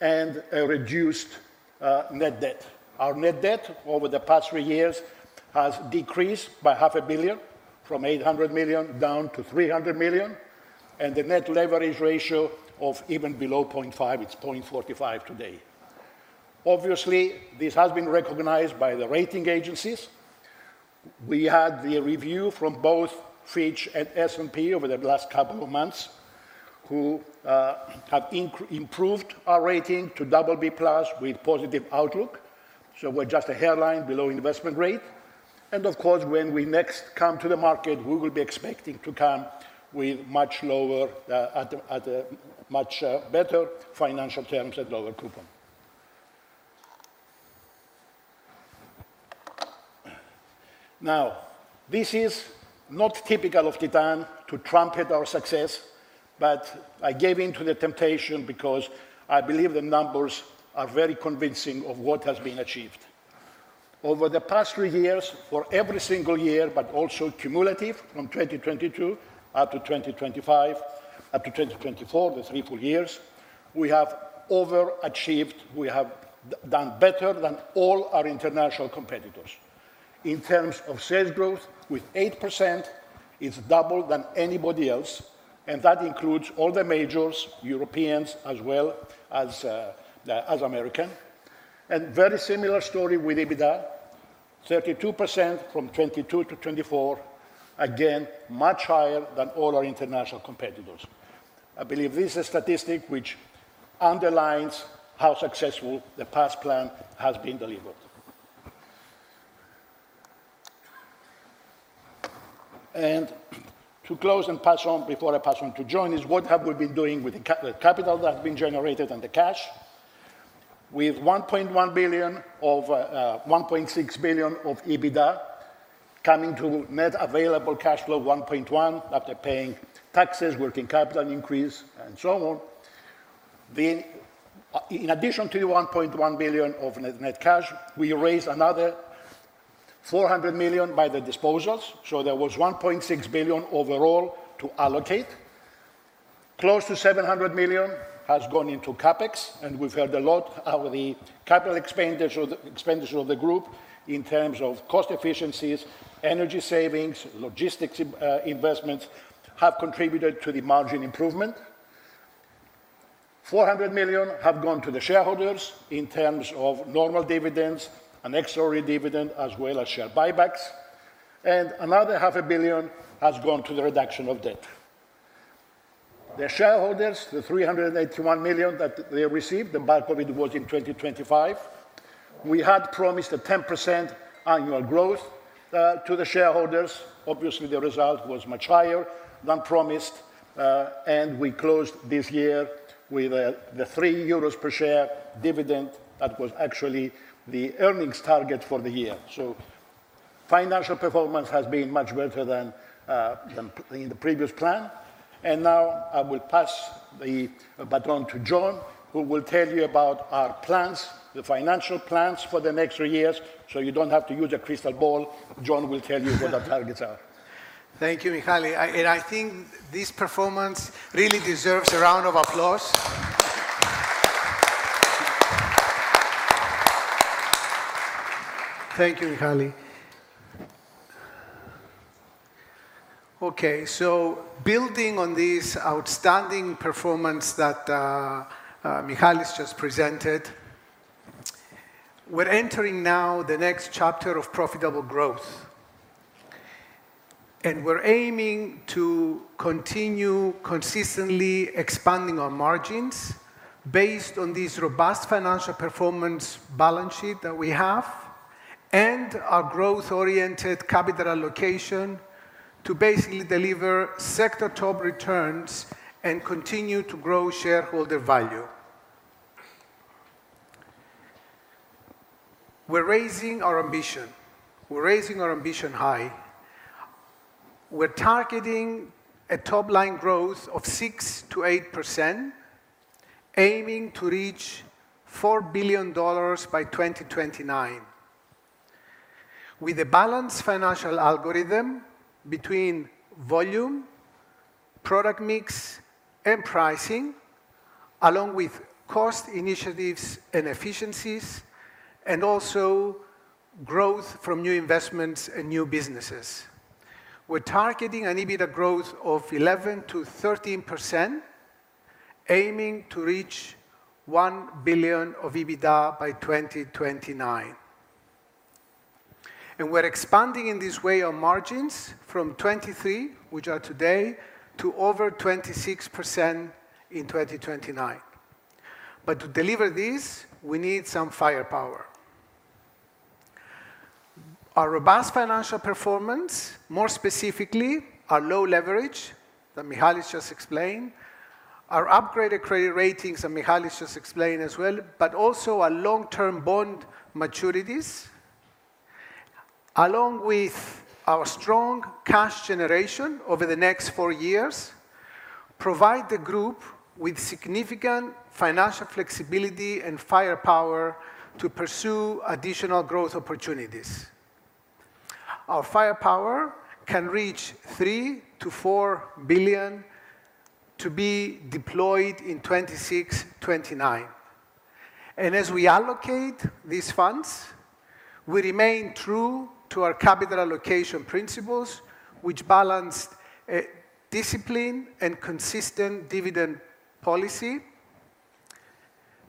and a reduced net debt. Our net debt over the past three years has decreased by $500,000,000 from $800,000,000 down to $300,000,000. The net leverage ratio of even below 0.5, it is 0.45 today. Obviously, this has been recognized by the rating agencies. We had the review from both Fitch and S&P over the last couple of months, who have improved our rating to B+ with positive outlook. We are just a hairline below investment rate. Of course, when we next come to the market, we will be expecting to come with much lower, at much better financial terms and lower coupon. This is not typical of Titan to trumpet our success, but I gave in to the temptation because I believe the numbers are very convincing of what has been achieved. Over the past three years, for every single year, but also cumulative from 2022 up to 2025, up to 2024, the three full years, we have overachieved. We have done better than all our international competitors. In terms of sales growth, with 8%, it's double than anybody else. That includes all the majors, Europeans as well as American. A very similar story with EBITDA, 32% from 2022 to 2024, again, much higher than all our international competitors. I believe this is a statistic which underlines how successful the past plan has been delivered. To close and pass on before I pass on to John is what have we been doing with the capital that has been generated and the cash with $1.1 billion of $1.6 billion of EBITDA coming to net available cash flow $1.1 billion after paying taxes, working capital increase, and so on. In addition to the $1.1 billion of net cash, we raised another $400 million by the disposals. There was $1.6 billion overall to allocate. Close to $700 million has gone into CapEx. We have heard a lot how the capital expenditure of the group in terms of cost efficiencies, energy savings, logistics investments have contributed to the margin improvement. $400 million have gone to the shareholders in terms of normal dividends, an extraordinary dividend, as well as share buybacks. Another $500 million has gone to the reduction of debt. The shareholders, the $381 million that they received, the bulk of it was in 2025. We had promised a 10% annual growth to the shareholders. Obviously, the result was much higher than promised. We closed this year with the 3 euros per share dividend that was actually the earnings target for the year. Financial performance has been much better than in the previous plan. I will pass the baton to John, who will tell you about our plans, the financial plans for the next three years. You do not have to use a crystal ball. John will tell you what our targets are. Thank you, Michali. I think this performance really deserves a round of applause. Thank you, Michalis. Okay, building on this outstanding performance that Michalis has just presented, we are entering now the next chapter of profitable growth. We are aiming to continue consistently expanding our margins based on this robust financial performance balance sheet that we have and our growth-oriented capital allocation to basically deliver sector top returns and continue to grow shareholder value. We are raising our ambition. We are raising our ambition high. We're targeting a top line growth of 6%-8%, aiming to reach $4 billion by 2029 with a balanced financial algorithm between volume, product mix, and pricing, along with cost initiatives and efficiencies, and also growth from new investments and new businesses. We're targeting an EBITDA growth of 11%-13%, aiming to reach $1 billion of EBITDA by 2029. We're expanding in this way our margins from 23%, which are today, to over 26% in 2029. To deliver this, we need some firepower. Our robust financial performance, more specifically our low leverage that Michalis has just explained, our upgraded credit ratings that Michalis has just explained as well, along with our long-term bond maturities, and our strong cash generation over the next four years, provide the group with significant financial flexibility and firepower to pursue additional growth opportunities. Our firepower can reach $3 billion-$4 billion to be deployed in 2026, 2029. As we allocate these funds, we remain true to our capital allocation principles, which balance discipline and consistent dividend policy,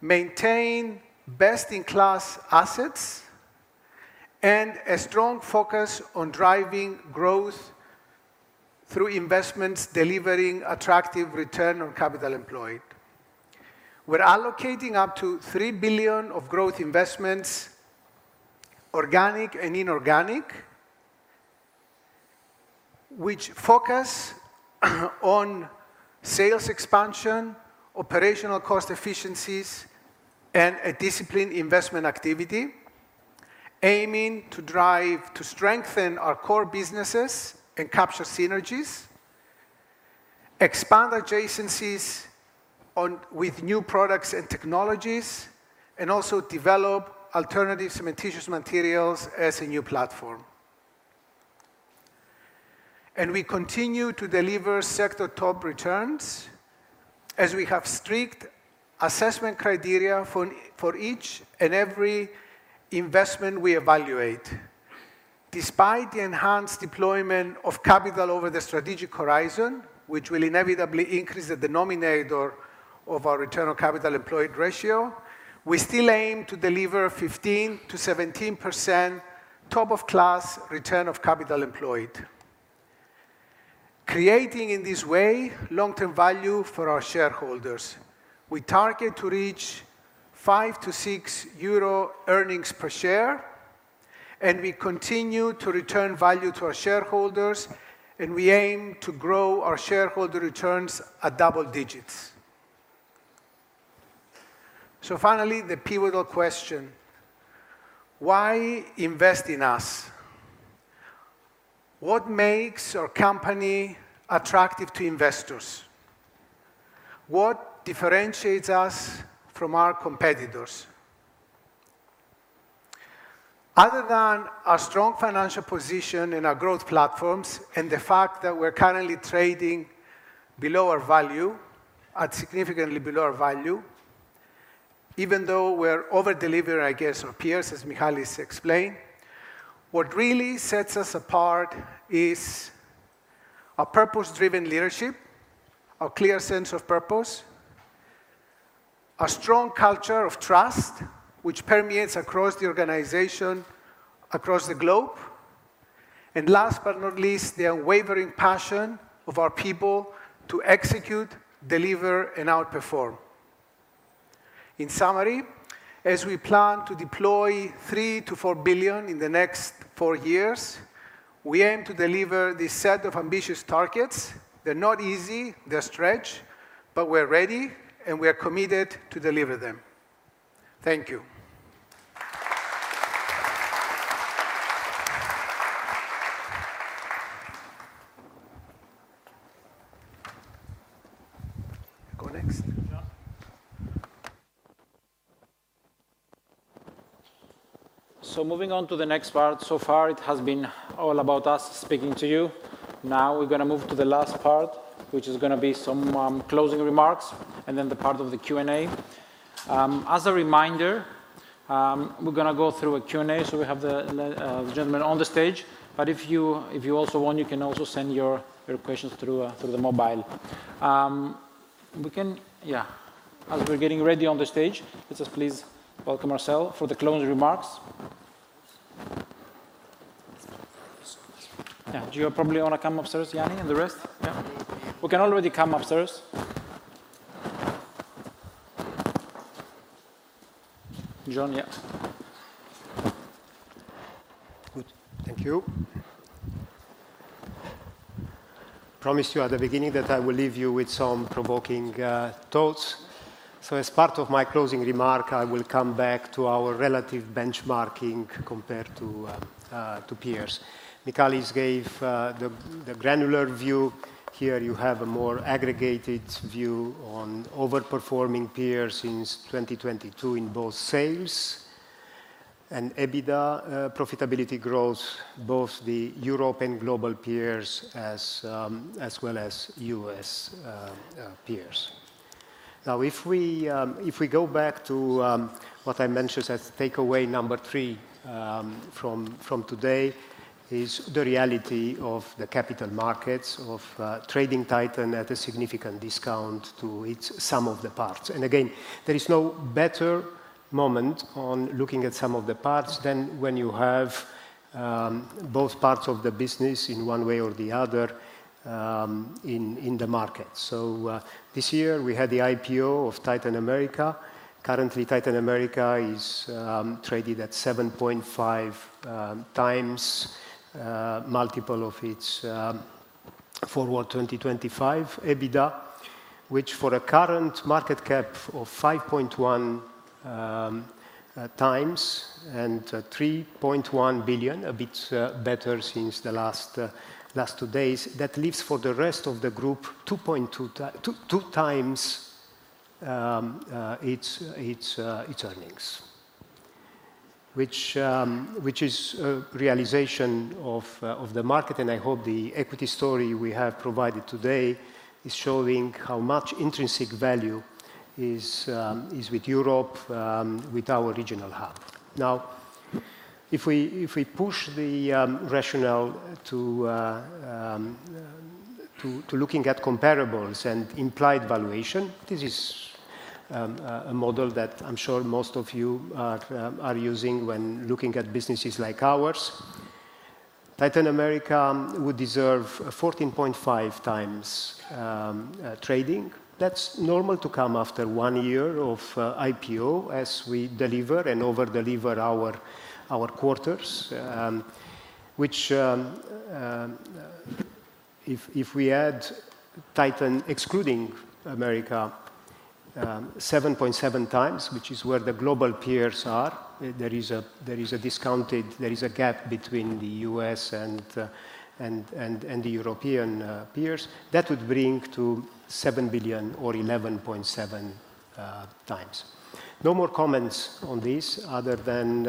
maintain best-in-class assets, and a strong focus on driving growth through investments delivering attractive return on capital employed. We're allocating up to $3 billion of growth investments, organic and inorganic, which focus on sales expansion, operational cost efficiencies, and a disciplined investment activity, aiming to drive to strengthen our core businesses and capture synergies, expand adjacencies with new products and technologies, and also develop alternative cementitious materials as a new platform. We continue to deliver sector top returns as we have strict assessment criteria for each and every investment we evaluate. Despite the enhanced deployment of capital over the strategic horizon, which will inevitably increase the denominator of our return on capital employed ratio, we still aim to deliver 15%-17% top of class return on capital employed, creating in this way long-term value for our shareholders. We target to reach 5-6 euro earnings per share, and we continue to return value to our shareholders, and we aim to grow our shareholder returns at double digits. Finally, the pivotal question: why invest in us? What makes our company attractive to investors? What differentiates us from our competitors? Other than our strong financial position and our growth platforms and the fact that we're currently trading below our value, at significantly below our value, even though we're overdelivering, I guess, our peers, as Michalis has explained, what really sets us apart is our purpose-driven leadership, our clear sense of purpose, a strong culture of trust which permeates across the organization, across the globe, and last but not least, the unwavering passion of our people to execute, deliver, and outperform. In summary, as we plan to deploy $3 billion-$4 billion in the next four years, we aim to deliver this set of ambitious targets. They're not easy. They're stretched, but we're ready and we are committed to deliver them. Thank you. Go next. Moving on to the next part. So far, it has been all about us speaking to you. Now we're going to move to the last part, which is going to be some closing remarks and then the part of the Q&A. As a reminder, we're going to go through a Q&A, so we have the gentleman on the stage. If you also want, you can also send your questions through the mobile. We can, yeah, as we're getting ready on the stage, let's just please welcome Marcel for the closing remarks. Yeah, do you probably want to come upstairs, Yanni, and the rest? Yeah, we can already come upstairs. John, yeah. Good. Thank you. Promised you at the beginning that I will leave you with some provoking thoughts. As part of my closing remark, I will come back to our relative benchmarking compared to peers. Michalis has gave the granular view. Here you have a more aggregated view on overperforming peers since 2022 in both sales and EBITDA profitability growth, both the European global peers as well as US peers. Now, if we go back to what I mentioned as takeaway number three from today, it is the reality of the capital markets of trading Titan at a significant discount to its sum of the parts. Again, there is no better moment on looking at sum of the parts than when you have both parts of the business in one way or the other in the market. This year we had the IPO of Titan America. Currently, Titan America is traded at 7.5x multiple of its forward 2025 EBITDA, which for a current market cap of 5.1 times and $3.1 billion, a bit better since the last two days, that leaves for the rest of the group 2.2x its earnings, which is a realization of the market. I hope the equity story we have provided today is showing how much intrinsic value is with Europe, with our regional hub. Now, if we push the rationale to looking at comparables and implied valuation, this is a model that I'm sure most of you are using when looking at businesses like ours. Titan America would deserve 14.5x trading. That's normal to come after one year of IPO as we deliver and overdeliver our quarters, which if we add Titan, excluding America, 7.7x, which is where the global peers are, there is a discounted, there is a gap between the US and the European peers that would bring to $7 billion or 11.7x. No more comments on this other than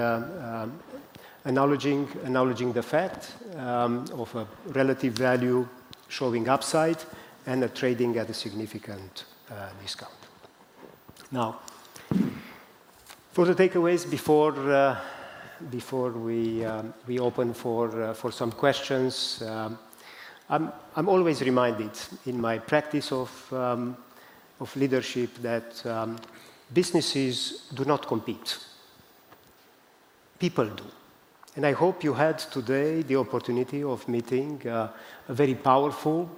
acknowledging the fact of a relative value showing upside and trading at a significant discount. Now, for the takeaways before we open for some questions, I'm always reminded in my practice of leadership that businesses do not compete. People do. I hope you had today the opportunity of meeting a very powerful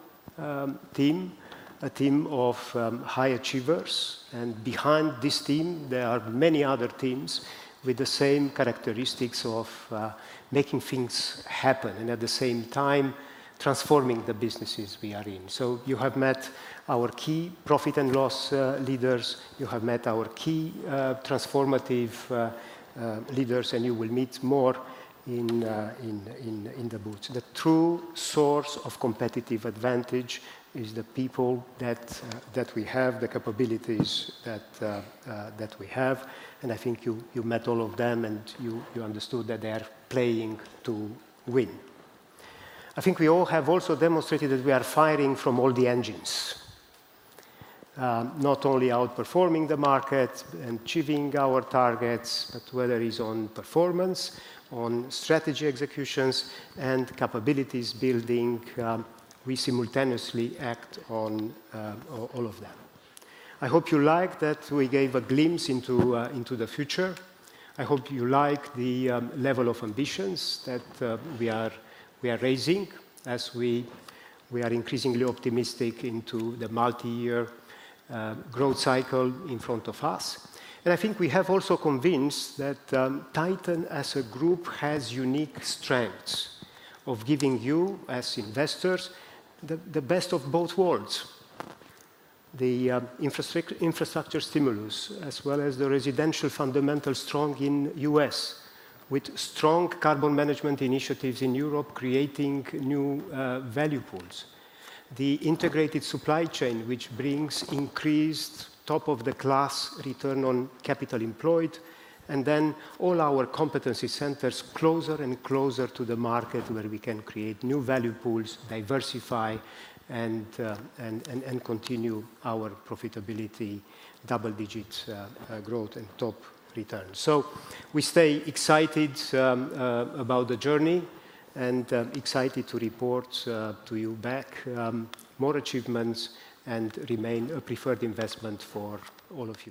team, a team of high achievers. Behind this team, there are many other teams with the same characteristics of making things happen and at the same time transforming the businesses we are in. You have met our key profit and loss leaders. You have met our key transformative leaders, and you will meet more in the booth. The true source of competitive advantage is the people that we have, the capabilities that we have. I think you met all of them and you understood that they are playing to win. I think we all have also demonstrated that we are firing from all the engines, not only outperforming the market and achieving our targets, but whether it is on performance, on strategy executions, and capabilities building, we simultaneously act on all of them. I hope you like that we gave a glimpse into the future. I hope you like the level of ambitions that we are raising as we are increasingly optimistic into the multi-year growth cycle in front of us. I think we have also convinced that Titan, as a group, has unique strengths of giving you, as investors, the best of both worlds: the infrastructure stimulus, as well as the residential fundamental strong in the US, with strong carbon management initiatives in Europe creating new value pools, the integrated supply chain, which brings increased top-of-the-class return on capital employed, and then all our competency centers closer and closer to the market where we can create new value pools, diversify, and continue our profitability, double-digit growth, and top returns. We stay excited about the journey and excited to report to you back more achievements and remain a preferred investment for all of you.